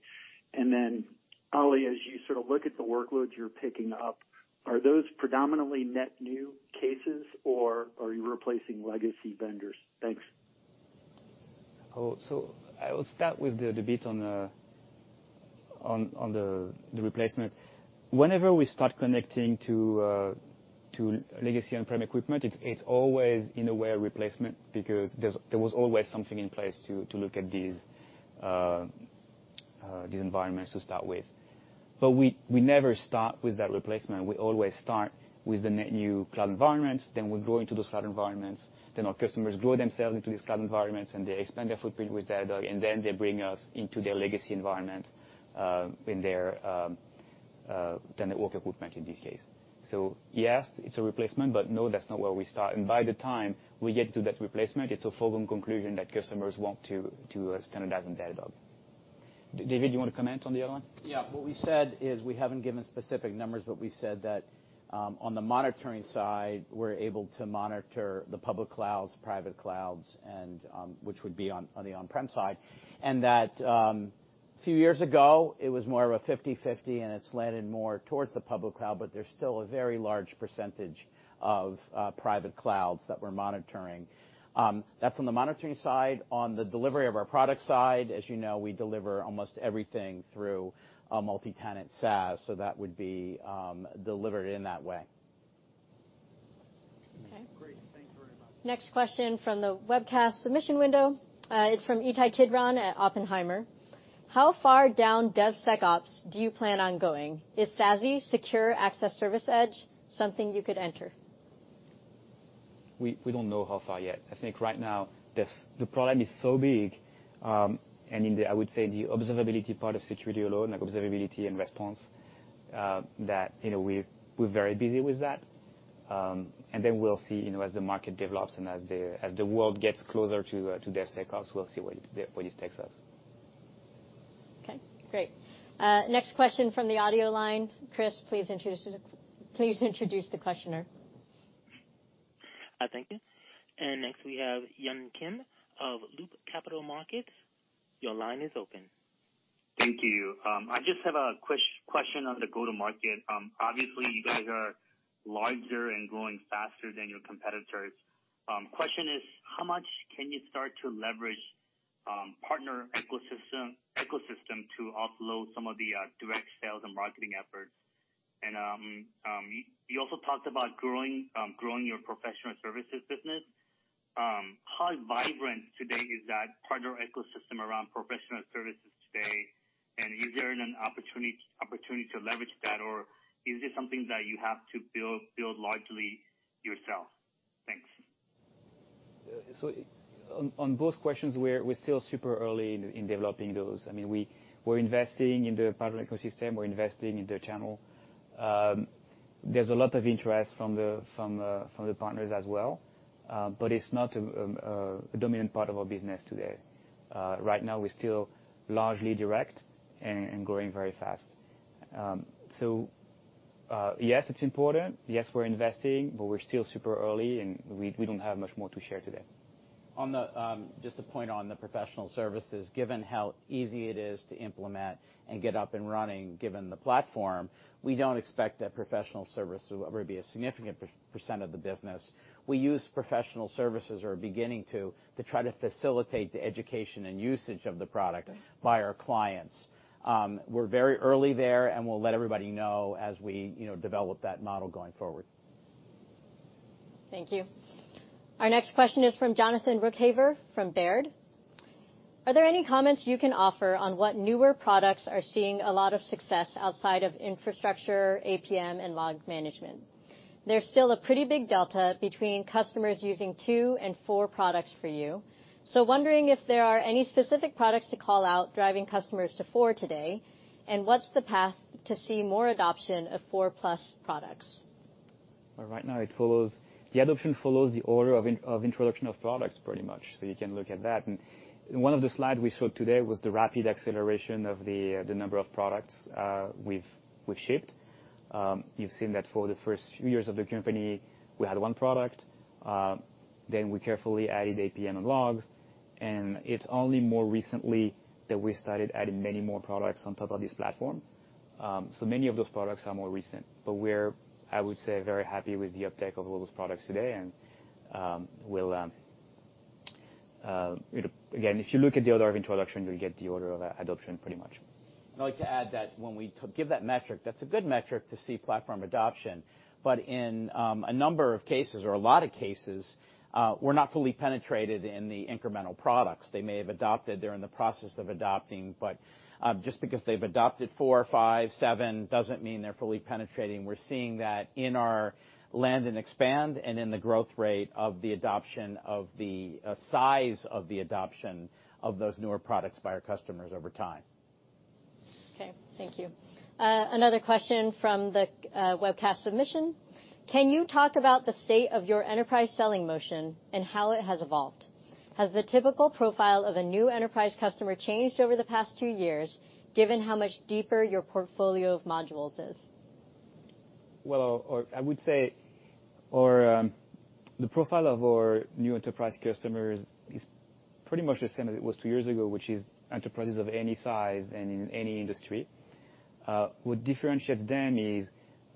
Oli, as you sort of look at the workloads you're picking up, are those predominantly net new cases, or are you replacing legacy vendors? Thanks. I will start with the bit on the replacements. Whenever we start connecting to legacy on-prem equipment, it's always in a way a replacement because there was always something in place to look at these environments to start with. We never start with that replacement. We always start with the net new cloud environments, then we grow into those cloud environments, then our customers grow themselves into these cloud environments, and they expand their footprint with Datadog, and then they bring us into their legacy environment in their network equipment in this case. Yes, it's a replacement, but no, that's not where we start. By the time we get to that replacement, it's a foregone conclusion that customers want to standardize on Datadog. David, do you want to comment on the other one? Yeah. What we said is we haven't given specific numbers, but we said that, on the monitoring side, we're able to monitor the public clouds, private clouds, and which would be on the on-prem side. That a few years ago, it was more of a 50-50, and it's landed more towards the public cloud, but there's still a very large percentage of private clouds that we're monitoring. That's on the monitoring side. On the delivery of our product side, as you know, we deliver almost everything through a multi-tenant SaaS, so that would be delivered in that way. Great. Thanks very much. Next question from the webcast submission window, it's from Itai Kidron at Oppenheimer. How far down DevSecOps do you plan on going? Is SASE, Secure Access Service Edge, something you could enter? We don't know how far yet. I think right now, the problem is so big, and I would say the observability part of security alone, like observability and response, that you know, we're very busy with that. We'll see, you know, as the market develops and as the world gets closer to DevSecOps, we'll see where this takes us. Okay, great. Next question from the audio line. Chris, please introduce the questioner. Thank you. Next, we have Yubin Kim of Loop Capital Markets. Your line is open. Thank you. I just have a question on the go-to-market. Obviously, you guys are larger and growing faster than your competitors. Question is, how much can you start to leverage partner ecosystem to offload some of the direct sales and marketing efforts? You also talked about growing your professional services business. How vibrant today is that partner ecosystem around professional services today? Is there an opportunity to leverage that? Or is this something that you have to build largely yourself? Thanks. On both questions, we're still super early in developing those. I mean, we're investing in the partner ecosystem. We're investing in the channel. There's a lot of interest from the partners as well, but it's not a dominant part of our business today. Right now we're still largely direct and growing very fast. Yes, it's important. Yes, we're investing, but we're still super early, and we don't have much more to share today. Just to point on the professional services, given how easy it is to implement and get up and running, given the platform, we don't expect that professional service to ever be a significant percent of the business. We use professional services or are beginning to try to facilitate the education and usage of the product by our clients. We're very early there, and we'll let everybody know as we, you know, develop that model going forward. Thank you. Our next question is from Jonathan Ruykhaver from Baird. Are there any comments you can offer on what newer products are seeing a lot of success outside of infrastructure, APM and log management? There's still a pretty big delta between customers using 2 and 4 products for you. Wondering if there are any specific products to call out driving customers to 4 today, and what's the path to see more adoption of 4+ products? Right now the adoption follows the order of introduction of products pretty much. You can look at that. One of the slides we showed today was the rapid acceleration of the number of products we've shipped. You've seen that for the first few years of the company, we had one product, then we carefully added APM and logs, and it's only more recently that we started adding many more products on top of this platform. Many of those products are more recent, but we're, I would say, very happy with the uptake of all those products today. We'll, you know, again, if you look at the order of introduction, you'll get the order of adoption pretty much. I'd like to add that when we give that metric, that's a good metric to see platform adoption. In a number of cases or a lot of cases, we're not fully penetrated in the incremental products. They may have adopted, they're in the process of adopting, but just because they've adopted 4, 5, 7 doesn't mean they're fully penetrating. We're seeing that in our land and expand and in the growth rate of the adoption of the size of the adoption of those newer products by our customers over time. Okay, thank you. Another question from the webcast submission. Can you talk about the state of your enterprise selling motion and how it has evolved? Has the typical profile of a new enterprise customer changed over the past two years, given how much deeper your portfolio of modules is? Well, I would say our the profile of our new enterprise customers is pretty much the same as it was two years ago, which is enterprises of any size and in any industry. What differentiates them is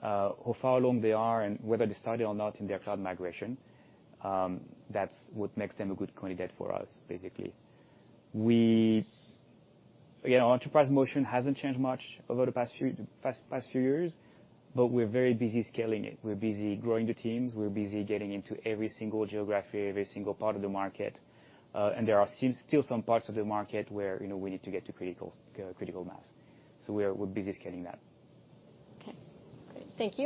how far along they are and whether they started or not in their cloud migration. That's what makes them a good candidate for us, basically. Again, our enterprise motion hasn't changed much over the past few years, but we're very busy scaling it. We're busy growing the teams. We're busy getting into every single geography, every single part of the market. There are still some parts of the market where, you know, we need to get to critical mass. We're busy scaling that. Okay, great. Thank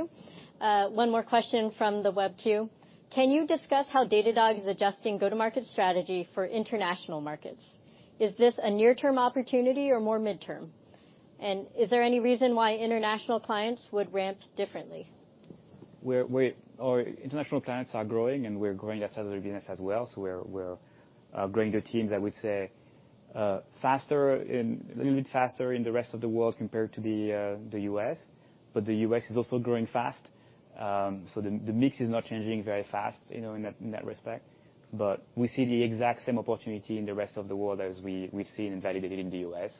you. One more question from the web queue. Can you discuss how Datadog is adjusting go-to-market strategy for international markets? Is this a near-term opportunity or more midterm? And is there any reason why international clients would ramp differently? Our international clients are growing, and we're growing that side of the business as well. We're growing the teams, I would say, a little bit faster in the rest of the world compared to the U.S. The U.S. is also growing fast. The mix is not changing very fast, you know, in that respect. We see the exact same opportunity in the rest of the world as we've seen and validated in the U.S.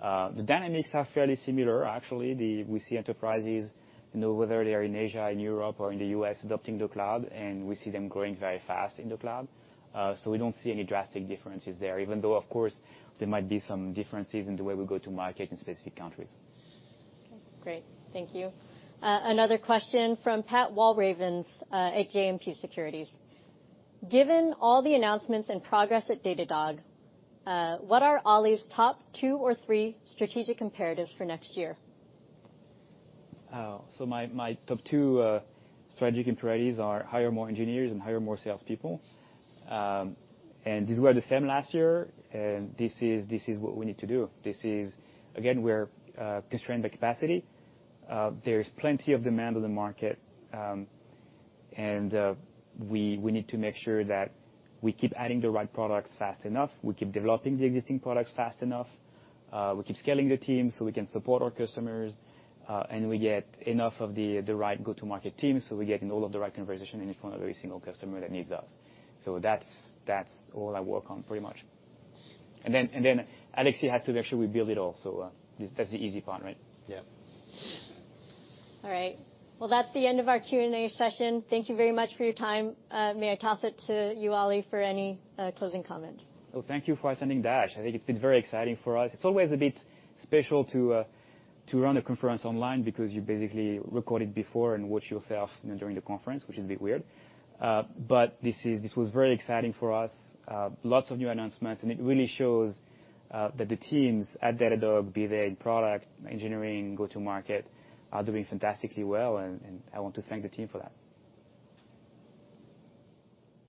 The dynamics are fairly similar, actually. We see enterprises, you know, whether they are in Asia, in Europe, or in the U.S., adopting the cloud, and we see them growing very fast in the cloud. We don't see any drastic differences there, even though, of course, there might be some differences in the way we go to market in specific countries. Okay, great. Thank you. Another question from Pat Walravens at JMP Securities. Given all the announcements and progress at Datadog, what are Ali's top two or three strategic imperatives for next year? My top two strategic imperatives are hire more engineers and hire more salespeople. These were the same last year, and this is what we need to do. This is, again, we're constrained by capacity. There is plenty of demand on the market, and we need to make sure that we keep adding the right products fast enough, we keep developing the existing products fast enough, we keep scaling the team so we can support our customers, and we get enough of the right go-to-market teams, so we get in all of the right conversation in front of every single customer that needs us. That's all I work on, pretty much. Alexis has to make sure we build it all. That's the easy part, right? Yeah. All right. Well, that's the end of our Q&A session. Thank you very much for your time. May I toss it to you, Olivier, for any closing comments? Well, thank you for attending DASH. I think it's been very exciting for us. It's always a bit special to run a conference online because you basically record it before and watch yourself, you know, during the conference, which is a bit weird. But this was very exciting for us. Lots of new announcements, and it really shows that the teams at Datadog, be they in product, engineering, go-to-market, are doing fantastically well, and I want to thank the team for that.